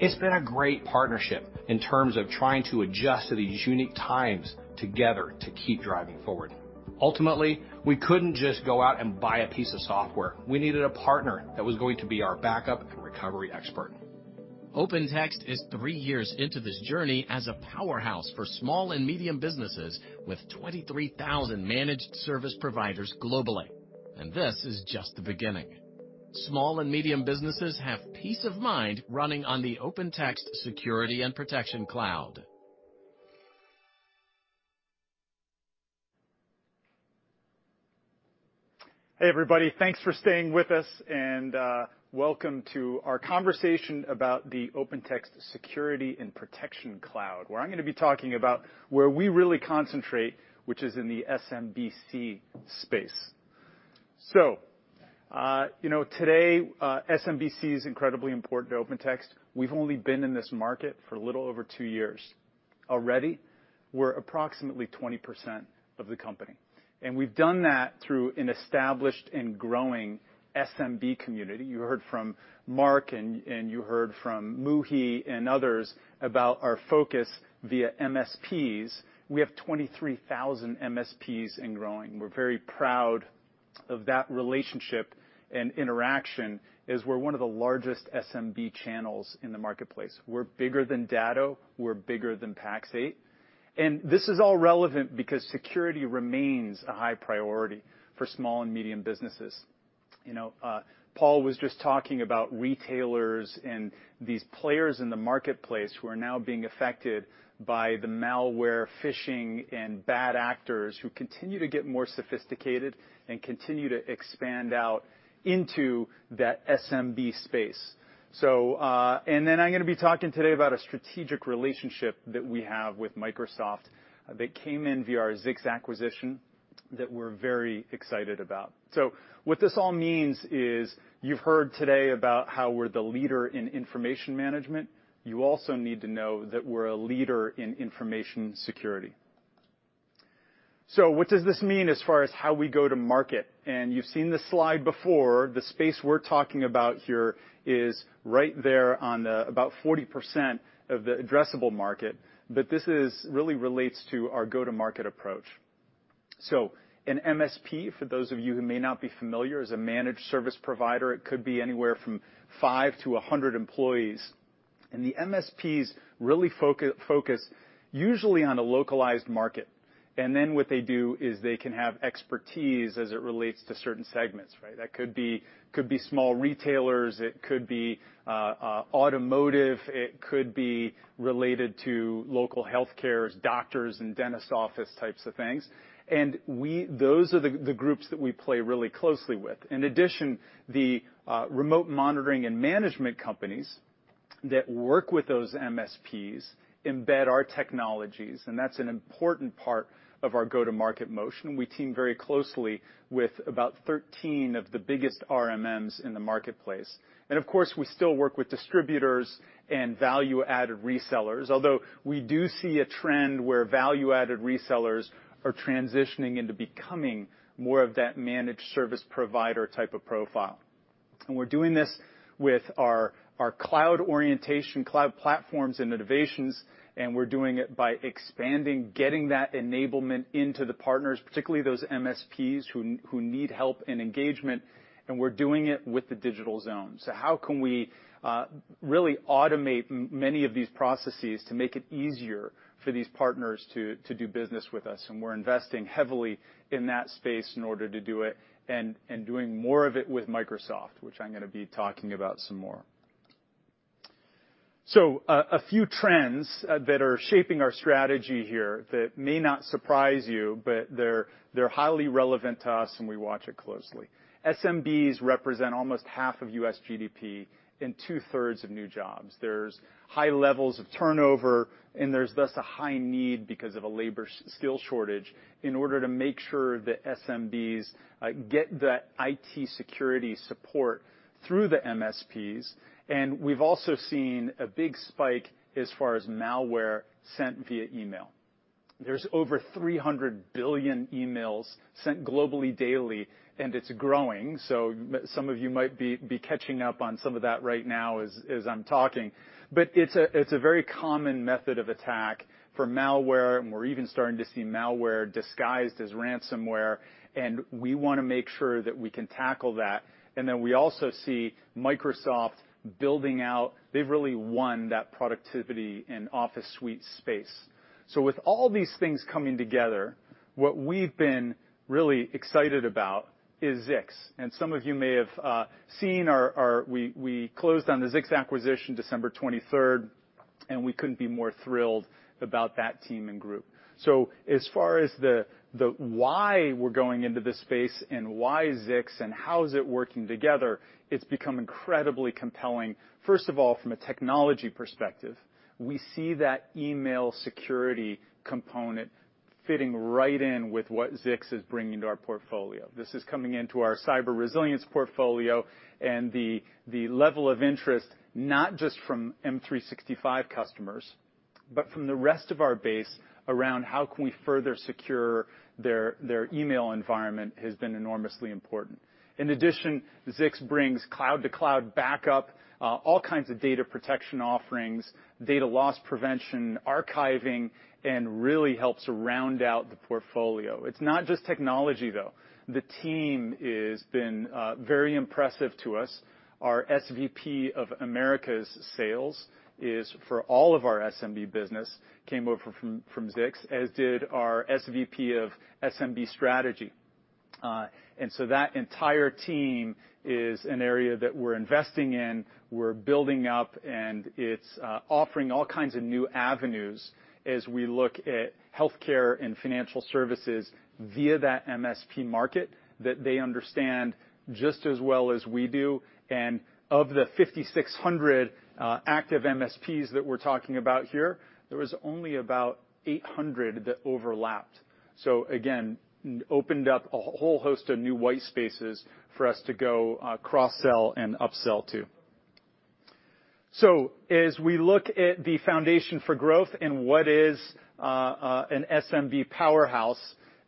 It's been a great partnership in terms of trying to adjust to these unique times together to keep driving forward. Ultimately, we couldn't just go out and buy a piece of software. We needed a partner that was going to be our backup and recovery expert. OpenText is three years into this journey as a powerhouse for small and medium businesses with 23,000 managed service providers globally, and this is just the beginning. Small and medium businesses have peace of mind running on the OpenText Security and Protection Cloud. Hey, everybody. Thanks for staying with us and welcome to our conversation about the OpenText Security and Protection Cloud, where I'm gonna be talking about where we really concentrate, which is in the SMB space. You know, today, SMB is incredibly important to OpenText. We've only been in this market for a little over two years. Already, we're approximately 20% of the company, and we've done that through an established and growing SMB community. You heard from Mark and you heard from Muhi and others about our focus via MSPs. We have 23,000 MSPs and growing. We're very proud of that relationship and interaction, as we're one of the largest SMB channels in the marketplace. We're bigger than Datto, we're bigger than Pax8. This is all relevant because security remains a high priority for small and medium businesses. You know, Paul was just talking about retailers and these players in the marketplace who are now being affected by the malware, phishing, and bad actors who continue to get more sophisticated and continue to expand out into that SMB space. I'm gonna be talking today about a strategic relationship that we have with Microsoft that came in via our Zix acquisition that we're very excited about. What this all means is, you've heard today about how we're the leader in information management. You also need to know that we're a leader in information security. What does this mean as far as how we go to market? You've seen this slide before. The space we're talking about here is right there, on about 40% of the addressable market, but this really relates to our go-to-market approach. An MSP, for those of you who may not be familiar, is a managed service provider. It could be anywhere from 5 employees to 100 employees. The MSPs really focus usually on a localized market. Then what they do is they can have expertise as it relates to certain segments, right? That could be small retailers, it could be automotive, it could be related to local healthcare's doctors and dentists office types of things. Those are the groups that we play really closely with. In addition, remote monitoring and management companies that work with those MSPs embed our technologies, and that's an important part of our go-to-market motion. We team very closely with about 13 of the biggest RMMs in the marketplace. Of course, we still work with distributors and value-added resellers. Although we do see a trend where value-added resellers are transitioning into becoming more of that managed service provider type of profile. We're doing this with our cloud orientation, cloud platforms and innovations, and we're doing it by expanding, getting that enablement into the partners, particularly those MSPs who need help and engagement, and we're doing it with the Digital Zone. How can we really automate many of these processes to make it easier for these partners to do business with us? We're investing heavily in that space in order to do it and doing more of it with Microsoft, which I'm gonna be talking about some more. A few trends that are shaping our strategy here that may not surprise you, but they're highly relevant to us, and we watch it closely. SMBs represent almost half of U.S. GDP and 2/3 of new jobs. There's high levels of turnover, and there's thus a high need because of a labor skill shortage in order to make sure that SMBs get the IT security support through the MSPs. We've also seen a big spike as far as malware sent via email. There's over 300 billion emails sent globally daily, and it's growing. Some of you might be catching up on some of that right now as I'm talking. It's a very common method of attack for malware, and we're even starting to see malware disguised as ransomware, and we wanna make sure that we can tackle that. Then we also see Microsoft building out. They've really won that productivity and office suite space. With all these things coming together, what we've been really excited about is Zix. Some of you may have seen our, we closed on the Zix acquisition December 23, and we couldn't be more thrilled about that team and group. As far as the why we're going into this space and why Zix and how is it working together, it's become incredibly compelling. First of all, from a technology perspective, we see that email security component fitting right in with what Zix is bringing to our portfolio. This is coming into our cyber resilience portfolio and the level of interest, not just from M365 customers, but from the rest of our base around how can we further secure their email environment has been enormously important. In addition, Zix brings cloud-to-cloud backup, all kinds of data protection offerings, data loss prevention, archiving, and really helps round out the portfolio. It's not just technology, though. The team has been very impressive to us. Our SVP of Americas sales is for all of our SMB business, came over from Zix, as did our SVP of SMB strategy. That entire team is an area that we're investing in, we're building up, and it's offering all kinds of new avenues as we look at healthcare and financial services via that MSP market that they understand just as well as we do. Of the 5,600 active MSPs that we're talking about here, there was only about 800 MSPs that overlapped. Again, opened up a whole host of new white spaces for us to go cross-sell and upsell to. As we look at the foundation for growth and what is an SMB powerhouse,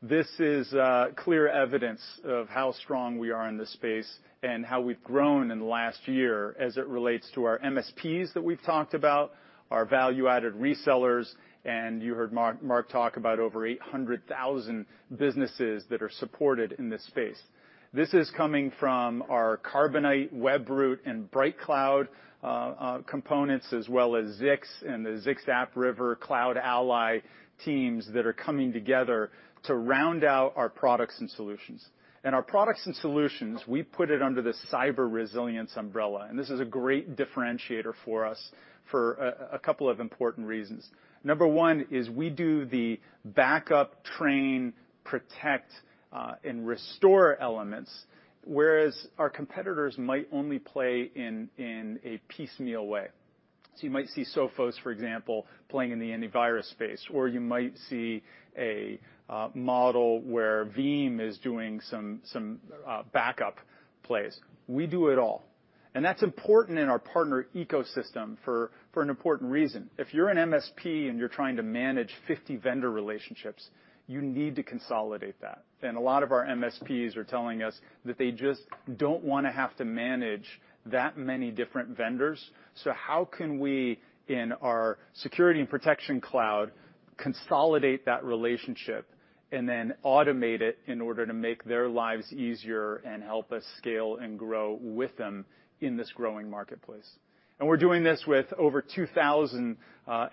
this is clear evidence of how strong we are in this space and how we've grown in the last year as it relates to our MSPs that we've talked about, our value-added resellers, and you heard Mark talk about over 0.8 million businesses that are supported in this space. This is coming from our Carbonite, Webroot, and BrightCloud components, as well as Zix and the Zix AppRiver CloudAlly teams that are coming together to round out our products and solutions. Our products and solutions, we put it under the cyber resilience umbrella, and this is a great differentiator for us for a couple of important reasons. Number one is we do the backup, train, protect, and restore elements, whereas our competitors might only play in a piecemeal way. You might see Sophos, for example, playing in the antivirus space, or you might see a model where Veeam is doing some backup plays. We do it all. That's important in our partner ecosystem for an important reason. If you're an MSP and you're trying to manage 50 vendor relationships, you need to consolidate that. A lot of our MSPs are telling us that they just don't wanna have to manage that many different vendors. How can we, in our Security and Protection Cloud, consolidate that relationship and then automate it in order to make their lives easier and help us scale and grow with them in this growing marketplace? We're doing this with over 2,000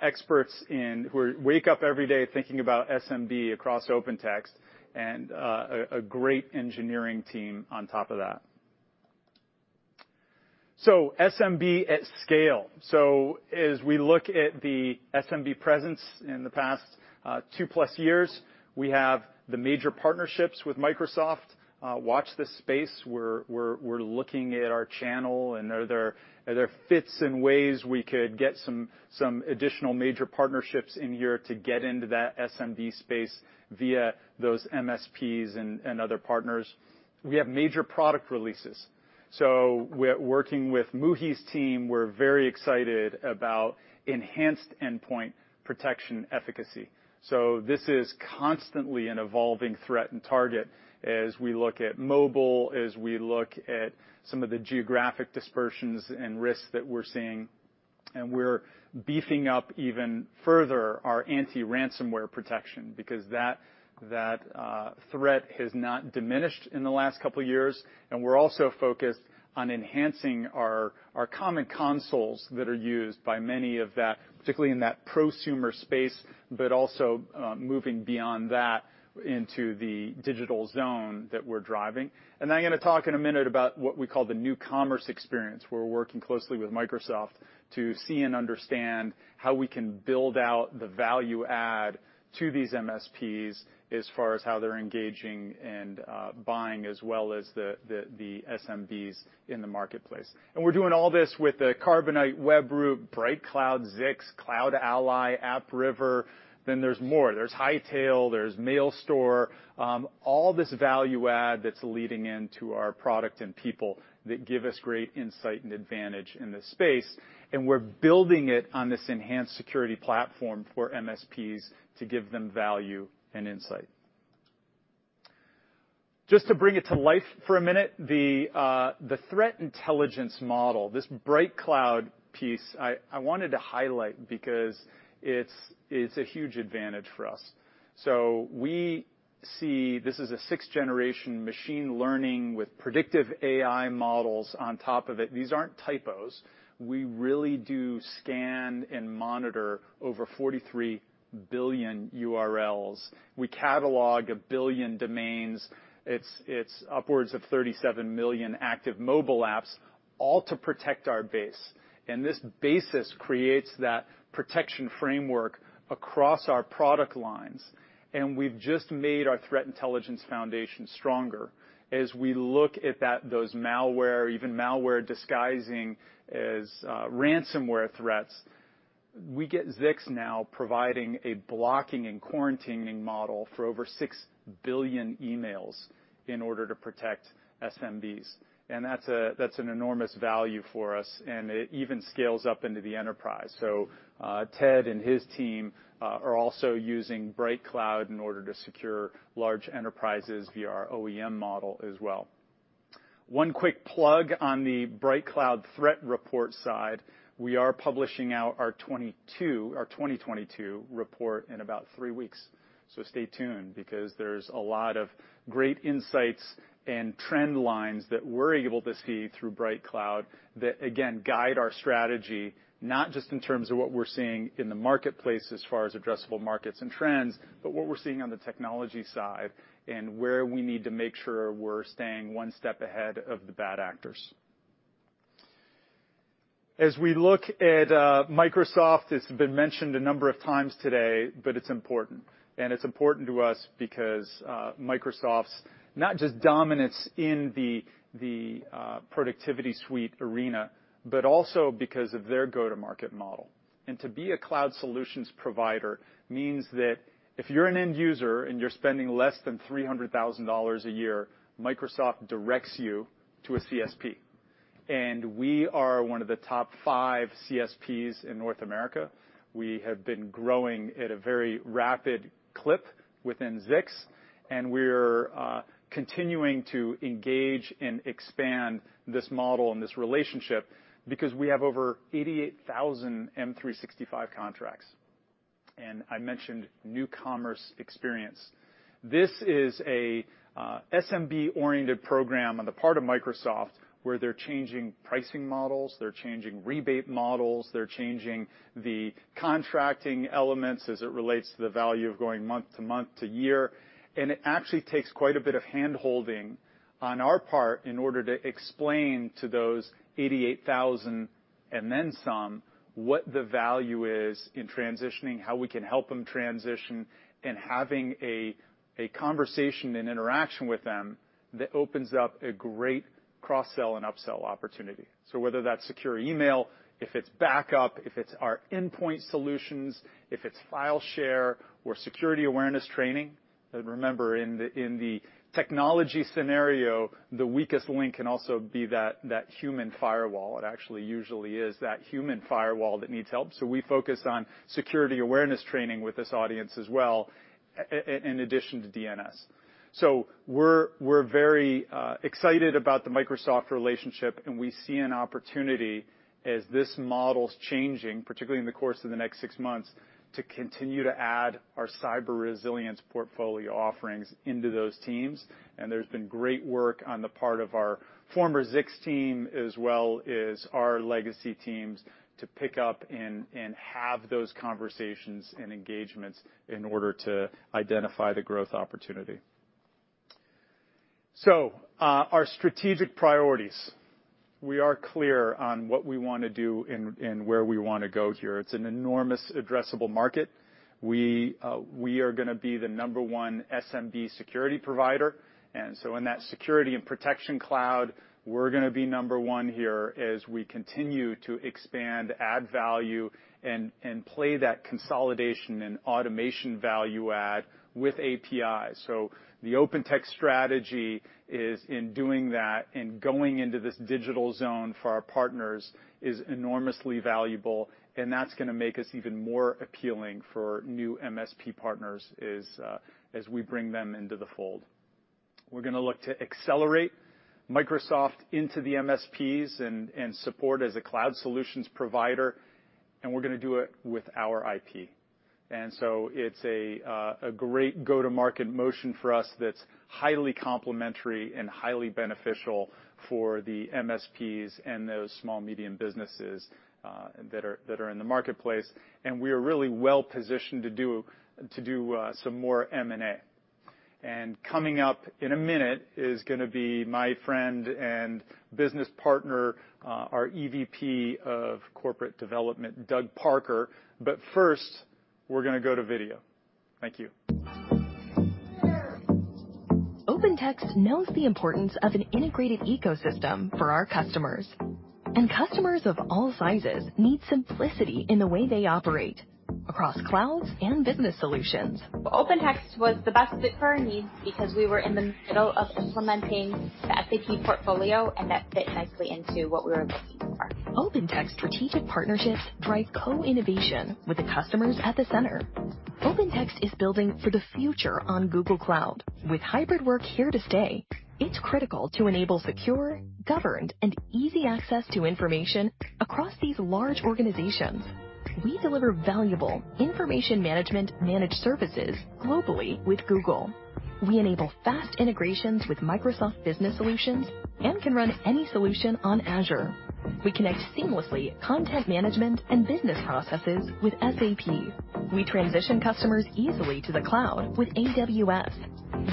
experts and who wake up every day thinking about SMB across OpenText and a great engineering team on top of that. SMB at scale. As we look at the SMB presence in the past two-plus years, we have the major partnerships with Microsoft. Watch this space. We're looking at our channel and are there fits and ways we could get some additional major partnerships in here to get into that SMB space via those MSPs and other partners. We have major product releases. We're working with Muhi's team, we're very excited about enhanced endpoint protection efficacy. This is constantly an evolving threat and target as we look at mobile, as we look at some of the geographic dispersions and risks that we're seeing. We're beefing up even further our anti-ransomware protection because that threat has not diminished in the last couple of years, and we're also focused on enhancing our common consoles that are used by many of that, particularly in that prosumer space, but also moving beyond that into the Digital Zone that we're driving. I'm gonna talk in a minute about what we call the new commerce experience, where we're working closely with Microsoft to see and understand how we can build out the value add to these MSPs as far as how they're engaging and buying as well as the SMBs in the marketplace. We're doing all this with the Carbonite Webroot, BrightCloud, Zix, CloudAlly, AppRiver, then there's more. There's Hightail, there's MailStore, all this value add that's leading into our product and people that give us great insight and advantage in this space, and we're building it on this enhanced security platform for MSPs to give them value and insight. Just to bring it to life for a minute, the threat intelligence model, this BrightCloud piece, I wanted to highlight because it's a huge advantage for us. We see this is a sixth-generation machine learning with predictive AI models on top of it. These aren't typos. We really do scan and monitor over 43 billion URLs. We catalog 1 billion domains. It's upwards of 37 million active mobile apps, all to protect our base. This basis creates that protection framework across our product lines, and we've just made our threat intelligence foundation stronger. As we look at those malware, even malware disguising as ransomware threats, we get Zix now providing a blocking and quarantining model for over 6 billion emails in order to protect SMBs. That's an enormous value for us, and it even scales up into the enterprise. Ted and his team are also using BrightCloud in order to secure large enterprises via our OEM model as well. One quick plug on the BrightCloud threat report side, we are publishing out our 2022 report in about three weeks. Stay tuned because there's a lot of great insights and trend lines that we're able to see through BrightCloud that again guide our strategy, not just in terms of what we're seeing in the marketplace as far as addressable markets and trends, but what we're seeing on the technology side and where we need to make sure we're staying one step ahead of the bad actors. As we look at Microsoft, it's been mentioned a number of times today, but it's important, and it's important to us because Microsoft's not just dominance in the productivity suite arena, but also because of their go-to-market model. To be a cloud solutions provider means that if you're an end user and you're spending less than $0.3 million a year, Microsoft directs you to a CSP. We are one of the top five CSPs in North America. We have been growing at a very rapid clip within Zix, and we're continuing to engage and expand this model and this relationship because we have over 88,000 M365 contracts. I mentioned New Commerce Experience. This is a SMB-oriented program on the part of Microsoft, where they're changing pricing models, they're changing rebate models, they're changing the contracting elements as it relates to the value of going month to month to year. It actually takes quite a bit of hand-holding on our part in order to explain to those 88,000 and then some, what the value is in transitioning, how we can help them transition, and having a conversation and interaction with them that opens up a great cross-sell and upsell opportunity. Whether that's secure email, if it's backup, if it's our endpoint solutions, if it's file share or security awareness training. Remember, in the technology scenario, the weakest link can also be that human firewall. It actually usually is that human firewall that needs help. We focus on security awareness training with this audience as well, in addition to DNS. We're very excited about the Microsoft relationship, and we see an opportunity as this model is changing, particularly in the course of the next six months, to continue to add our cyber resilience portfolio offerings into those teams. There's been great work on the part of our former Zix team as well as our legacy teams to pick up and have those conversations and engagements in order to identify the growth opportunity. Our strategic priorities, we are clear on what we want to do and where we want to go here. It's an enormous addressable market. We are gonna be the number one SMB security provider. In that Security and Protection Cloud, we're gonna be number one here as we continue to expand, add value, and play that consolidation and automation value add with APIs. The OpenText strategy is in doing that and going into this Digital Zone for our partners is enormously valuable, and that's gonna make us even more appealing for new MSP partners as we bring them into the fold. We're gonna look to accelerate Microsoft into the MSPs and support as a cloud solutions provider, and we're gonna do it with our IP. It's a great go-to-market motion for us that's highly complementary and highly beneficial for the MSPs and those small medium businesses that are in the marketplace. We are really well-positioned to do some more M&A. Coming up in a minute is gonna be my friend and business partner, our EVP of Corporate Development, Doug Parker. First, we're gonna go to video. Thank you. OpenText knows the importance of an integrated ecosystem for our customers, and customers of all sizes need simplicity in the way they operate across clouds and business solutions. OpenText was the best fit for our needs because we were in the middle of implementing the SAP portfolio, and that fit nicely into what we were looking for. OpenText strategic partnerships drive co-innovation with the customers at the center. OpenText is building for the future on Google Cloud. With hybrid work here to stay, it's critical to enable secure, governed, and easy access to information across these large organizations. We deliver valuable information management managed services globally with Google. We enable fast integrations with Microsoft Business Solutions and can run any solution on Azure. We connect seamlessly content management and business processes with SAP. We transition customers easily to the cloud with AWS.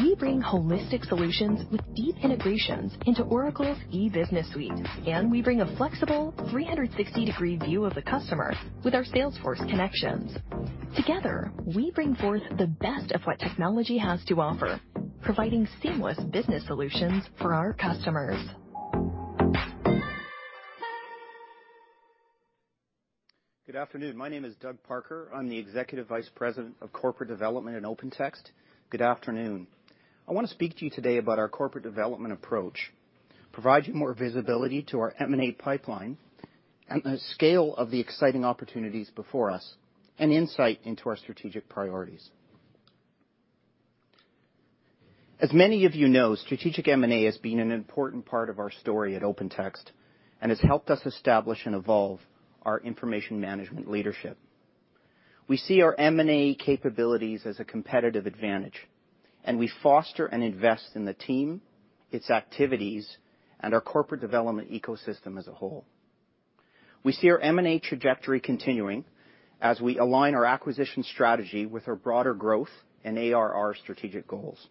We bring holistic solutions with deep integrations into Oracle's E-Business Suite, and we bring a flexible 360-degree view of the customer with our Salesforce connections. Together, we bring forth the best of what technology has to offer, providing seamless business solutions for our customers. Good afternoon. My name is Doug Parker. I'm the Executive Vice President of Corporate Development in OpenText. Good afternoon. I want to speak to you today about our corporate development approach, provide you more visibility to our M&A pipeline and the scale of the exciting opportunities before us, and insight into our strategic priorities. As many of you know, strategic M&A has been an important part of our story at OpenText and has helped us establish and evolve our information management leadership. We see our M&A capabilities as a competitive advantage, and we foster and invest in the team, its activities, and our corporate development ecosystem as a whole. We see our M&A trajectory continuing as we align our acquisition strategy with our broader growth and ARR strategic goals.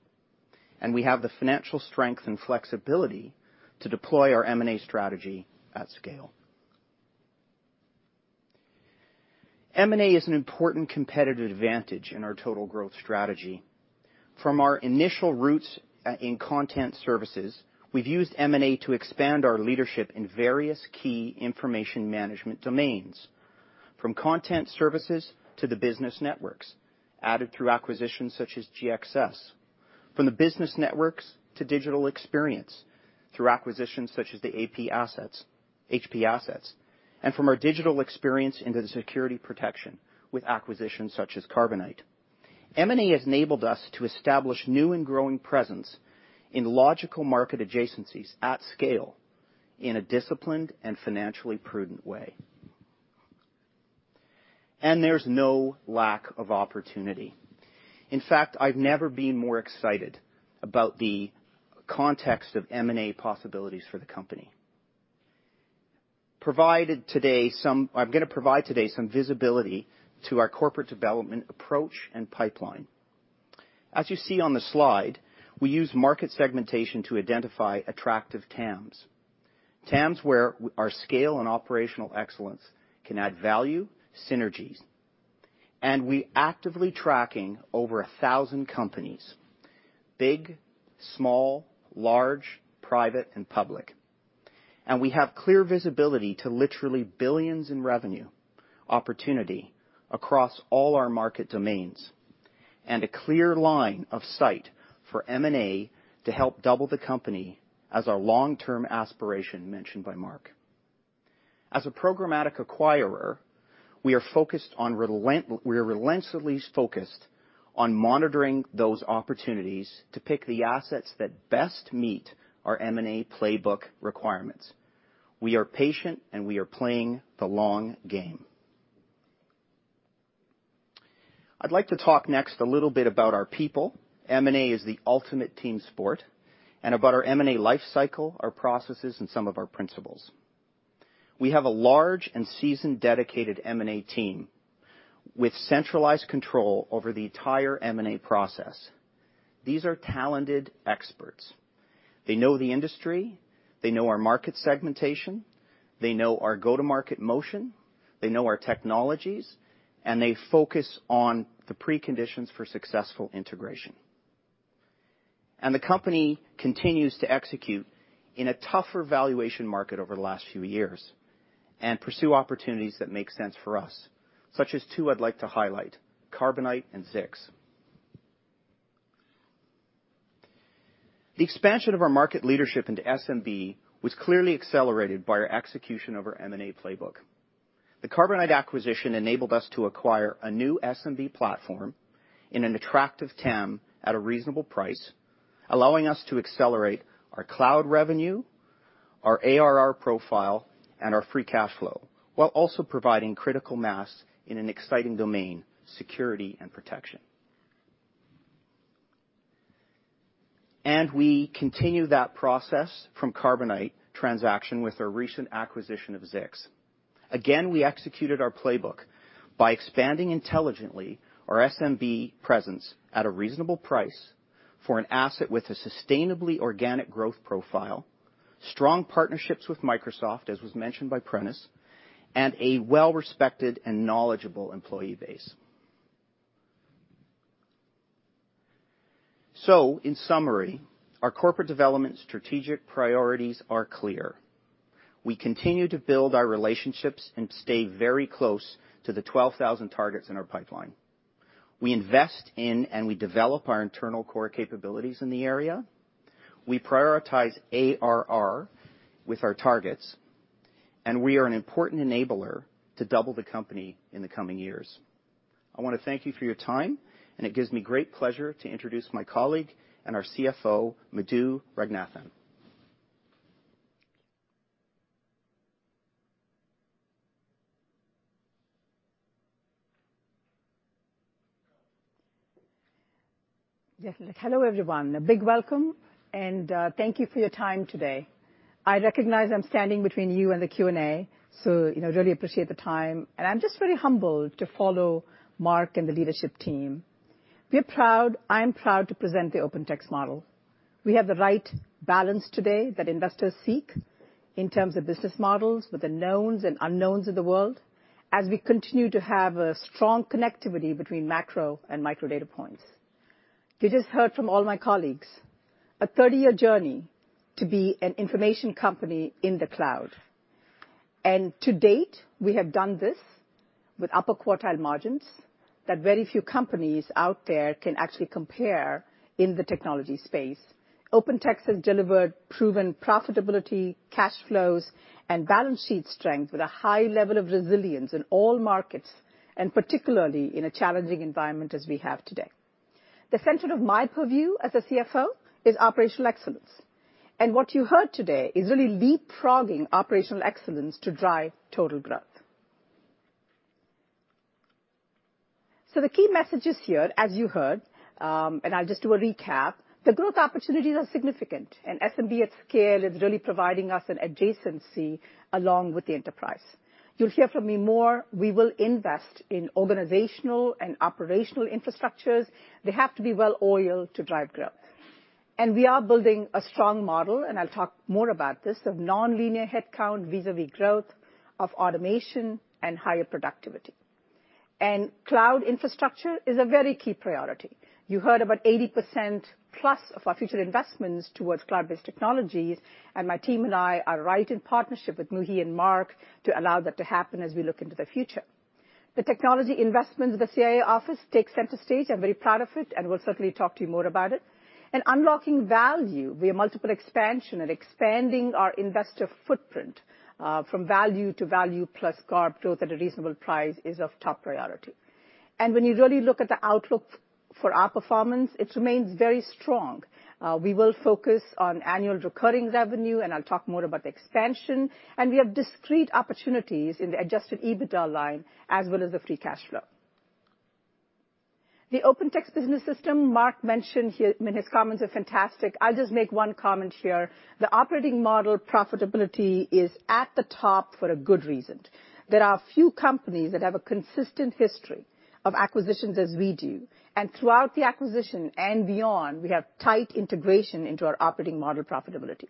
We have the financial strength and flexibility to deploy our M&A strategy at scale. M&A is an important competitive advantage in our total growth strategy. From our initial roots in content services, we've used M&A to expand our leadership in various key information management domains. From content services to the business networks, added through acquisitions such as GXS. From the business networks to digital experience through acquisitions such as the HP assets. From our digital experience into the security protection with acquisitions such as Carbonite. M&A has enabled us to establish new and growing presence in logical market adjacencies at scale in a disciplined and financially prudent way. There's no lack of opportunity. In fact, I've never been more excited about the context of M&A possibilities for the company. I'm gonna provide today some visibility to our corporate development approach and pipeline. As you see on the slide, we use market segmentation to identify attractive TAMs. TAMs where our scale and operational excellence can add value, synergies. We're actively tracking over 1,000 companies, big, small, large, private, and public. We have clear visibility to literally billions in revenue opportunity across all our market domains, and a clear line of sight for M&A to help double the company as our long-term aspiration mentioned by Mark. As a programmatic acquirer, we are relentlessly focused on monitoring those opportunities to pick the assets that best meet our M&A playbook requirements. We are patient, and we are playing the long game. I'd like to talk next a little bit about our people. M&A is the ultimate team sport, and about our M&A life cycle, our processes, and some of our principles. We have a large and seasoned dedicated M&A team with centralized control over the entire M&A process. These are talented experts. They know the industry. They know our market segmentation. They know our go-to-market motion. They know our technologies. They focus on the preconditions for successful integration. The company continues to execute in a tougher valuation market over the last few years and pursue opportunities that make sense for us, such as two I'd like to highlight, Carbonite and Zix. The expansion of our market leadership into SMB was clearly accelerated by our execution of our M&A playbook. The Carbonite acquisition enabled us to acquire a new SMB platform in an attractive TAM at a reasonable price, allowing us to accelerate our cloud revenue, our ARR profile, and our free cash flow, while also providing critical mass in an exciting domain, security and protection. We continue that process from Carbonite transaction with our recent acquisition of Zix. Again, we executed our playbook by expanding intelligently our SMB presence at a reasonable price for an asset with a sustainably organic growth profile, strong partnerships with Microsoft, as was mentioned by Prentiss, and a well-respected and knowledgeable employee base. In summary, our corporate development strategic priorities are clear. We continue to build our relationships and stay very close to the 12,000 targets in our pipeline. We invest in and we develop our internal core capabilities in the area. We prioritize ARR with our targets, and we are an important enabler to double the company in the coming years. I wanna thank you for your time, and it gives me great pleasure to introduce my colleague and our CFO, Madhu Ranganathan. Yes. Hello, everyone. A big welcome, and thank you for your time today. I recognize I'm standing between you and the Q&A, so, you know, really appreciate the time. I'm just really humbled to follow Mark and the leadership team. We're proud, I am proud, to present the OpenText model. We have the right balance today that investors seek in terms of business models with the knowns and unknowns of the world as we continue to have a strong connectivity between macro and micro data points. You just heard from all my colleagues a 30-year journey to be an information company in the cloud. To date, we have done this with upper quartile margins that very few companies out there can actually compare in the technology space. OpenText has delivered proven profitability, cash flows, and balance sheet strength with a high level of resilience in all markets, and particularly in a challenging environment as we have today. The center of my purview as a CFO is operational excellence. What you heard today is really leapfrogging operational excellence to drive total growth. The key messages here, as you heard, and I'll just do a recap, the growth opportunities are significant, and SMB at scale is really providing us an adjacency along with the enterprise. You'll hear from me more. We will invest in organizational and operational infrastructures. They have to be well-oiled to drive growth. We are building a strong model, and I'll talk more about this, of nonlinear headcount vis-à-vis growth of automation and higher productivity. Cloud infrastructure is a very key priority. You heard about 80%+ of our future investments towards cloud-based technologies, and my team and I are right in partnership with Muhi and Mark to allow that to happen as we look into the future. The technology investments of the CIO office takes center stage. I'm very proud of it, and we'll certainly talk to you more about it. Unlocking value via multiple expansion and expanding our investor footprint, from value to value plus GARP growth at a reasonable price is of top priority. When you really look at the outlook for our performance, it remains very strong. We will focus on annual recurring revenue, and I'll talk more about the expansion. We have discrete opportunities in the adjusted EBITDA line as well as the free cash flow. The OpenText business system Mark mentioned here, I mean, his comments are fantastic. I'll just make one comment here. The operating model profitability is at the top for a good reason. There are few companies that have a consistent history of acquisitions as we do. Throughout the acquisition and beyond, we have tight integration into our operating model profitability.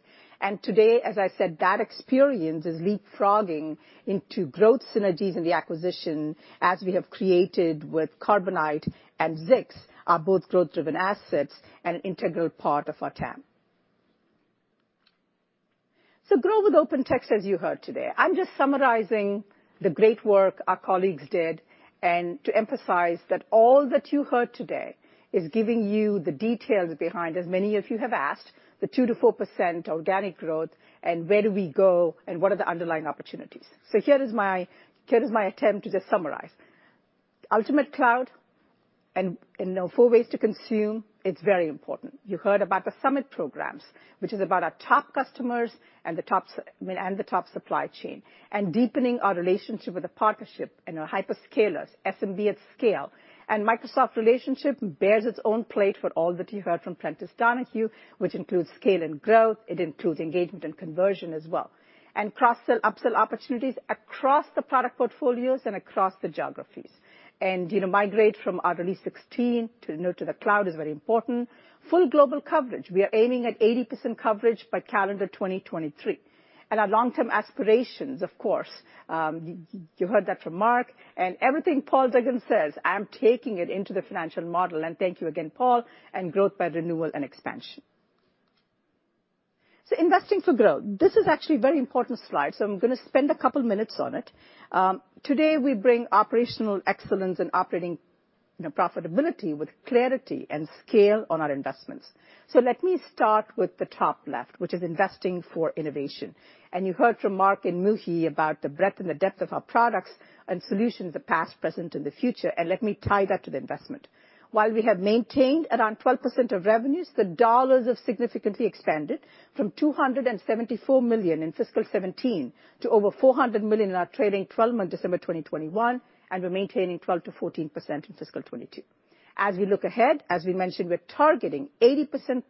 Today, as I said, that experience is leapfrogging into growth synergies in the acquisition as we have created with Carbonite and Zix are both growth-driven assets and an integral part of our TAM. Grow with OpenText, as you heard today. I'm just summarizing the great work our colleagues did and to emphasize that all that you heard today is giving you the details behind, as many of you have asked, the 2%-4% organic growth and where do we go and what are the underlying opportunities. Here is my attempt to just summarize. OpenText Cloud and four ways to consume, it's very important. You heard about the summit programs, which is about our top customers and the top supply chain, and deepening our relationship with the partnership and our hyperscalers, SMB at scale. Microsoft relationship bears its own plate for all that you heard from Prentiss Donohue, which includes scale and growth. It includes engagement and conversion as well. Cross-sell, upsell opportunities across the product portfolios and across the geographies. You know, migrate from our Release 16 to the cloud is very important. Full global coverage. We are aiming at 80% coverage by calendar 2023. Our long-term aspirations, of course, you heard that from Mark. Everything Paul Duggan says, I'm taking it into the financial model. Thank you again, Paul, and growth by renewal and expansion. Investing for growth. This is actually a very important slide, so I'm gonna spend a couple minutes on it. Today, we bring operational excellence and operating profitability with clarity and scale on our investments. Let me start with the top left, which is investing for innovation. You heard from Mark and Muhi about the breadth and the depth of our products and solutions, the past, present, and the future, and let me tie that to the investment. While we have maintained around 12% of revenues, the dollars have significantly expanded from $274 million in fiscal 2017 to over $400 million in our trailing twelve-month December 2021, and we're maintaining 12%-14% in fiscal 2022. As we look ahead, as we mentioned, we're targeting 80%+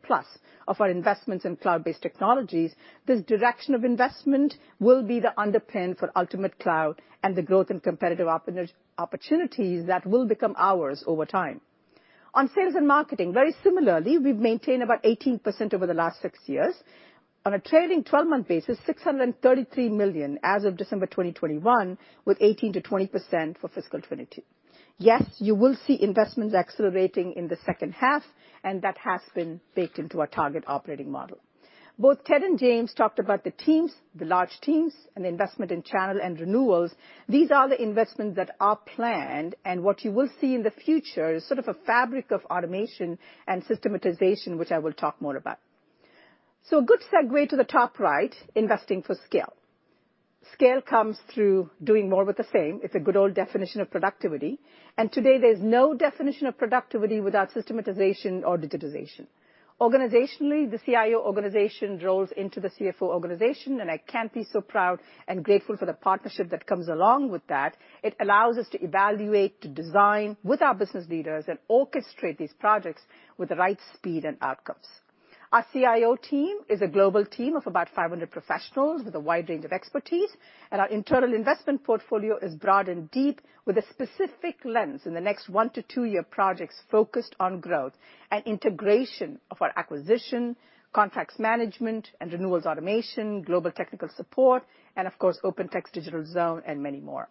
of our investments in cloud-based technologies. This direction of investment will be the underpinning for Ultimate Cloud and the growth and competitive advantage opportunities that will become ours over time. On sales and marketing, very similarly, we've maintained about 18% over the last 6 years. On a trailing 12-month basis, $633 million as of December 2021, with 18%-20% for fiscal 2022. Yes, you will see investments accelerating in the second half, and that has been baked into our target operating model. Both Ted and James talked about the teams, the large teams and investment in channel and renewals. These are the investments that are planned, and what you will see in the future is sort of a fabric of automation and systematization, which I will talk more about. A good segue to the top right, investing for scale. Scale comes through doing more with the same. It's a good old definition of productivity. Today, there's no definition of productivity without systematization or digitization. Organizationally, the CIO organization rolls into the CFO organization, and I can't be so proud and grateful for the partnership that comes along with that. It allows us to evaluate, to design with our business leaders and orchestrate these projects with the right speed and outcomes. Our CIO team is a global team of about 500 professionals with a wide range of expertise, and our internal investment portfolio is broad and deep with a specific lens in the next 1-year to 2-year projects focused on growth and integration of our acquisition, contracts management and renewals automation, global technical support, and of course, OpenText Digital Zone and many more.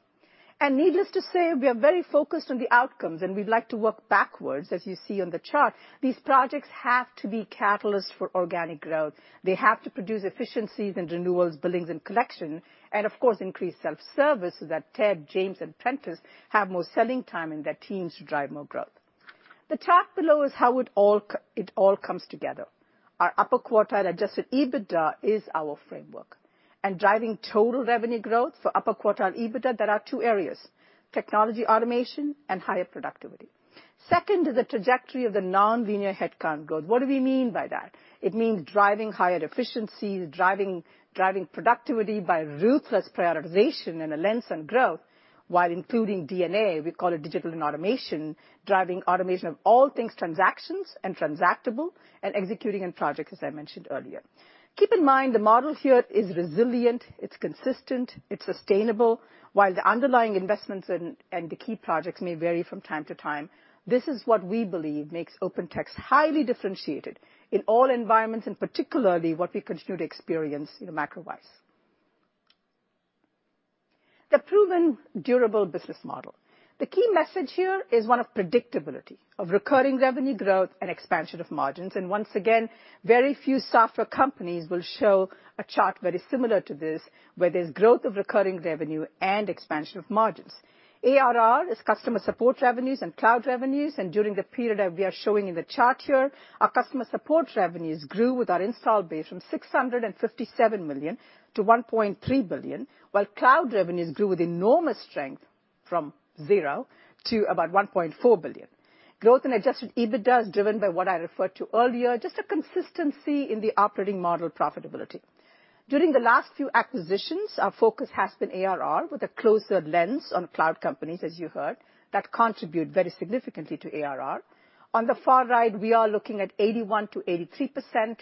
Needless to say, we are very focused on the outcomes, and we like to work backwards, as you see on the chart. These projects have to be catalysts for organic growth. They have to produce efficiencies in renewals, billings, and collection, and of course, increase self-service so that Ted, James, and Prentiss have more selling time and their teams to drive more growth. The chart below is how it all comes together. Our upper quartile adjusted EBITDA is our framework. Driving total revenue growth for upper quartile EBITDA, there are two areas, technology automation and higher productivity. Second is the trajectory of the nonlinear headcount growth. What do we mean by that? It means driving higher efficiencies, driving productivity by ruthless prioritization and a lens on growth while including DNA, we call it digital and automation, driving automation of all things transactions and transactable and executing on projects, as I mentioned earlier. Keep in mind the model here is resilient, it's consistent, it's sustainable. While the underlying investments and the key projects may vary from time to time, this is what we believe makes OpenText highly differentiated in all environments, and particularly what we continue to experience, you know, macro-wise. The proven durable business model. The key message here is one of predictability, of recurring revenue growth and expansion of margins. Once again, very few software companies will show a chart very similar to this, where there's growth of recurring revenue and expansion of margins. ARR is customer support revenues and cloud revenues, and during the period that we are showing in the chart here, our customer support revenues grew with our install base from $657 million to $1.3 billion, while cloud revenues grew with enormous strength from $0 to about $1.4 billion. Growth and adjusted EBITDA is driven by what I referred to earlier, just a consistency in the operating model profitability. During the last few acquisitions, our focus has been ARR with a closer lens on cloud companies, as you heard, that contribute very significantly to ARR. On the far right, we are looking at 81%-83%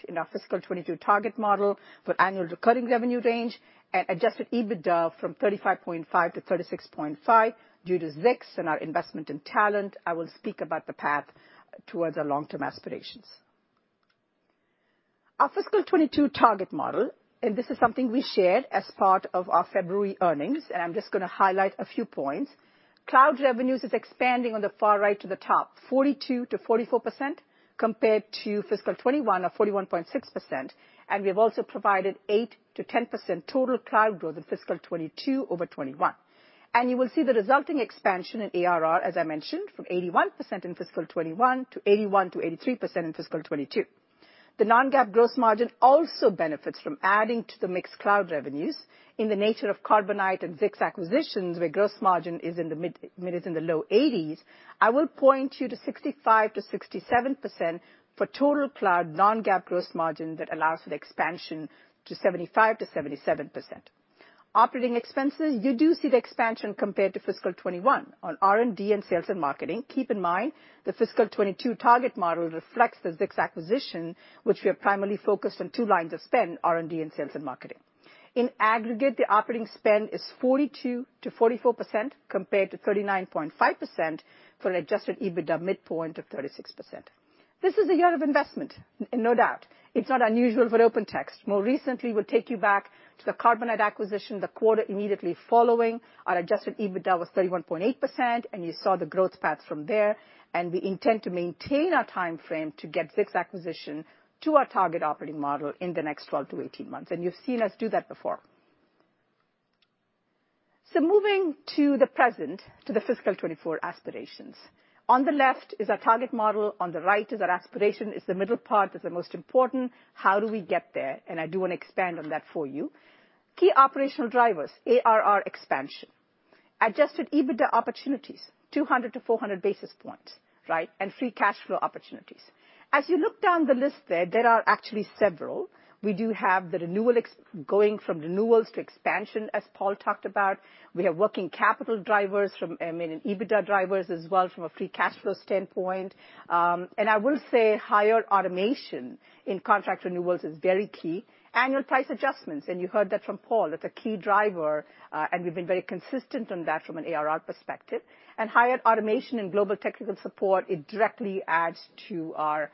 in our fiscal 2022 target model for annual recurring revenue range and adjusted EBITDA from 35.5%-36.5% due to Zix and our investment in talent. I will speak about the path towards our long-term aspirations. Our fiscal 2022 target model, and this is something we shared as part of our February earnings, and I'm just gonna highlight a few points. Cloud revenues is expanding on the far right to the top 42%-44% compared to fiscal 2021 of 41.6%, and we have also provided 8%-10% total cloud growth in fiscal 2022 over 2021. You will see the resulting expansion in ARR, as I mentioned, from 81% in fiscal 2021 to 81%-83% in fiscal 2022. The non-GAAP gross margin also benefits from adding to the mixed cloud revenues in the nature of Carbonite and Zix acquisitions, where gross margin is in the low 80s. I will point you to 65%-67% for total cloud non-GAAP gross margin that allows for the expansion to 75%-77%. Operating expenses, you do see the expansion compared to fiscal 2021 on R&D and sales and marketing. Keep in mind, the fiscal 2022 target model reflects the Zix acquisition, which we are primarily focused on two lines of spend, R&D and sales and marketing. In aggregate, the operating spend is 42%-44% compared to 39.5% for an adjusted EBITDA midpoint of 36%. This is a year of investment, no doubt. It's not unusual for OpenText. More recently, we'll take you back to the Carbonite acquisition, the quarter immediately following. Our adjusted EBITDA was 31.8%, and you saw the growth path from there, and we intend to maintain our timeframe to get Zix acquisition to our target operating model in the next 12 months-18 months. And you've seen us do that before. Moving to the present, to the fiscal 2024 aspirations. On the left is our target model, on the right is our aspiration. It's the middle part that's the most important. How do we get there? I do want to expand on that for you. Key operational drivers, ARR expansion, adjusted EBITDA opportunities, 200 basis points-400 basis points, right? Free cash flow opportunities. As you look down the list there are actually several. We do have going from renewals to expansion, as Paul talked about. We have working capital drivers, I mean, and EBITDA drivers as well from a free cash flow standpoint. I will say higher automation in contract renewals is very key. Annual price adjustments, and you heard that from Paul. It's a key driver, and we've been very consistent on that from an ARR perspective. Higher automation and global technical support, it directly adds to our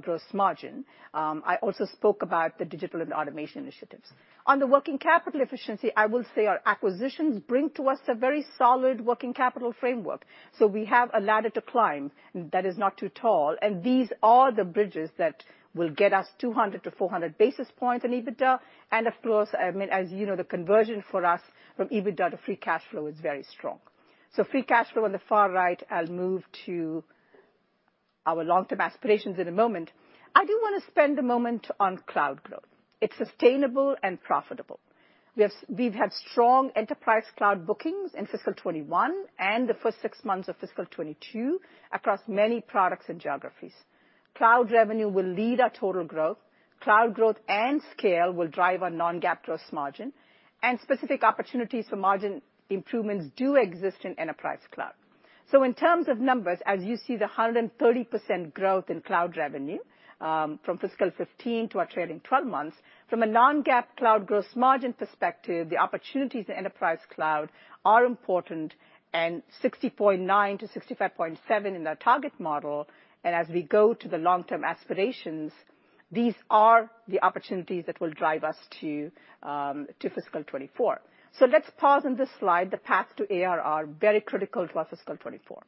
gross margin. I also spoke about the digital and automation initiatives. On the working capital efficiency, I will say our acquisitions bring to us a very solid working capital framework, so we have a ladder to climb that is not too tall, and these are the bridges that will get us 200 basis points-400 basis points in EBITDA. Of course, I mean, as you know, the conversion for us from EBITDA to free cash flow is very strong. Free cash flow on the far right. I'll move to our long-term aspirations in a moment. I do wanna spend a moment on cloud growth. It's sustainable and profitable. We've had strong enterprise cloud bookings in fiscal 2021 and the first six months of fiscal 2022 across many products and geographies. Cloud revenue will lead our total growth. Cloud growth and scale will drive our non-GAAP gross margin, and specific opportunities for margin improvements do exist in enterprise cloud. In terms of numbers, as you see the 130% growth in cloud revenue from fiscal 2015 to our trailing twelve months, from a non-GAAP cloud gross margin perspective, the opportunities in enterprise cloud are important and 60.9%-65.7% in our target model. As we go to the long-term aspirations, these are the opportunities that will drive us to fiscal 2024. Let's pause on this slide, the path to ARR, very critical to our fiscal 2024.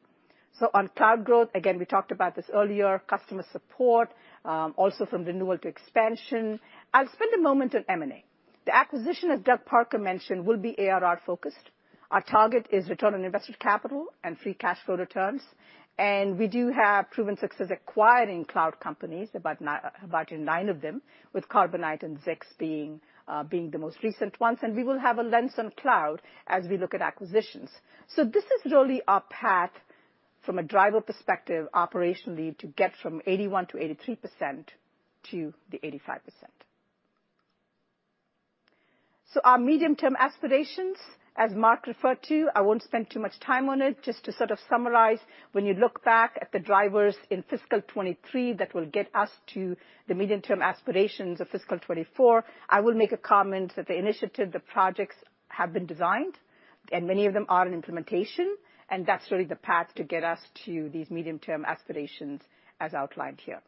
On cloud growth, again, we talked about this earlier, customer support, also from renewal to expansion. I'll spend a moment on M&A. The acquisition, as Doug Parker mentioned, will be ARR-focused. Our target is return on invested capital and free cash flow returns. We do have proven success acquiring cloud companies, about 9 of them, with Carbonite and Zix being the most recent ones, and we will have a lens on cloud as we look at acquisitions. This is really our path from a driver perspective operationally to get from 81%-83% to the 85%. Our medium-term aspirations, as Mark referred to, I won't spend too much time on it. Just to sort of summarize, when you look back at the drivers in fiscal 2023 that will get us to the medium-term aspirations of fiscal 2024, I will make a comment that the initiative, the projects have been designed and many of them are in implementation, and that's really the path to get us to these medium-term aspirations as outlined here.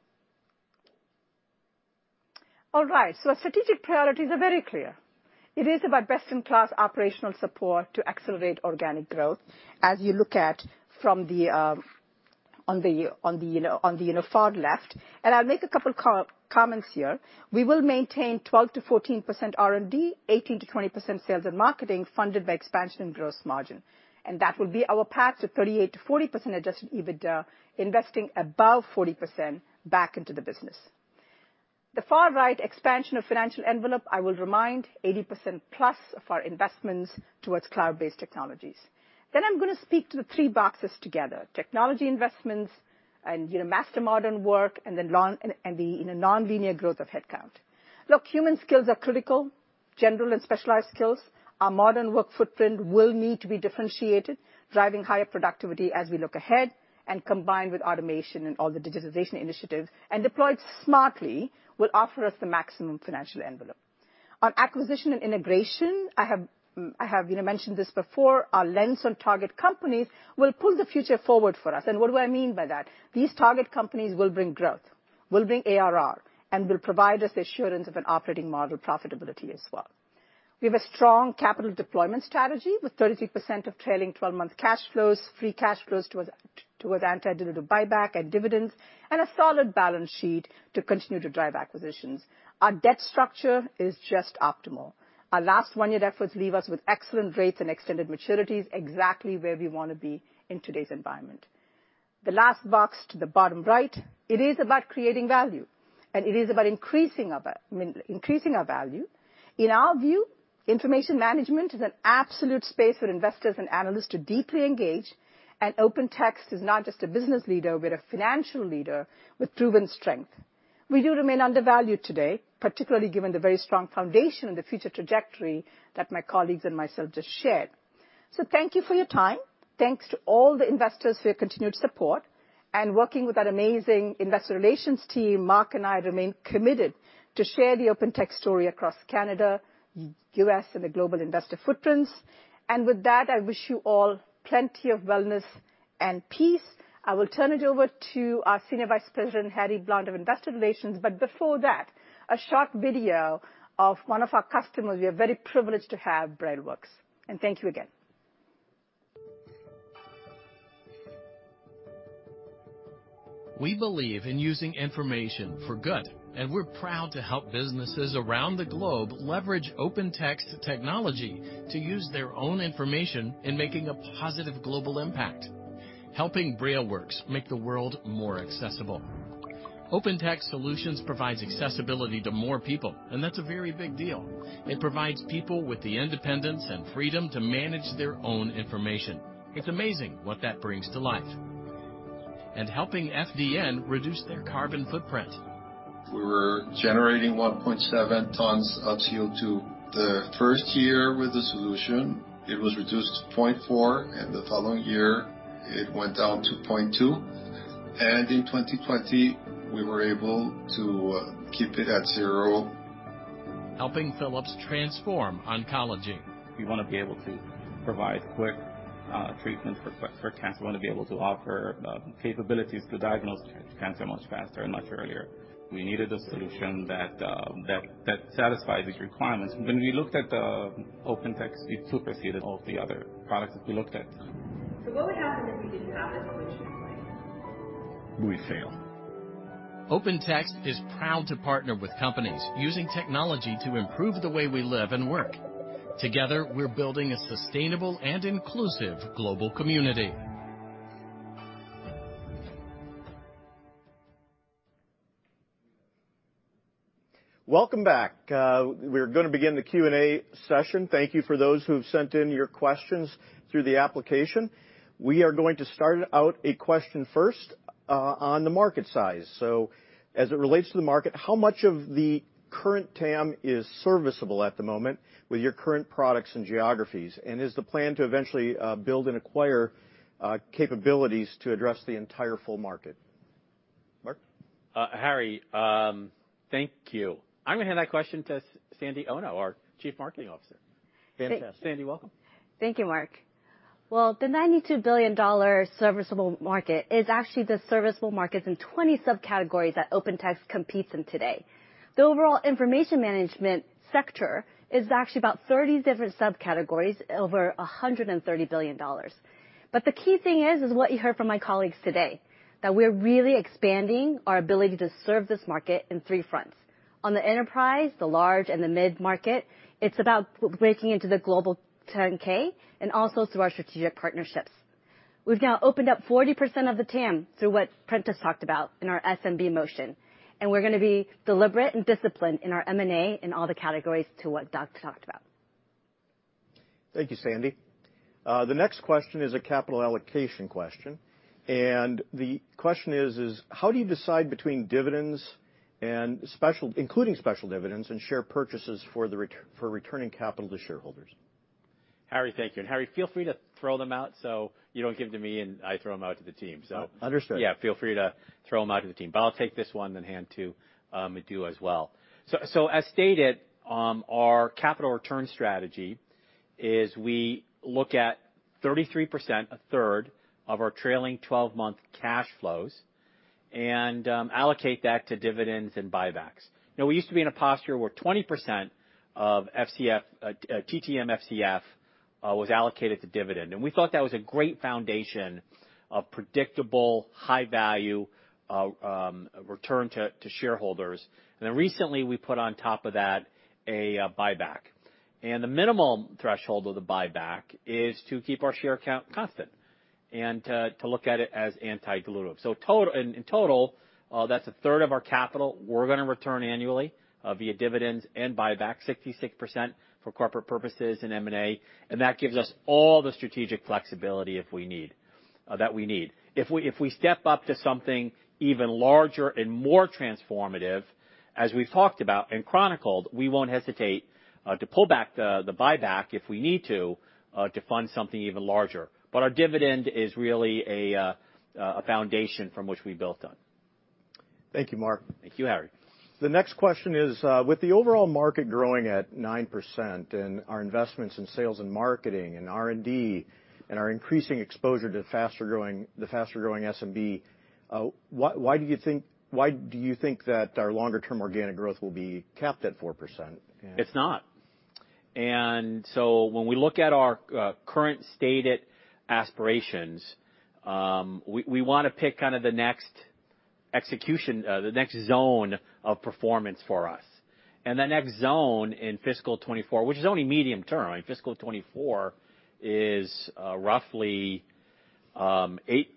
All right, our strategic priorities are very clear. It is about best-in-class operational support to accelerate organic growth as you look at from the on the far left, and I'll make a couple comments here. We will maintain 12%-14% R&D, 18%-20% sales and marketing funded by expansion in gross margin, and that will be our path to 38%-40% adjusted EBITDA, investing above 40% back into the business. The far-right expansion of financial envelope, I will remind, 80%+ of our investments towards cloud-based technologies. Then I'm gonna speak to the three boxes together, technology investments and, you know, master modern work and the nonlinear growth of headcount. Look, human skills are critical, general and specialized skills. Our modern work footprint will need to be differentiated, driving higher productivity as we look ahead, and combined with automation and all the digitization initiatives, and deployed smartly, will offer us the maximum financial envelope. On acquisition and integration, I have, you know, mentioned this before, our lens on target companies will pull the future forward for us. What do I mean by that? These target companies will bring growth, will bring ARR, and will provide us assurance of an operating model profitability as well. We have a strong capital deployment strategy, with 33% of trailing 12-month free cash flows toward anti-dilutive buyback and dividends, and a solid balance sheet to continue to drive acquisitions. Our debt structure is just optimal. Our last 1-year efforts leave us with excellent rates and extended maturities, exactly where we wanna be in today's environment. The last box to the bottom right, it is about creating value, and it is about increasing our, I mean, increasing our value. In our view, information management is an absolute space for investors and analysts to deeply engage, and OpenText is not just a business leader; we're a financial leader with proven strength. We do remain undervalued today, particularly given the very strong foundation and the future trajectory that my colleagues and myself just shared. Thank you for your time. Thanks to all the investors for your continued support. Working with our amazing investor relations team, Mark and I remain committed to share the OpenText story across Canada, U.S., and the global investor footprints. With that, I wish you all plenty of wellness and peace. I will turn it over to our senior vice president, Harry Blount of Investor Relations. before that, a short video of one of our customers we are very privileged to have, Braille Works. Thank you again. We believe in using information for good, and we're proud to help businesses around the globe leverage OpenText technology to use their own information in making a positive global impact. Helping Braille Works make the world more accessible. OpenText solutions provide accessibility to more people, and that's a very big deal. It provides people with the independence and freedom to manage their own information. It's amazing what that brings to life. Helping FDN reduce their carbon footprint. We were generating 1.7 tons of CO2. The first year with the solution, it was reduced to 0.4, and the following year, it went down to 0.2. In 2020, we were able to keep it at 0. Helping Philips transform oncology. We wanna be able to provide quick treatment for cancer. We wanna be able to offer capabilities to diagnose cancer much faster and much earlier. We needed a solution that satisfied these requirements. When we looked at OpenText, it superseded all of the other products that we looked at. What would happen if we did not accomplish the plan? We fail. OpenText is proud to partner with companies using technology to improve the way we live and work. Together, we're building a sustainable and inclusive global community. Welcome back. We're gonna begin the Q&A session. Thank you for those who have sent in your questions through the application. We are going to start with a question first on the market size. So as it relates to the market, how much of the current TAM is serviceable at the moment with your current products and geographies? And is the plan to eventually build and acquire capabilities to address the entire full market? Mark? Harry, thank you. I'm gonna hand that question to Sandy Ono, our Chief Marketing Officer. Fantastic. Sandy, welcome. Thank you, Mark. Well, the $92 billion serviceable market is actually the serviceable markets in 20 subcategories that OpenText competes in today. The overall information management sector is actually about 30 different subcategories over $130 billion. The key thing is what you heard from my colleagues today, that we're really expanding our ability to serve this market in three fronts. On the enterprise, the large and the mid-market, it's about breaking into the global G10K and also through our strategic partnerships. We've now opened up 40% of the TAM through what Prentiss talked about in our SMB motion, and we're gonna be deliberate and disciplined in our M&A in all the categories to what Doc talked about. Thank you, Sandy. The next question is a capital allocation question. The question is, how do you decide between dividends, including special dividends, and share purchases for returning capital to shareholders? Harry, thank you. Harry, feel free to throw them out, so you don't give them to me, and I throw them out to the team. Understood. Yeah, feel free to throw them out to the team. I'll take this one, then hand to Madhu as well. As stated, our capital return strategy is we look at 33%, 1/3 of our trailing twelve-month cash flows and allocate that to dividends and buybacks. Now, we used to be in a posture where 20% of FCF, TTM FCF, was allocated to dividend. We thought that was a great foundation of predictable, high value return to shareholders. Then recently, we put on top of that a buyback. The minimum threshold of the buyback is to keep our share count constant and to look at it as anti-dilutive. In total, that's 1/3 of our capital we're gonna return annually via dividends and buyback 66% for corporate purposes and M&A. That gives us all the strategic flexibility if we need that we need. If we step up to something even larger and more transformative, as we've talked about and chronicled, we won't hesitate to pull back the buyback if we need to to fund something even larger. Our dividend is really a foundation from which we built on. Thank you, Mark. Thank you, Harry. The next question is, with the overall market growing at 9% and our investments in sales and marketing and R&D and our increasing exposure to the faster-growing SMB, why do you think that our longer term organic growth will be capped at 4%? It's not. When we look at our current stated aspirations, we wanna pick kind of the next execution, the next zone of performance for us. That next zone in fiscal 2024, which is only medium-term. I mean, fiscal 2024 is roughly eight,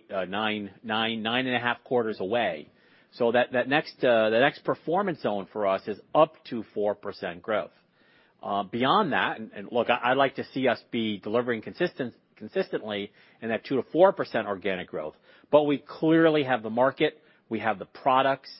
9.5 quarters away. That next performance zone for us is up to 4% growth. Beyond that, and look, I like to see us be delivering consistently in that 2%-4% organic growth. We clearly have the market, we have the products,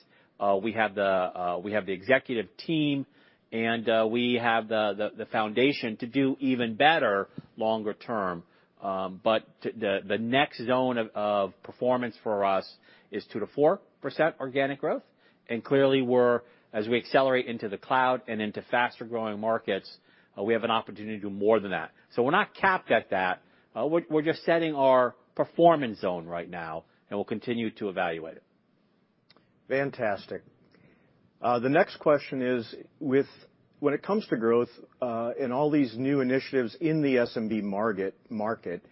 we have the executive team, and we have the foundation to do even better longer term. The next zone of performance for us is 2%-4% organic growth. Clearly, as we accelerate into the cloud and into faster-growing markets, we have an opportunity to do more than that. We're not capped at that. We're just setting our performance zone right now, and we'll continue to evaluate it. Fantastic. The next question is, when it comes to growth, and all these new initiatives in the SMB market,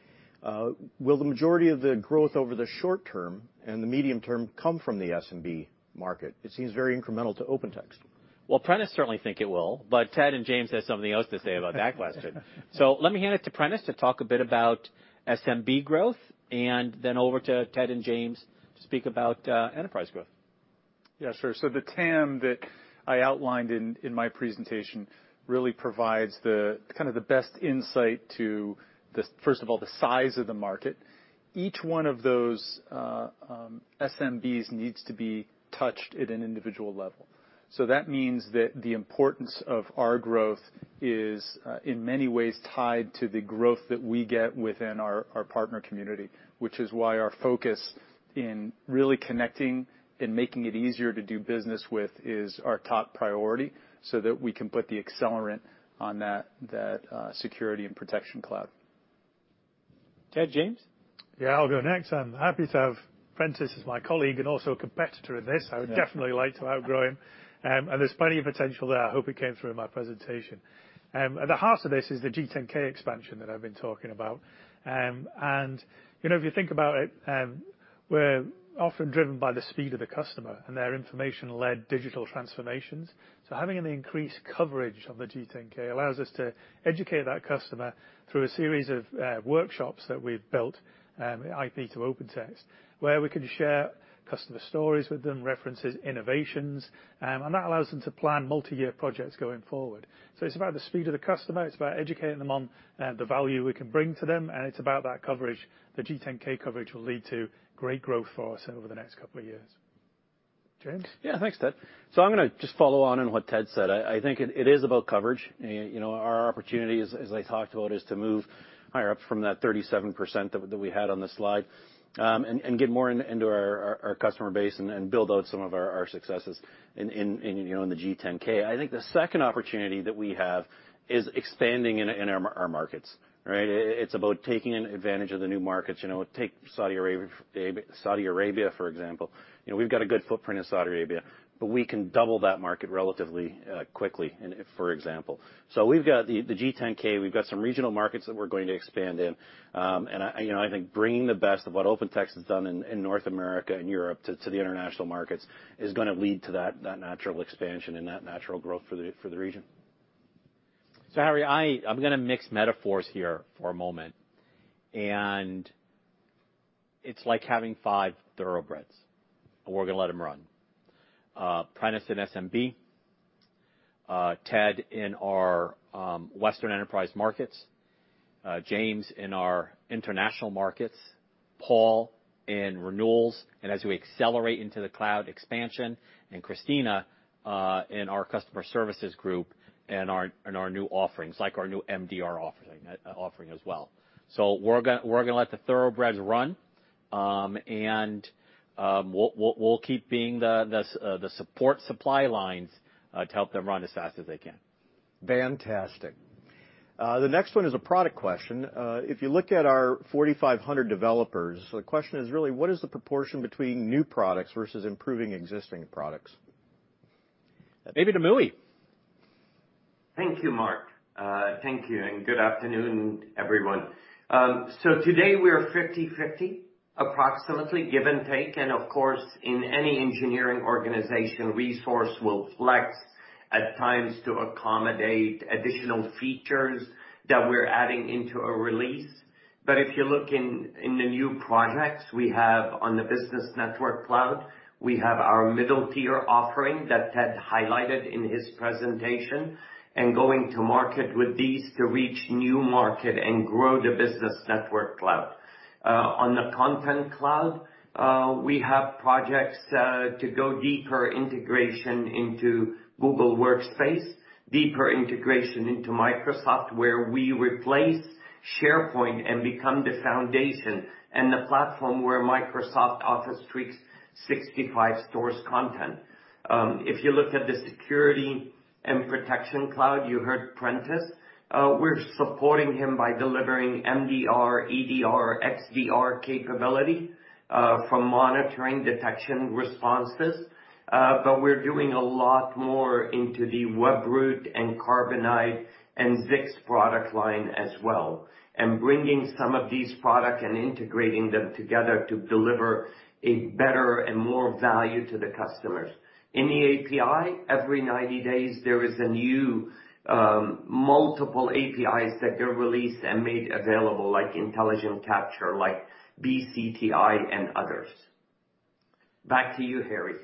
will the majority of the growth over the short term and the medium term come from the SMB market? It seems very incremental to OpenText. Well, Prentiss certainly think it will, but Ted and James has something else to say about that question. Let me hand it to Prentiss to talk a bit about SMB growth, and then over to Ted and James to speak about enterprise growth. Yeah, sure. The TAM that I outlined in my presentation really provides the kind of the best insight to the first of all, the size of the market. Each one of those SMBs needs to be touched at an individual level. That means that the importance of our growth is in many ways tied to the growth that we get within our partner community, which is why our focus in really connecting and making it easier to do business with is our top priority, so that we can put the accelerant on that Security and Protection Cloud. Ted, James? Yeah, I'll go next. I'm happy to have Prentiss as my colleague and also a competitor in this. Yeah. I would definitely like to outgrow him. There's plenty of potential there. I hope it came through in my presentation. At the heart of this is the G10K expansion that I've been talking about. You know, if you think about it, we're often driven by the speed of the customer and their information-led digital transformations. Having an increased coverage of the G10K allows us to educate that customer through a series of workshops that we've built, IP to OpenText, where we can share customer stories with them, references, innovations, and that allows them to plan multi-year projects going forward. It's about the speed of the customer, it's about educating them on the value we can bring to them, and it's about that coverage. The G10K coverage will lead to great growth for us over the next couple of years. James? Yeah. Thanks, Ted. I'm gonna just follow on what Ted said. I think it is about coverage. You know, our opportunity, as I talked about, is to move higher up from that 37% that we had on the slide, and get more into our customer base and build out some of our successes in the G10K. I think the second opportunity that we have is expanding in our markets. Right? It is about taking advantage of the new markets. You know, take Saudi Arabia, for example. You know, we've got a good footprint in Saudi Arabia, but we can double that market relatively quickly, for example. We've got the G10K, we've got some regional markets that we're going to expand in, and you know, I think bringing the best of what OpenText has done in North America and Europe to the international markets is gonna lead to that natural expansion and that natural growth for the region. Harry, I'm gonna mix metaphors here for a moment, and it's like having five thoroughbreds, and we're gonna let them run. Prentiss in SMB, Ted in our western enterprise markets, James in our international markets, Paul in renewals, and as we accelerate into the cloud expansion, and Kristina in our customer services group and our new offerings, like our new MDR offering as well. We're gonna let the thoroughbreds run, and we'll keep being the support supply lines to help them run as fast as they can. Fantastic. The next one is a product question. If you look at our 4,500 developers, the question is really, what is the proportion between new products versus improving existing products? Maybe to Muhi. Thank you, Mark. Thank you, and good afternoon, everyone. Today we are 50/50, approximately, give and take. Of course, in any engineering organization, resource will flex at times to accommodate additional features that we're adding into a release. If you look in the new projects we have on the Business Network Cloud, we have our middle-tier offering that Ted highlighted in his presentation, and going to market with these to reach new market and grow the Business Network Cloud. On the Content Cloud, we have projects to go deeper integration into Google Workspace, deeper integration into Microsoft, where we replace SharePoint and become the foundation and the platform where Microsoft Office 365 stores content. If you look at the Security and Protection Cloud, you heard Prentiss, we're supporting him by delivering MDR, EDR, XDR capability from monitoring detection responses. But we're doing a lot more into the Webroot and Carbonite and Zix product line as well, and bringing some of these products and integrating them together to deliver a better and more value to the customers. In the API, every 90 days there is a new multiple APIs that get released and made available, like Intelligent Capture, like BCTI and others. Back to you, Harry.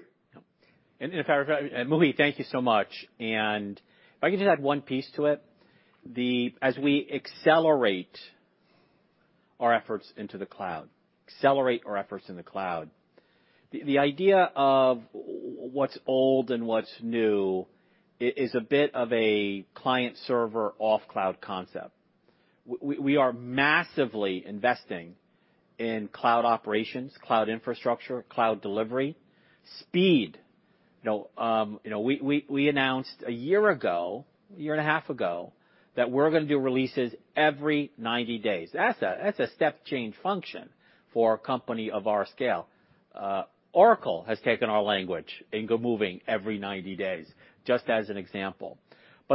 Muhi, thank you so much. If I can just add one piece to it. As we accelerate our efforts in the cloud, the idea of what's old and what's new is a bit of a client-server off-cloud concept. We are massively investing in cloud operations, cloud infrastructure, cloud delivery speed. You know, we announced a year ago, a year and a half ago, that we're gonna do releases every 90 days. That's a step change function for a company of our scale. Oracle has taken our language and now moving every 90 days, just as an example.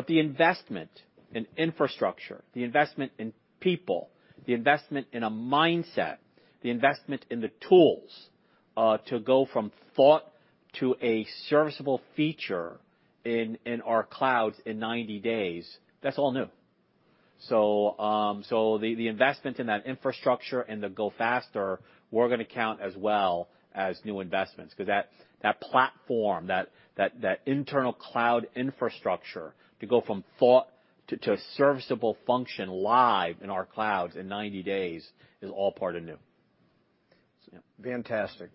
The investment in infrastructure, the investment in people, the investment in a mindset, the investment in the tools to go from thought to a serviceable feature in our clouds in 90 days, that's all new. The investment in that infrastructure and the go faster, we're gonna count as well as new investments 'cause that internal cloud infrastructure to go from thought to a serviceable function live in our clouds in 90 days is all part of new. Yeah. Fantastic.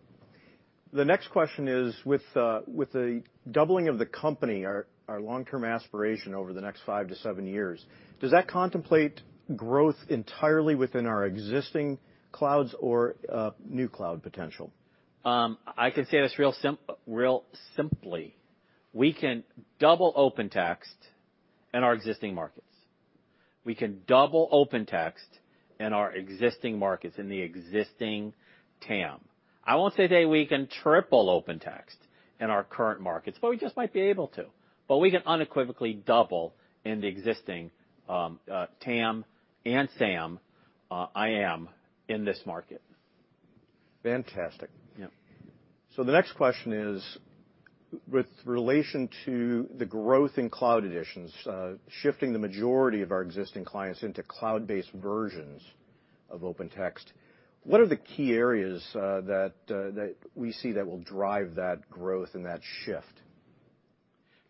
The next question is, with the doubling of the company, our long-term aspiration over the next 5 years-7 years, does that contemplate growth entirely within our existing clouds or new cloud potential? I can say this really simply. We can double OpenText in our existing markets, in the existing TAM. I won't say that we can triple OpenText in our current markets, but we just might be able to. We can unequivocally double in the existing TAM and SAM, I am in this market. Fantastic. Yeah. The next question is, with relation to the growth in cloud editions, shifting the majority of our existing clients into cloud-based versions of OpenText, what are the key areas that we see that will drive that growth and that shift?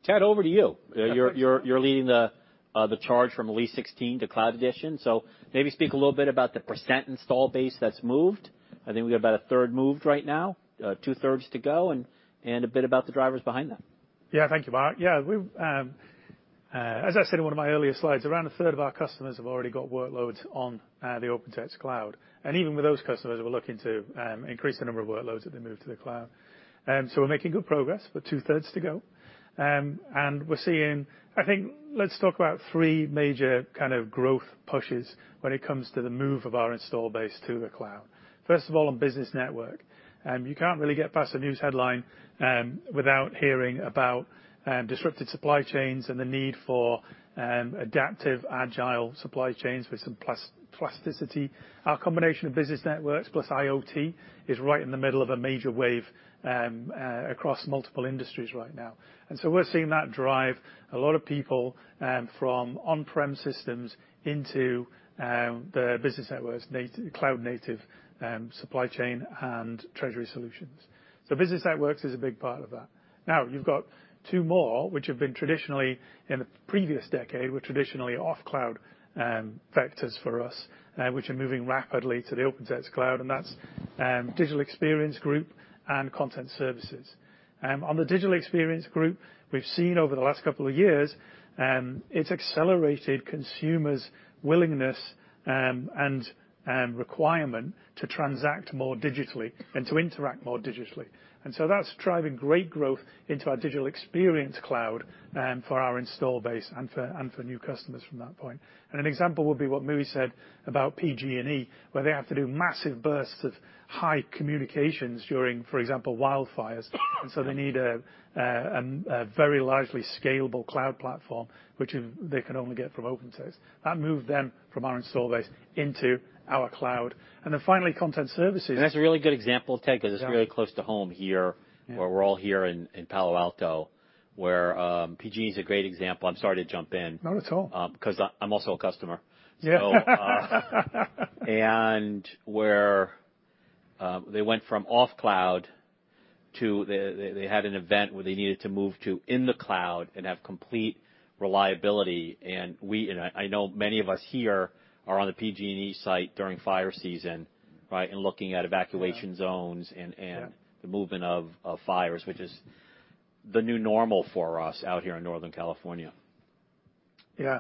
Ted, over to you. You're leading the charge from Release 16 to Cloud Edition. Maybe speak a little bit about the percent install base that's moved. I think we got about 1/3 moved right now, 2/3 to go, and a bit about the drivers behind that. Yeah. Thank you, Mark. Yeah. We've, as I said in one of my earlier slides, around 1/3 of our customers have already got workloads on the OpenText cloud. Even with those customers, we're looking to increase the number of workloads that they move to the cloud. We're making good progress. About 2/3 to go. We're seeing. I think let's talk about three major kind of growth pushes when it comes to the move of our install base to the cloud. First of all, on Business Network. You can't really get past a news headline without hearing about disrupted supply chains and the need for adaptive, agile supply chains with some plasticity. Our combination of Business Networks plus IoT is right in the middle of a major wave across multiple industries right now. We're seeing that drive a lot of people from on-prem systems into the Business Networks cloud native supply chain and treasury solutions. Business Networks is a big part of that. You've got two more, which have been traditionally, in the previous decade, traditionally off cloud vectors for us, which are moving rapidly to the OpenText cloud, and that's Digital Experience Group and Content Services. On the Digital Experience group, we've seen over the last couple of years, it's accelerated consumers' willingness and requirement to transact more digitally and to interact more digitally. That's driving great growth into our Digital Experience cloud for our installed base and for new customers from that point. An example would be what Muhi said about PG&E, where they have to do massive bursts of high communications during, for example, wildfires. They need a very largely scalable cloud platform, which they can only get from OpenText. That moved them from our installed base into our cloud. Then finally, Content Services- That's a really good example, Ted, 'cause it's really close to home here, where we're all here in Palo Alto, where PG&E is a great example. I'm sorry to jump in. Not at all. 'Cause I'm also a customer. Yeah. They went from off cloud to the cloud, they had an event where they needed to move to the cloud and have complete reliability. I know many of us here are on the PG&E site during fire season, right, and looking at evacuation zones and the movement of fires, which is the new normal for us out here in Northern California. Yeah.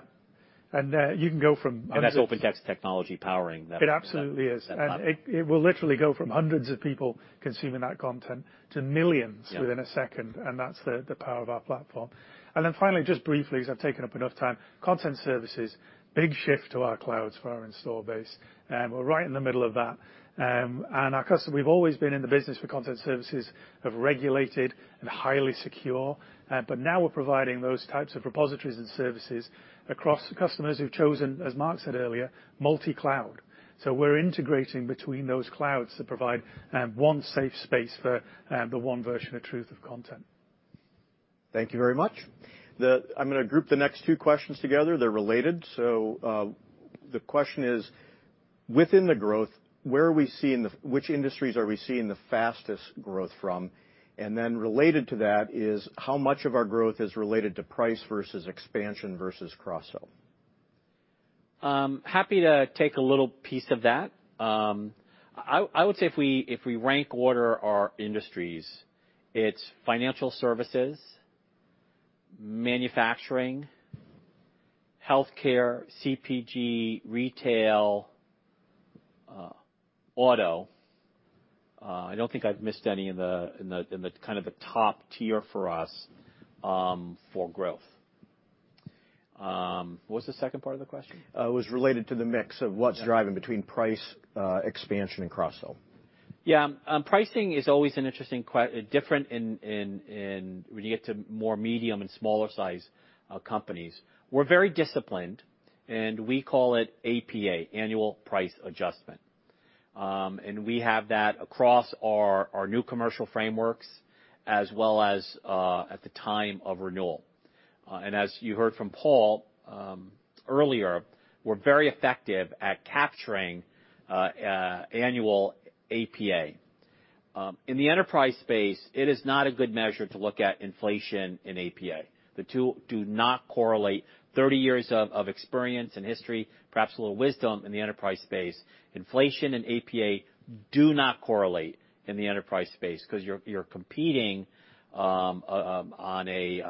You can go from hundreds- That's OpenText technology powering that. It absolutely is. that platform. It will literally go from hundreds of people consuming that content to millions within a second, and that's the power of our platform. Then finally, just briefly, 'cause I've taken up enough time, Content Services, big shift to our clouds for our install base. We're right in the middle of that. And we've always been in the business for Content Services of regulated and highly secure. But now we're providing those types of repositories and services across the customers who've chosen, as Mark said earlier, multi-cloud. We're integrating between those clouds to provide one safe space for the one version of truth of content. Thank you very much. I'm gonna group the next two questions together. They're related. The question is: within the growth, where are we seeing which industries are we seeing the fastest growth from? Then related to that is how much of our growth is related to price versus expansion versus cross-sell? Happy to take a little piece of that. I would say if we rank order our industries, it's financial services, manufacturing, healthcare, CPG, retail, auto. I don't think I've missed any in the kind of top tier for us for growth. What's the second part of the question? It was related to the mix of what's Yeah. driving between price expansion and cross-sell. Yeah, pricing is always an interesting different in when you get to more medium and smaller size companies. We're very disciplined, and we call it APA, annual price adjustment. And we have that across our new commercial frameworks as well as at the time of renewal. And as you heard from Paul earlier, we're very effective at capturing annual APA. In the enterprise space, it is not a good measure to look at inflation in APA. The two do not correlate. 30 years of experience and history, perhaps a little wisdom in the enterprise space, inflation and APA do not correlate in the enterprise space 'cause you're competing on a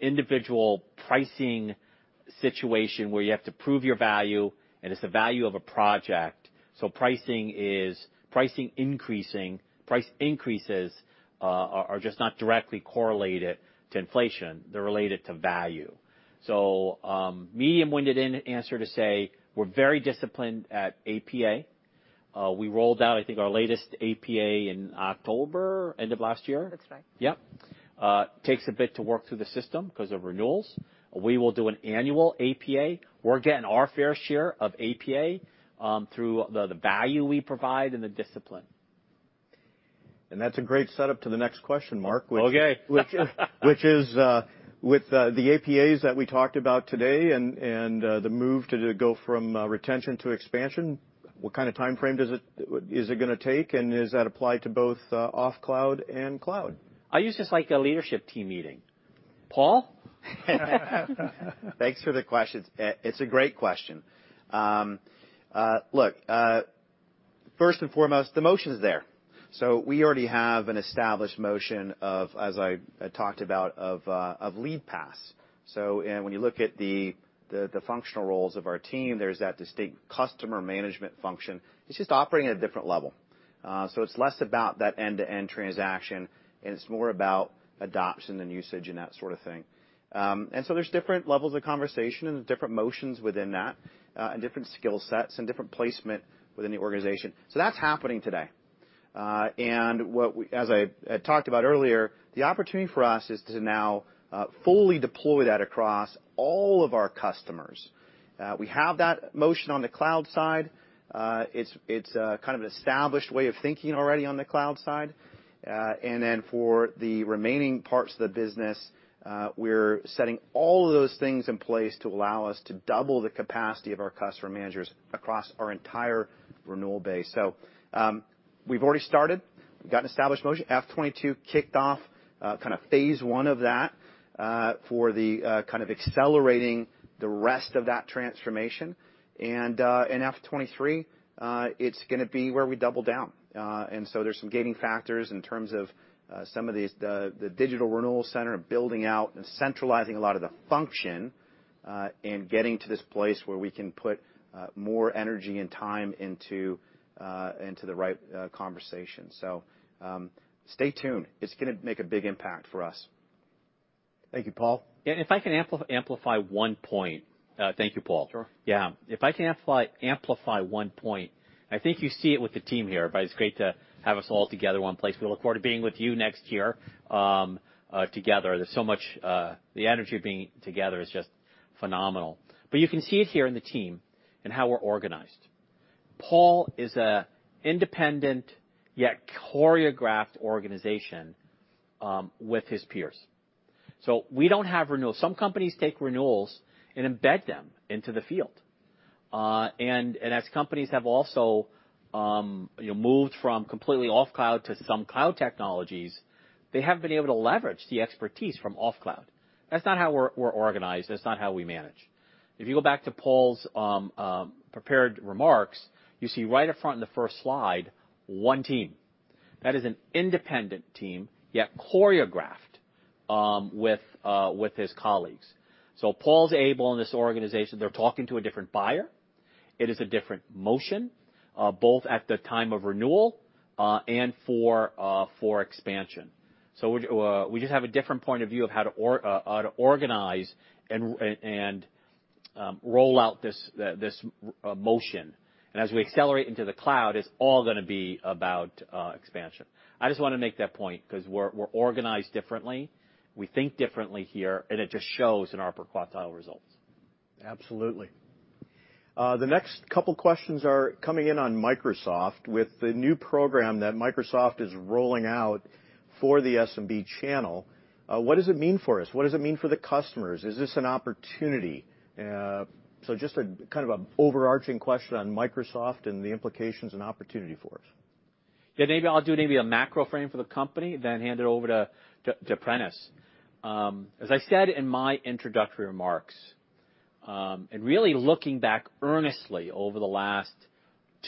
individual pricing situation where you have to prove your value, and it's the value of a project. Price increases are just not directly correlated to inflation. They're related to value. Medium-winded answer to say we're very disciplined at APA. We rolled out, I think, our latest APA in October, end of last year? That's right. Yep. Takes a bit to work through the system 'cause of renewals. We will do an annual APA. We're getting our fair share of APA through the value we provide and the discipline. That's a great setup to the next question, Mark, which- Okay. Which is with the APAs that we talked about today and the move to go from retention to expansion, what kind of timeframe is it gonna take, and does that apply to both off cloud and cloud? I use this like a leadership team meeting. Paul? Thanks for the question. It's a great question. Look, first and foremost, the motion's there. We already have an established motion of, as I talked about, of lead pass. When you look at the functional roles of our team, there's that distinct customer management function. It's just operating at a different level. It's less about that end-to-end transaction, and it's more about adoption and usage and that sort of thing. There's different levels of conversation and different motions within that, and different skillsets and different placement within the organization. That's happening today. What we, as I talked about earlier, the opportunity for us is to now fully deploy that across all of our customers. We have that motion on the cloud side. It's kind of an established way of thinking already on the cloud side. For the remaining parts of the business, we're setting all of those things in place to allow us to double the capacity of our customer managers across our entire renewal base. We've already started. We've got an established motion. FY 2022 kicked off kind of phase one of that for kind of accelerating the rest of that transformation. In FY 2023, it's gonna be where we double down. There's some gating factors in terms of some of these, the digital renewal center, building out and centralizing a lot of the function, and getting to this place where we can put more energy and time into the right conversation. Stay tuned. It's gonna make a big impact for us. Thank you, Paul. If I can amplify one point, thank you, Paul. Sure. Yeah. If I can amplify one point, I think you see it with the team here, but it's great to have us all together in one place. We look forward to being with you next year, together. There's so much. The energy of being together is just phenomenal. You can see it here in the team and how we're organized. Paul is a independent yet choreographed organization, with his peers. We don't have renewals. Some companies take renewals and embed them into the field. As companies have also, you know, moved from completely off cloud to some cloud technologies, they have been able to leverage the expertise from off cloud. That's not how we're organized. That's not how we manage. If you go back to Paul's prepared remarks, you see right up front in the first slide, one team. That is an independent team, yet choreographed with his colleagues. Paul's able in this organization, they're talking to a different buyer. It is a different motion both at the time of renewal and for expansion. We just have a different point of view of how to organize and roll out this motion. As we accelerate into the cloud, it's all gonna be about expansion. I just wanna make that point 'cause we're organized differently, we think differently here, and it just shows in our per quartile results. Absolutely. The next couple questions are coming in on Microsoft. With the new program that Microsoft is rolling out for the SMB channel, what does it mean for us? What does it mean for the customers? Is this an opportunity? Just a kind of a overarching question on Microsoft and the implications and opportunity for us. Yeah, maybe I'll do a macro frame for the company, then hand it over to Prentiss. As I said in my introductory remarks, really looking back earnestly over the last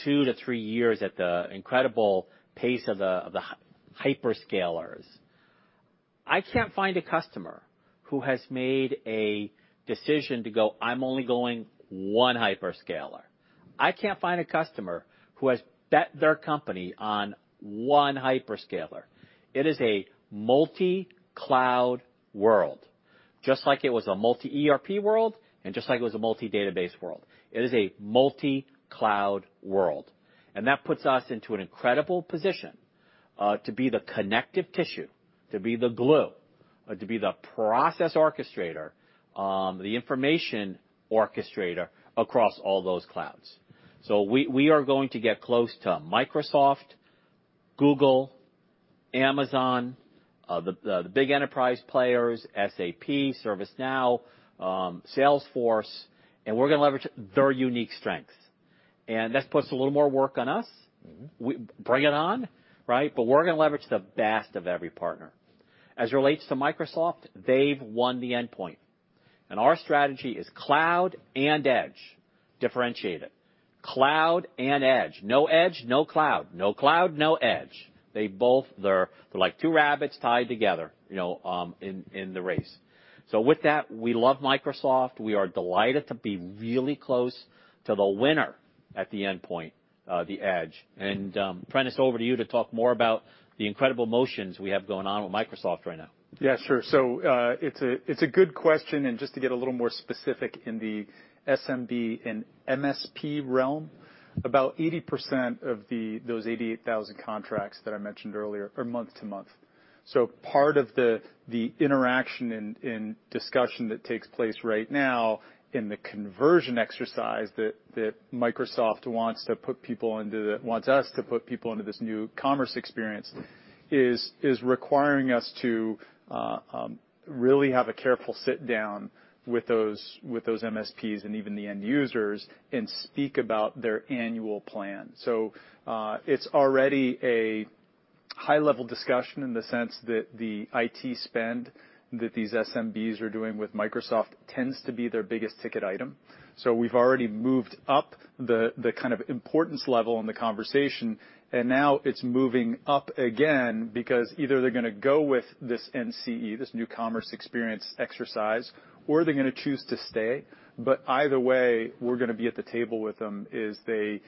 two to three years at the incredible pace of the hyperscalers. I can't find a customer who has made a decision to go, "I'm only going one hyperscaler." I can't find a customer who has bet their company on one hyperscaler. It is a multi-cloud world, just like it was a multi-ERP world, and just like it was a multi-database world. It is a multi-cloud world. That puts us into an incredible position to be the connective tissue, to be the glue, to be the process orchestrator, the information orchestrator across all those clouds. We are going to get close to Microsoft, Google, Amazon, the big enterprise players, SAP, ServiceNow, Salesforce, and we're gonna leverage their unique strengths. This puts a little more work on us. Bring it on, right? We're gonna leverage the best of every partner. As relates to Microsoft, they've won the endpoint. Our strategy is cloud and edge differentiated. Cloud and edge. No edge, no cloud. No cloud, no edge. They're like two rabbits tied together, you know, in the race. With that, we love Microsoft. We are delighted to be really close to the winner at the endpoint, the edge. Prentiss, over to you to talk more about the incredible motions we have going on with Microsoft right now. Yeah, sure. It's a good question. Just to get a little more specific in the SMB and MSP realm, about 80% of those 88,000 contracts that I mentioned earlier are month to month. Part of the interaction and discussion that takes place right now in the conversion exercise that Microsoft wants us to put people into this new commerce experience is requiring us to really have a careful sit-down with those MSPs and even the end users and speak about their annual plan. It's already a high-level discussion in the sense that the IT spend that these SMBs are doing with Microsoft tends to be their biggest ticket item. We've already moved up the kind of importance level in the conversation, and now it's moving up again because either they're gonna go with this NCE, this new commerce experience exercise, or they're gonna choose to stay. But either way, we're gonna be at the table with them as they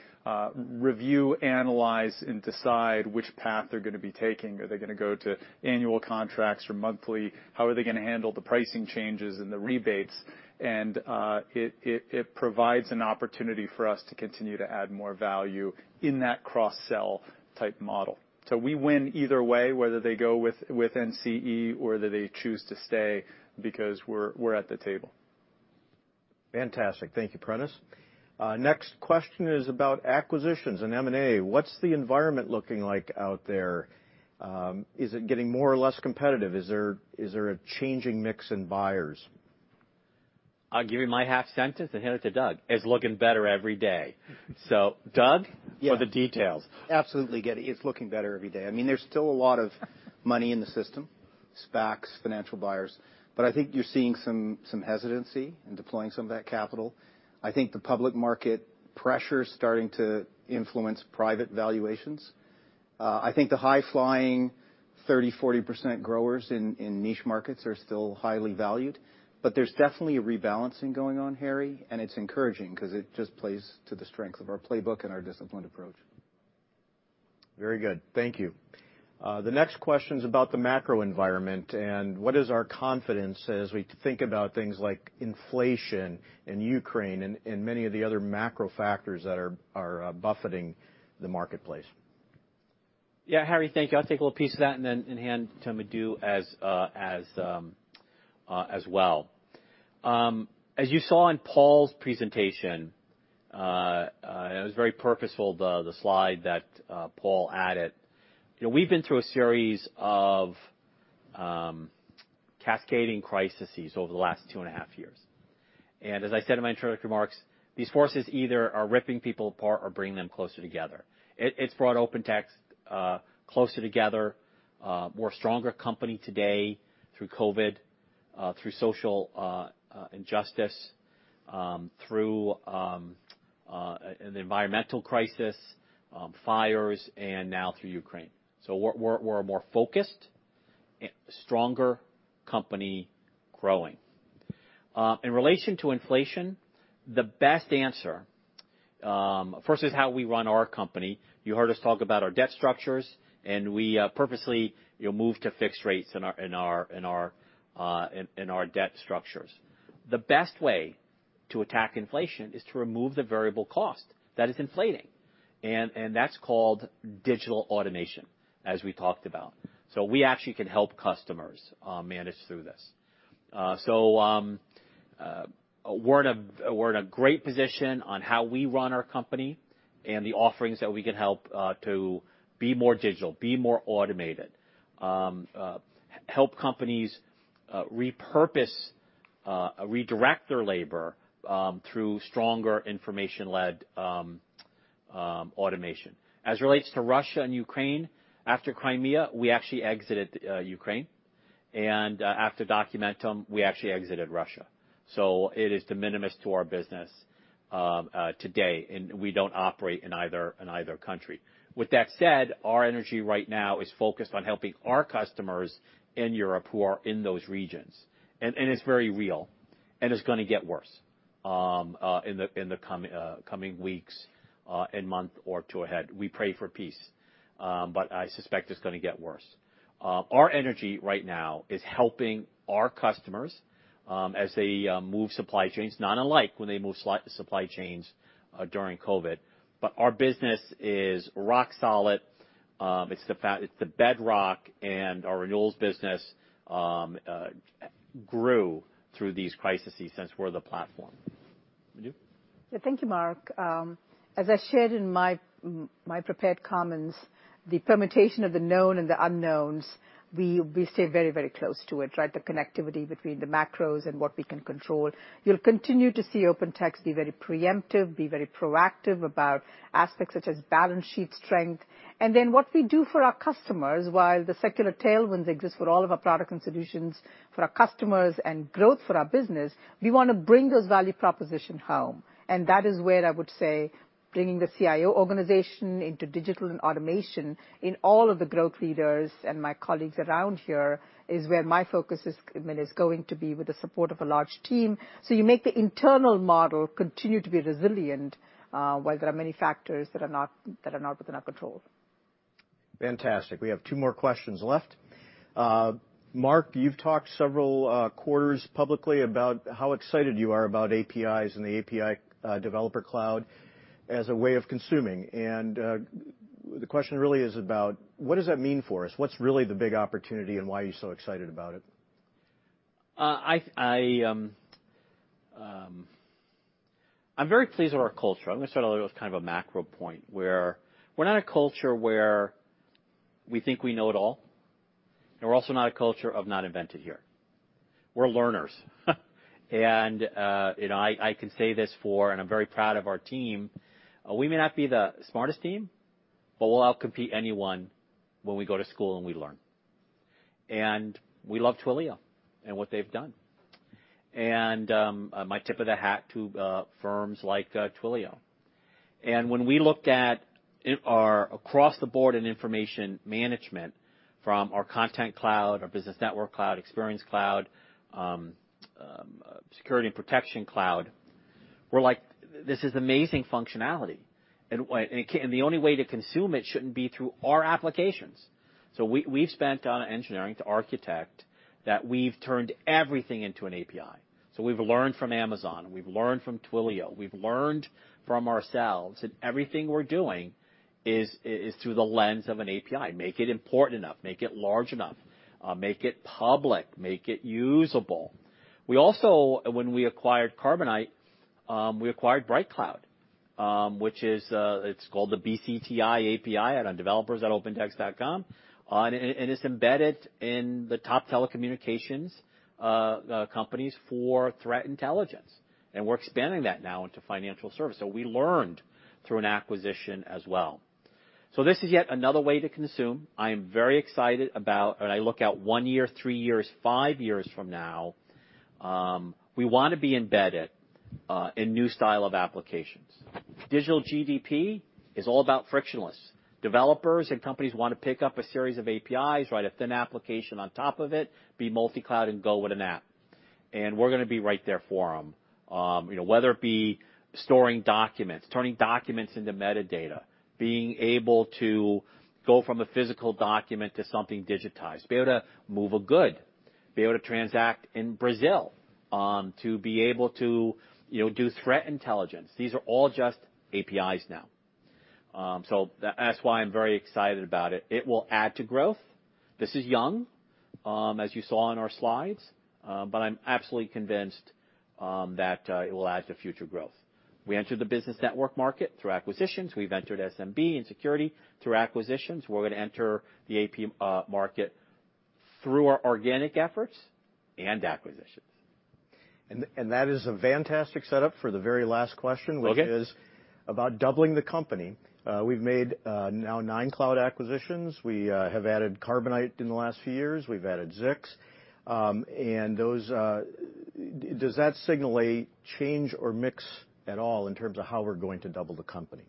review, analyze, and decide which path they're gonna be taking. Are they gonna go to annual contracts or monthly? How are they gonna handle the pricing changes and the rebates? And it provides an opportunity for us to continue to add more value in that cross-sell type model. We win either way, whether they go with NCE or whether they choose to stay, because we're at the table. Fantastic. Thank you, Prentiss. Next question is about acquisitions and M&A. What's the environment looking like out there? Is it getting more or less competitive? Is there a changing mix in buyers? I'll give you my half sentence and hand it to Doug. It's looking better every day. Doug- Yes. For the details. Absolutely, Harry. It's looking better every day. I mean, there's still a lot of money in the system, SPACs, financial buyers. I think you're seeing some hesitancy in deploying some of that capital. I think the public market pressure is starting to influence private valuations. I think the high-flying 30%-40% growers in niche markets are still highly valued. There's definitely a rebalancing going on, Harry, and it's encouraging because it just plays to the strength of our playbook and our disciplined approach. Very good. Thank you. The next question's about the macro environment and what is our confidence as we think about things like inflation and Ukraine and many of the other macro factors that are buffeting the marketplace. Yeah. Harry, thank you. I'll take a little piece of that and then hand to Madhu as well. As you saw in Paul's presentation, it was very purposeful, the slide that Paul added. You know, we've been through a series of cascading crises over the last two and a half years. As I said in my introductory remarks, these forces either are ripping people apart or bringing them closer together. It's brought OpenText closer together, a more stronger company today through COVID, through social injustice, through an environmental crisis, fires, and now through Ukraine. We're a more focused and stronger company growing. In relation to inflation, the best answer. First is how we run our company. You heard us talk about our debt structures, and we purposefully moved to fixed rates in our debt structures. The best way to attack inflation is to remove the variable cost that is inflating. That's called digital automation, as we talked about. We actually can help customers manage through this. We're in a great position on how we run our company and the offerings that we can help to be more digital, be more automated, help companies repurpose, redirect their labor through stronger information-led automation. As it relates to Russia and Ukraine, after Crimea, we actually exited Ukraine. After Documentum, we actually exited Russia. So it is de minimis to our business today, and we don't operate in either country. With that said, our energy right now is focused on helping our customers in Europe who are in those regions, and it's very real, and it's gonna get worse in the coming weeks and month or two ahead. We pray for peace, but I suspect it's gonna get worse. Our energy right now is helping our customers as they move supply chains, not unlike when they moved supply chains during COVID. Our business is rock solid, it's the bedrock, and our renewals business grew through these crises since we're the platform. Madhu? Yeah. Thank you, Mark. As I shared in my prepared comments, the permutation of the known and the unknowns, we stay very close to it, right? The connectivity between the macros and what we can control. You'll continue to see OpenText be very preemptive, be very proactive about aspects such as balance sheet strength. Then what we do for our customers, while the secular tailwinds exist for all of our product and solutions for our customers and growth for our business, we wanna bring those value proposition home. That is where I would say bringing the CIO organization into digital and automation in all of the growth leaders and my colleagues around here is where my focus is, I mean, is going to be with the support of a large team. You make the internal model continue to be resilient, while there are many factors that are not within our control. Fantastic. We have two more questions left. Mark, you've talked several quarters publicly about how excited you are about APIs and the API developer cloud as a way of consuming. The question really is, what does that mean for us? What's really the big opportunity, and why are you so excited about it? I'm very pleased with our culture. I'm gonna start a little with kind of a macro point, where we're not a culture where we think we know it all, and we're also not a culture of not invented here. We're learners. I can say this, and I'm very proud of our team. We may not be the smartest team, but we'll outcompete anyone when we go to school and we learn. We love Twilio and what they've done. My tip of the hat to firms like Twilio. When we looked at it across the board in information management from our Content Cloud, our Business Network Cloud, Experience Cloud, Security and Protection Cloud, we're like, "This is amazing functionality." The only way to consume it shouldn't be through our applications. We've spent on engineering to architect that we've turned everything into an API. We've learned from Amazon, and we've learned from Twilio. We've learned from ourselves that everything we're doing is through the lens of an API. Make it important enough, make it large enough, make it public, make it usable. We also, when we acquired Carbonite, we acquired BrightCloud, which is called the BCTI API out on developers@opentext.com. It's embedded in the top telecommunications companies for threat intelligence, and we're expanding that now into financial services. We learned through an acquisition as well. This is yet another way to consume. I am very excited about when I look out one year, three years, five years from now, we wanna be embedded in new style of applications. Digital GDP is all about frictionless. Developers and companies wanna pick up a series of APIs, write a thin application on top of it, be multi-cloud, and go with an app, and we're gonna be right there for them. You know, whether it be storing documents, turning documents into metadata, being able to go from a physical document to something digitized, be able to move a good, be able to transact in Brazil, to be able to, you know, do threat intelligence. These are all just APIs now. That's why I'm very excited about it. It will add to growth. This is young, as you saw in our slides, but I'm absolutely convinced, that, it will add to future growth. We entered the business network market through acquisitions. We've entered SMB and security through acquisitions. We're gonna enter the API market through our organic efforts and acquisitions. That is a fantastic setup for the very last question which is about doubling the company. We've made, now, nine cloud acquisitions. We have added Carbonite in the last few years. We've added Zix. Those, does that signal a change or mix at all in terms of how we're going to double the company?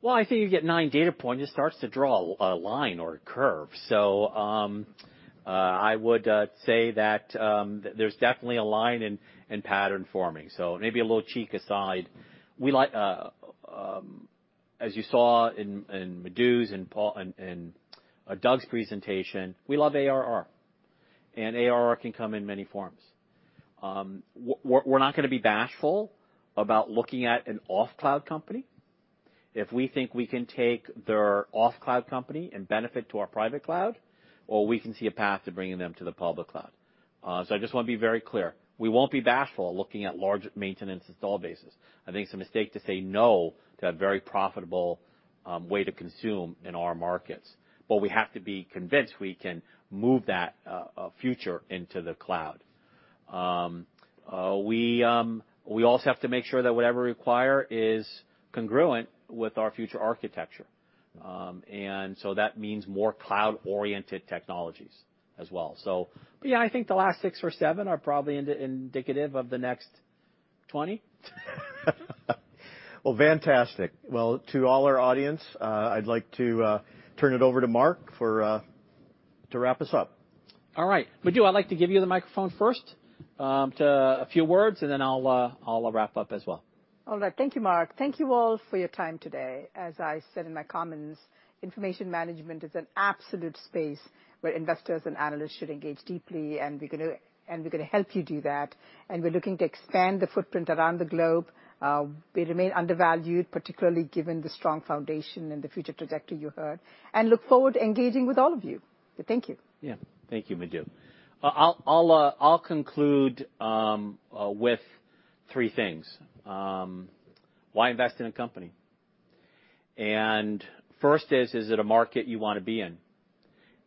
Well, I think you get nine data points, it starts to draw a line or a curve. I would say that there's definitely a line and pattern forming. Maybe a little cheek aside, we like, as you saw in Madhu's and Paul's and Doug's presentation, we love ARR, and ARR can come in many forms. We're not gonna be bashful about looking at an off-cloud company if we think we can take their off-cloud company and benefit to our private cloud, or we can see a path to bringing them to the public cloud. I just wanna be very clear, we won't be bashful looking at large maintenance install bases. I think it's a mistake to say no to a very profitable way to consume in our markets. We have to be convinced we can move that future into the cloud. We also have to make sure that whatever we require is congruent with our future architecture. That means more cloud-oriented technologies as well. But yeah, I think the last six years or seven years are probably indicative of the next 20 years. Well, fantastic. Well, to all our audience, I'd like to turn it over to Mark to wrap us up. All right. Madhu, I'd like to give you the microphone first to a few words, and then I'll wrap up as well. All right. Thank you, Mark. Thank you all for your time today. As I said in my comments, information management is an absolute space where investors and analysts should engage deeply, and we're gonna help you do that. We're looking to expand the footprint around the globe. We remain undervalued, particularly given the strong foundation and the future trajectory you heard, and look forward to engaging with all of you. Thank you. Yeah. Thank you, Madhu. I'll conclude with three things. Why invest in a company? First, is it a market you wanna be in?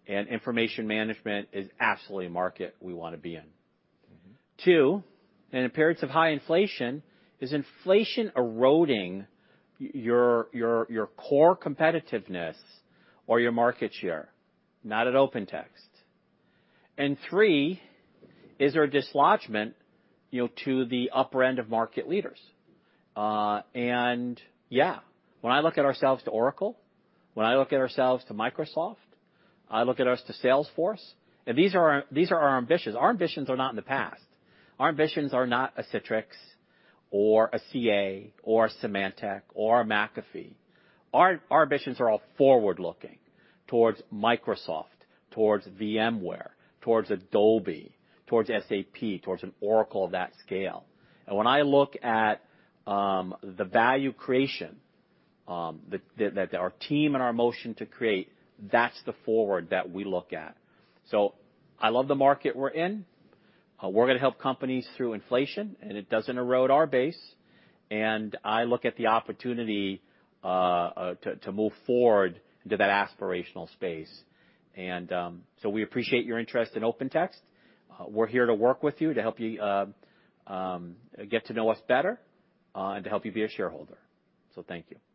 Information management is absolutely a market we wanna be in. Mm-hmm. Two, in periods of high inflation, is inflation eroding your core competitiveness or your market share? Not at OpenText. Three, is there a dislodgement, you know, to the upper end of market leaders? Yeah, when I look at ourselves to Oracle, when I look at ourselves to Microsoft, I look at us to Salesforce, and these are our ambitions. Our ambitions are not in the past. Our ambitions are not a Citrix or a CA or a Symantec or a McAfee. Our ambitions are all forward-looking towards Microsoft, towards VMware, towards Adobe, towards SAP, towards an Oracle of that scale. When I look at the value creation that our team and our motion to create, that's the forward that we look at. I love the market we're in. We're gonna help companies through inflation, and it doesn't erode our base. I look at the opportunity to move forward into that aspirational space. We appreciate your interest in OpenText. We're here to work with you to help you get to know us better, and to help you be a shareholder. Thank you.